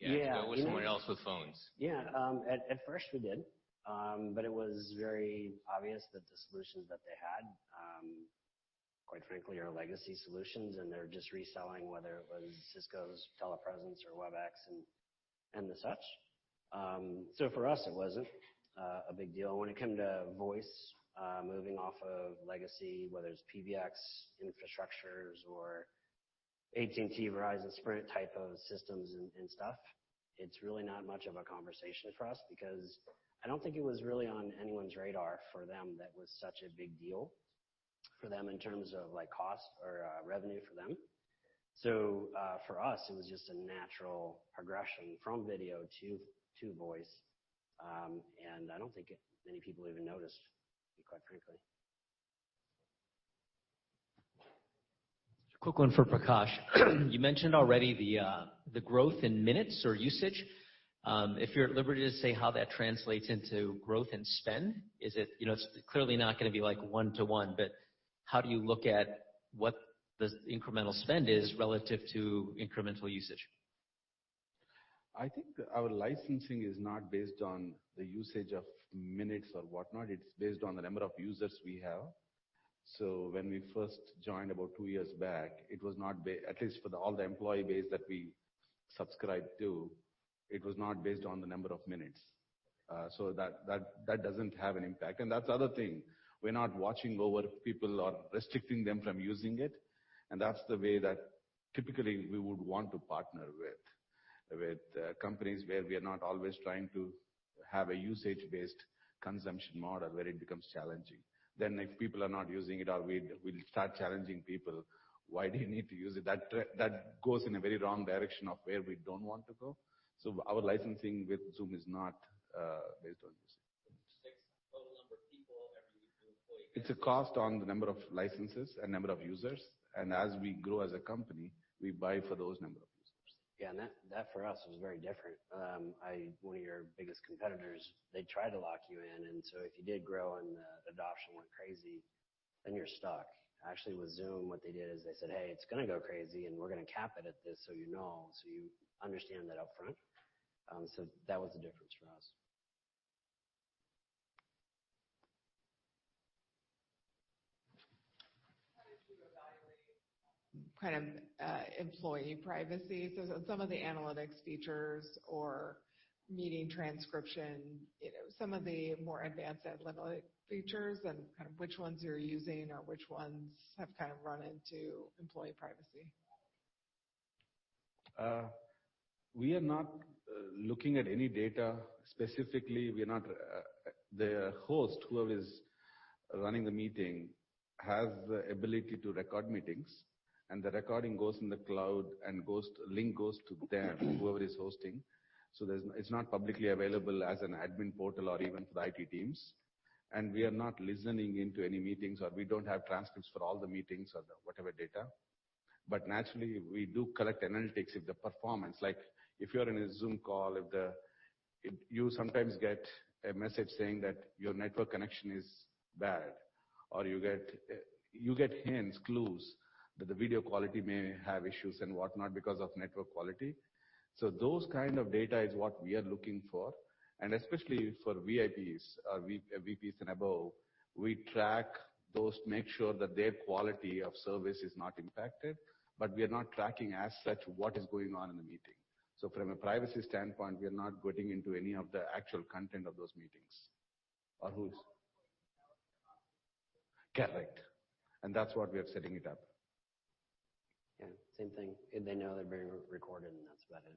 S: Yeah
G: yeah, to go with someone else with phones.
S: Yeah. At first, we did. It was very obvious that the solutions that they had, quite frankly, are legacy solutions, and they're just reselling, whether it was Cisco's TelePresence or Webex and the such. For us, it wasn't a big deal. When it came to voice, moving off of legacy, whether it's PBX infrastructures or AT&T, Verizon, Sprint type of systems and stuff, it's really not much of a conversation for us because I don't think it was really on anyone's radar for them that it was such a big deal for them in terms of cost or revenue for them. For us, it was just a natural progression from video to voice. I don't think many people even noticed, quite frankly.
N: Quick one for Prakash. You mentioned already the growth in minutes or usage. If you're at liberty to say how that translates into growth and spend, it's clearly not going to be one to one, but how do you look at what the incremental spend is relative to incremental usage?
T: I think our licensing is not based on the usage of minutes or whatnot. It's based on the number of users we have. When we first joined about two years back, at least for all the employee base that we subscribed to, it was not based on the number of minutes. That doesn't have an impact. That's the other thing. We're not watching over people or restricting them from using it. That's the way that typically we would want to partner with companies where we are not always trying to have a usage-based consumption model where it becomes challenging. If people are not using it, we'll start challenging people. "Why do you need to use it?" That goes in a very wrong direction of where we don't want to go. Our licensing with Zoom is not based on usage.
R: It takes total number of people every new employee.
T: It's a cost on the number of licenses and number of users. As we grow as a company, we buy for those number of users.
S: Yeah, that for us was very different. One of your biggest competitors, they try to lock you in, and so if you did grow and the adoption went crazy, then you're stuck. Actually, with Zoom, what they did is they said, "Hey, it's going to go crazy, and we're going to cap it at this so you know, so you understand that up front." That was the difference for us.
F: How did you evaluate employee privacy? Some of the analytics features or meeting transcription, some of the more advanced analytics features and which ones you're using or which ones have run into employee privacy?
T: We are not looking at any data specifically. The host, whoever is running the meeting, has the ability to record meetings, and the recording goes in the cloud and link goes to them, whoever is hosting. It's not publicly available as an admin portal or even for the IT teams. We are not listening into any meetings, or we don't have transcripts for all the meetings or whatever data. Naturally, we do collect analytics of the performance. Like if you're in a Zoom call, you sometimes get a message saying that your network connection is bad, or you get hints, clues that the video quality may have issues and whatnot because of network quality. Those kind of data is what we are looking for, and especially for VIPs, VPs and above, we track those to make sure that their quality of service is not impacted. We are not tracking, as such, what is going on in the meeting. From a privacy standpoint, we are not getting into any of the actual content of those meetings. Correct. That's what we are setting it up.
S: Yeah, same thing. They know they're being recorded, and that's about it.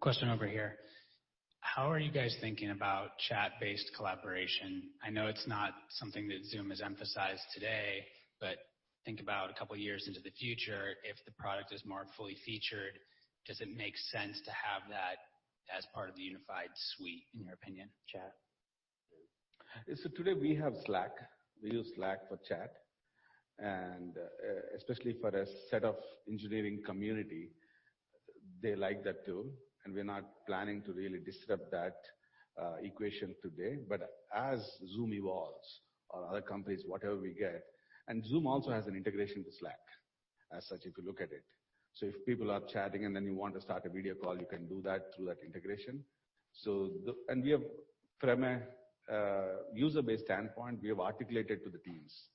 U: Question over here. How are you guys thinking about chat-based collaboration? I know it's not something that Zoom has emphasized today, but think about a couple of years into the future, if the product is more fully featured, does it make sense to have that as part of the unified suite, in your opinion, chat?
T: Today, we have Slack. We use Slack for chat, and especially for the set of engineering community, they like that tool, and we're not planning to really disrupt that equation today. As Zoom evolves or other companies, whatever we get, and Zoom also has an integration with Slack, as such, if you look at it. If people are chatting and then you want to start a video call, you can do that through that integration. From a user-based standpoint, we have articulated to the teams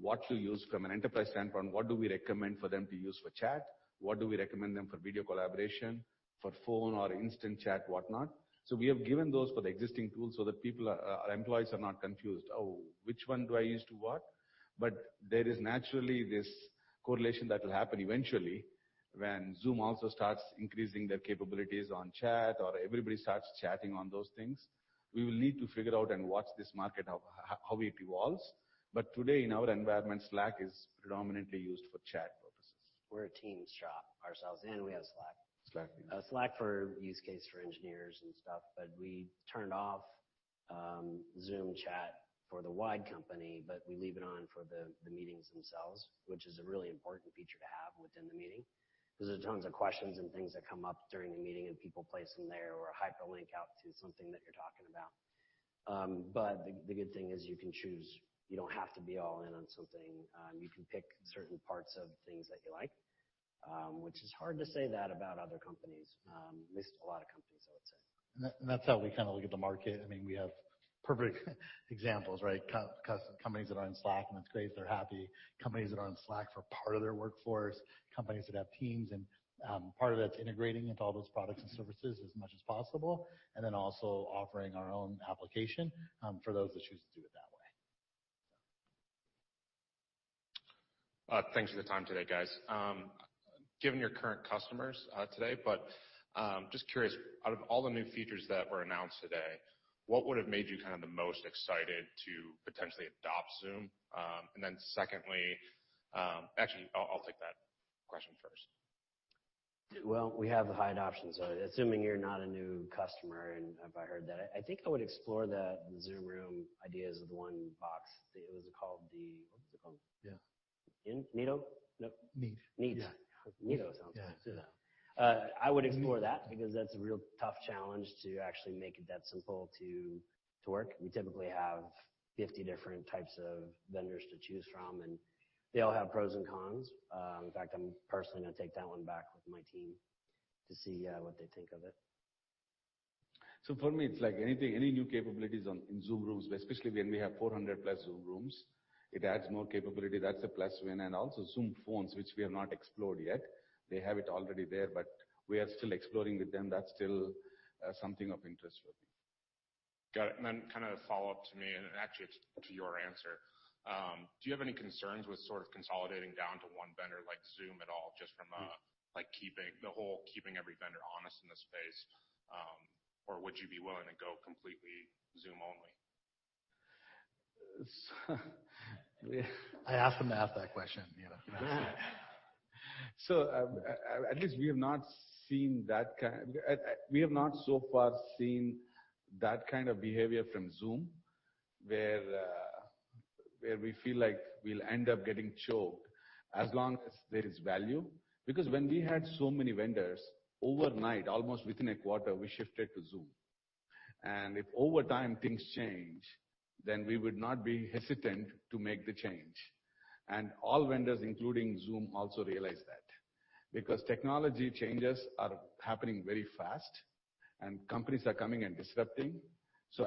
T: what to use from an enterprise standpoint, what do we recommend for them to use for chat, what do we recommend them for video collaboration, for phone or instant chat, whatnot. We have given those for the existing tools so that our employees are not confused. Oh, which one do I use to what?" There is naturally this correlation that will happen eventually when Zoom also starts increasing their capabilities on chat, or everybody starts chatting on those things. We will need to figure out and watch this market, how it evolves. Today, in our environment, Slack is predominantly used for chat purposes.
S: We're a Teams shop ourselves, and we have Slack.
T: Slack.
S: Slack for use case for engineers and stuff. We turned off Zoom Chat for the wide company. We leave it on for the meetings themselves, which is a really important feature to have within the meeting because there's tons of questions and things that come up during the meeting. People place them there or a hyperlink out to something that you're talking about. The good thing is you can choose. You don't have to be all in on something. You can pick certain parts of things that you like, which is hard to say that about other companies, at least a lot of companies, I would say.
R: That's how we look at the market. We have perfect examples, right? Companies that are on Slack, and it's great. They're happy. Companies that are on Slack for part of their workforce, companies that have Teams, and part of that's integrating into all those products and services as much as possible, and then also offering our own application for those that choose to do it that way.
N: Thanks for the time today, guys. Given your current customers today, but just curious, out of all the new features that were announced today, what would have made you the most excited to potentially adopt Zoom? Actually, I'll take that question first.
S: We have high adoption, so assuming you're not a new customer, and if I heard that, I think I would explore the Zoom Rooms ideas of the one box. What was it called? What was it called?
R: Yeah.
S: Neat? Nope.
R: Meet.
S: Meet.
R: Yeah.
S: Neat sounds nice.
R: Yeah.
S: I would explore that because that's a real tough challenge to actually make it that simple to work. We typically have 50 different types of vendors to choose from. They all have pros and cons. In fact, I'm personally going to take that one back with my team to see what they think of it.
T: For me, it's like any new capabilities in Zoom Rooms, especially when we have 400-plus Zoom Rooms. It adds more capability. That's a plus win. Also Zoom Phones, which we have not explored yet. They have it already there, but we are still exploring with them. That's still something of interest for me.
N: Got it. Kind of follow up to me, and actually, it's to your answer. Do you have any concerns with sort of consolidating down to one vendor like Zoom at all, just from keeping every vendor honest in this space? Would you be willing to go completely Zoom only?
R: I asked him to ask that question, you know.
T: At least we have not so far seen that kind of behavior from Zoom, where we feel like we'll end up getting choked. As long as there is value. Because when we had so many vendors, overnight, almost within a quarter, we shifted to Zoom. If over time things change, then we would not be hesitant to make the change. All vendors, including Zoom, also realize that, because technology changes are happening very fast, and companies are coming and disrupting.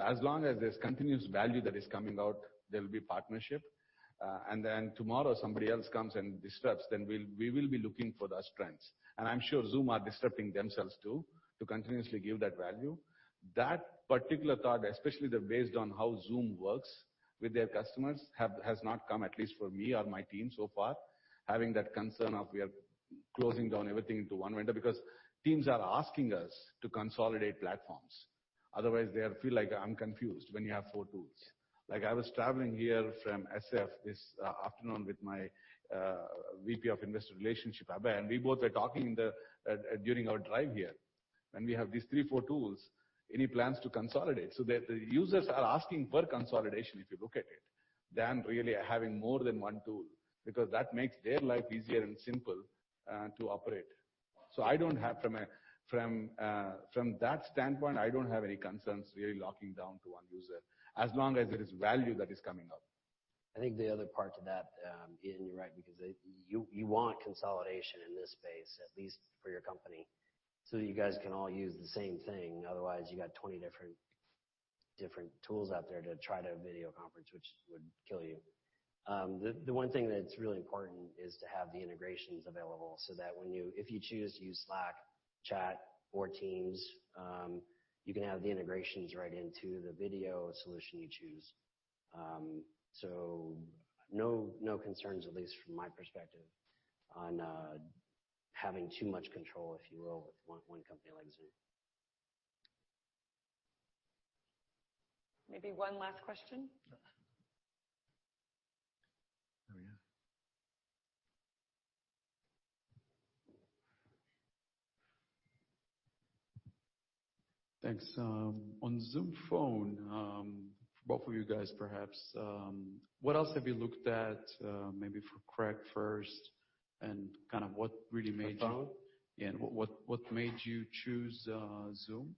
T: As long as there's continuous value that is coming out, there will be partnership. Then tomorrow somebody else comes and disrupts, then we will be looking for those trends. I'm sure Zoom are disrupting themselves, too, to continuously give that value. That particular thought, especially based on how Zoom works with their customers, has not come, at least for me or my team so far, having that concern of we are closing down everything to one vendor. Teams are asking us to consolidate platforms. Otherwise, they feel like, "I'm confused," when you have four tools. I was traveling here from S.F. this afternoon with my VP of Investor Relations, Abhi. We both were talking during our drive here. We have these three, four tools, any plans to consolidate? The users are asking for consolidation, if you look at it, than really having more than one tool, because that makes their life easier and simple to operate. From that standpoint, I don't have any concerns really locking down to one user, as long as there is value that is coming up.
S: I think the other part to that, Ian, you are right, because you want consolidation in this space, at least for your company, so you guys can all use the same thing. Otherwise, you got 20 different tools out there to try to video conference, which would kill you. The one thing that is really important is to have the integrations available so that if you choose to use Slack, Chat, or Teams, you can have the integrations right into the video solution you choose. No concerns, at least from my perspective, on having too much control, if you will, with one company like Zoom.
B: Maybe one last question.
R: There we go.
N: Thanks. On Zoom Phone, for both of you guys perhaps, what else have you looked at, maybe for Craig first?
T: For phone?
N: Yeah, what made you choose Zoom?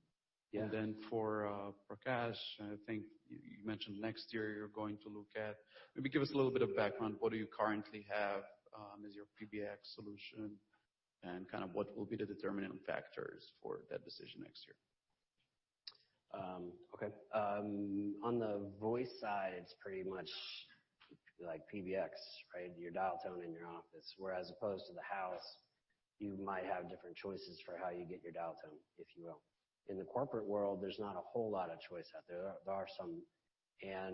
S: Yeah.
N: For Prakash, I think you mentioned next year you're going to look at, maybe give us a little bit of background. What do you currently have as your PBX solution, and what will be the determining factors for that decision next year?
S: Okay. On the voice side, it's pretty much like PBX, right? As opposed to the house, you might have different choices for how you get your dial tone, if you will. In the corporate world, there's not a whole lot of choice out there. There are some.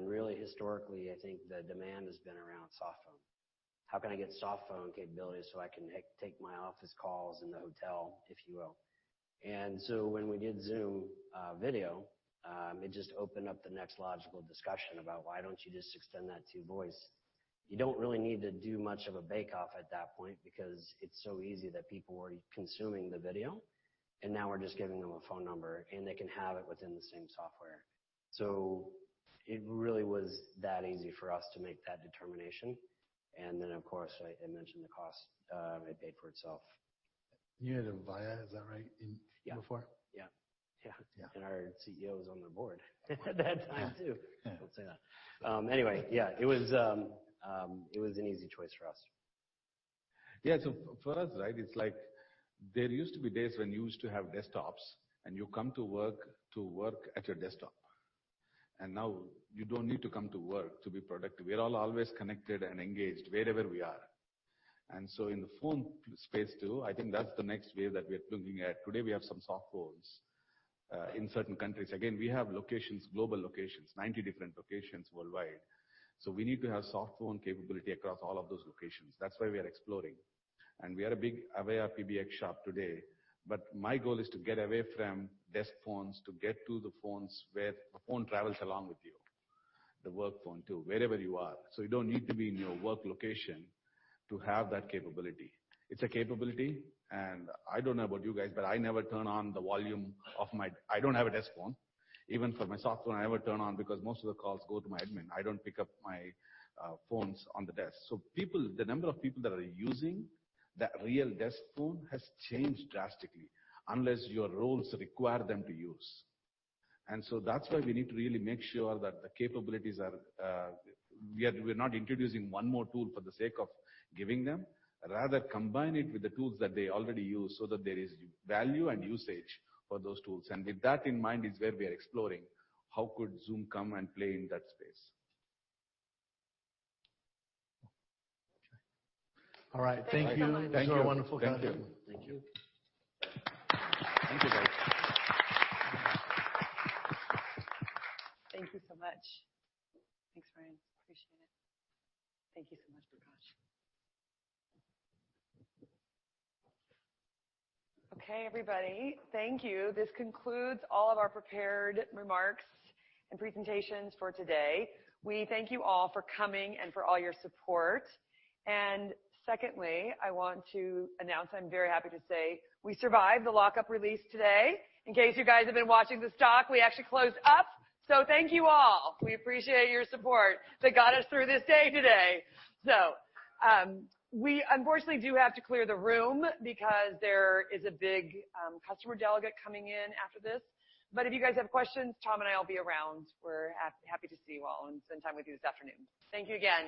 S: Really historically, I think the demand has been around soft phone. How can I get soft phone capabilities so I can take my office calls in the hotel, if you will? When we did Zoom video, it just opened up the next logical discussion about why don't you just extend that to voice. You don't really need to do much of a bake-off at that point because it's so easy that people were consuming the video, and now we're just giving them a phone number, and they can have it within the same software. It really was that easy for us to make that determination. Of course, I mentioned the cost. It paid for itself.
T: You had Avaya, is that right, before?
S: Yeah. Our CEO was on their board at that time, too. Don't say that. Yeah, it was an easy choice for us.
T: Yeah. For us, right, it's like there used to be days when you used to have desktops, and you come to work to work at your desktop. Now you don't need to come to work to be productive. We are all always connected and engaged wherever we are. In the phone space, too, I think that's the next wave that we're looking at. Today we have some soft phones in certain countries. Again, we have locations, global locations, 90 different locations worldwide. We need to have soft phone capability across all of those locations. That's why we are exploring. We are a big Avaya PBX shop today. My goal is to get away from desk phones to get to the phones where the phone travels along with you, the work phone, too, wherever you are. You don't need to be in your work location to have that capability. It's a capability, and I don't know about you guys, but I never turn on the volume of my. I don't have a desk phone. Even for my soft phone, I never turn on because most of the calls go to my admin. I don't pick up my phones on the desk. The number of people that are using that real desk phone has changed drastically, unless your roles require them to use. That's why we need to really make sure that the capabilities are. We're not introducing one more tool for the sake of giving them. Rather, combine it with the tools that they already use so that there is value and usage for those tools. With that in mind is where we are exploring how could Zoom come and play in that space.
R: Okay. All right. Thank you.
B: Thank you so much.
R: These are a wonderful kind of people.
T: Thank you.
R: Thank you.
B: Thank you, guys. Thank you so much. Thanks, Ryan. Appreciate it. Thank you so much, Prakash. Okay, everybody. Thank you. This concludes all of our prepared remarks and presentations for today. We thank you all for coming and for all your support. Secondly, I want to announce, I'm very happy to say, we survived the lockup release today. In case you guys have been watching the stock, we actually closed up. Thank you all. We appreciate your support that got us through this day today. We unfortunately do have to clear the room because there is a big customer delegate coming in after this. If you guys have questions, Tom and I will be around. We're happy to see you all and spend time with you this afternoon. Thank you again.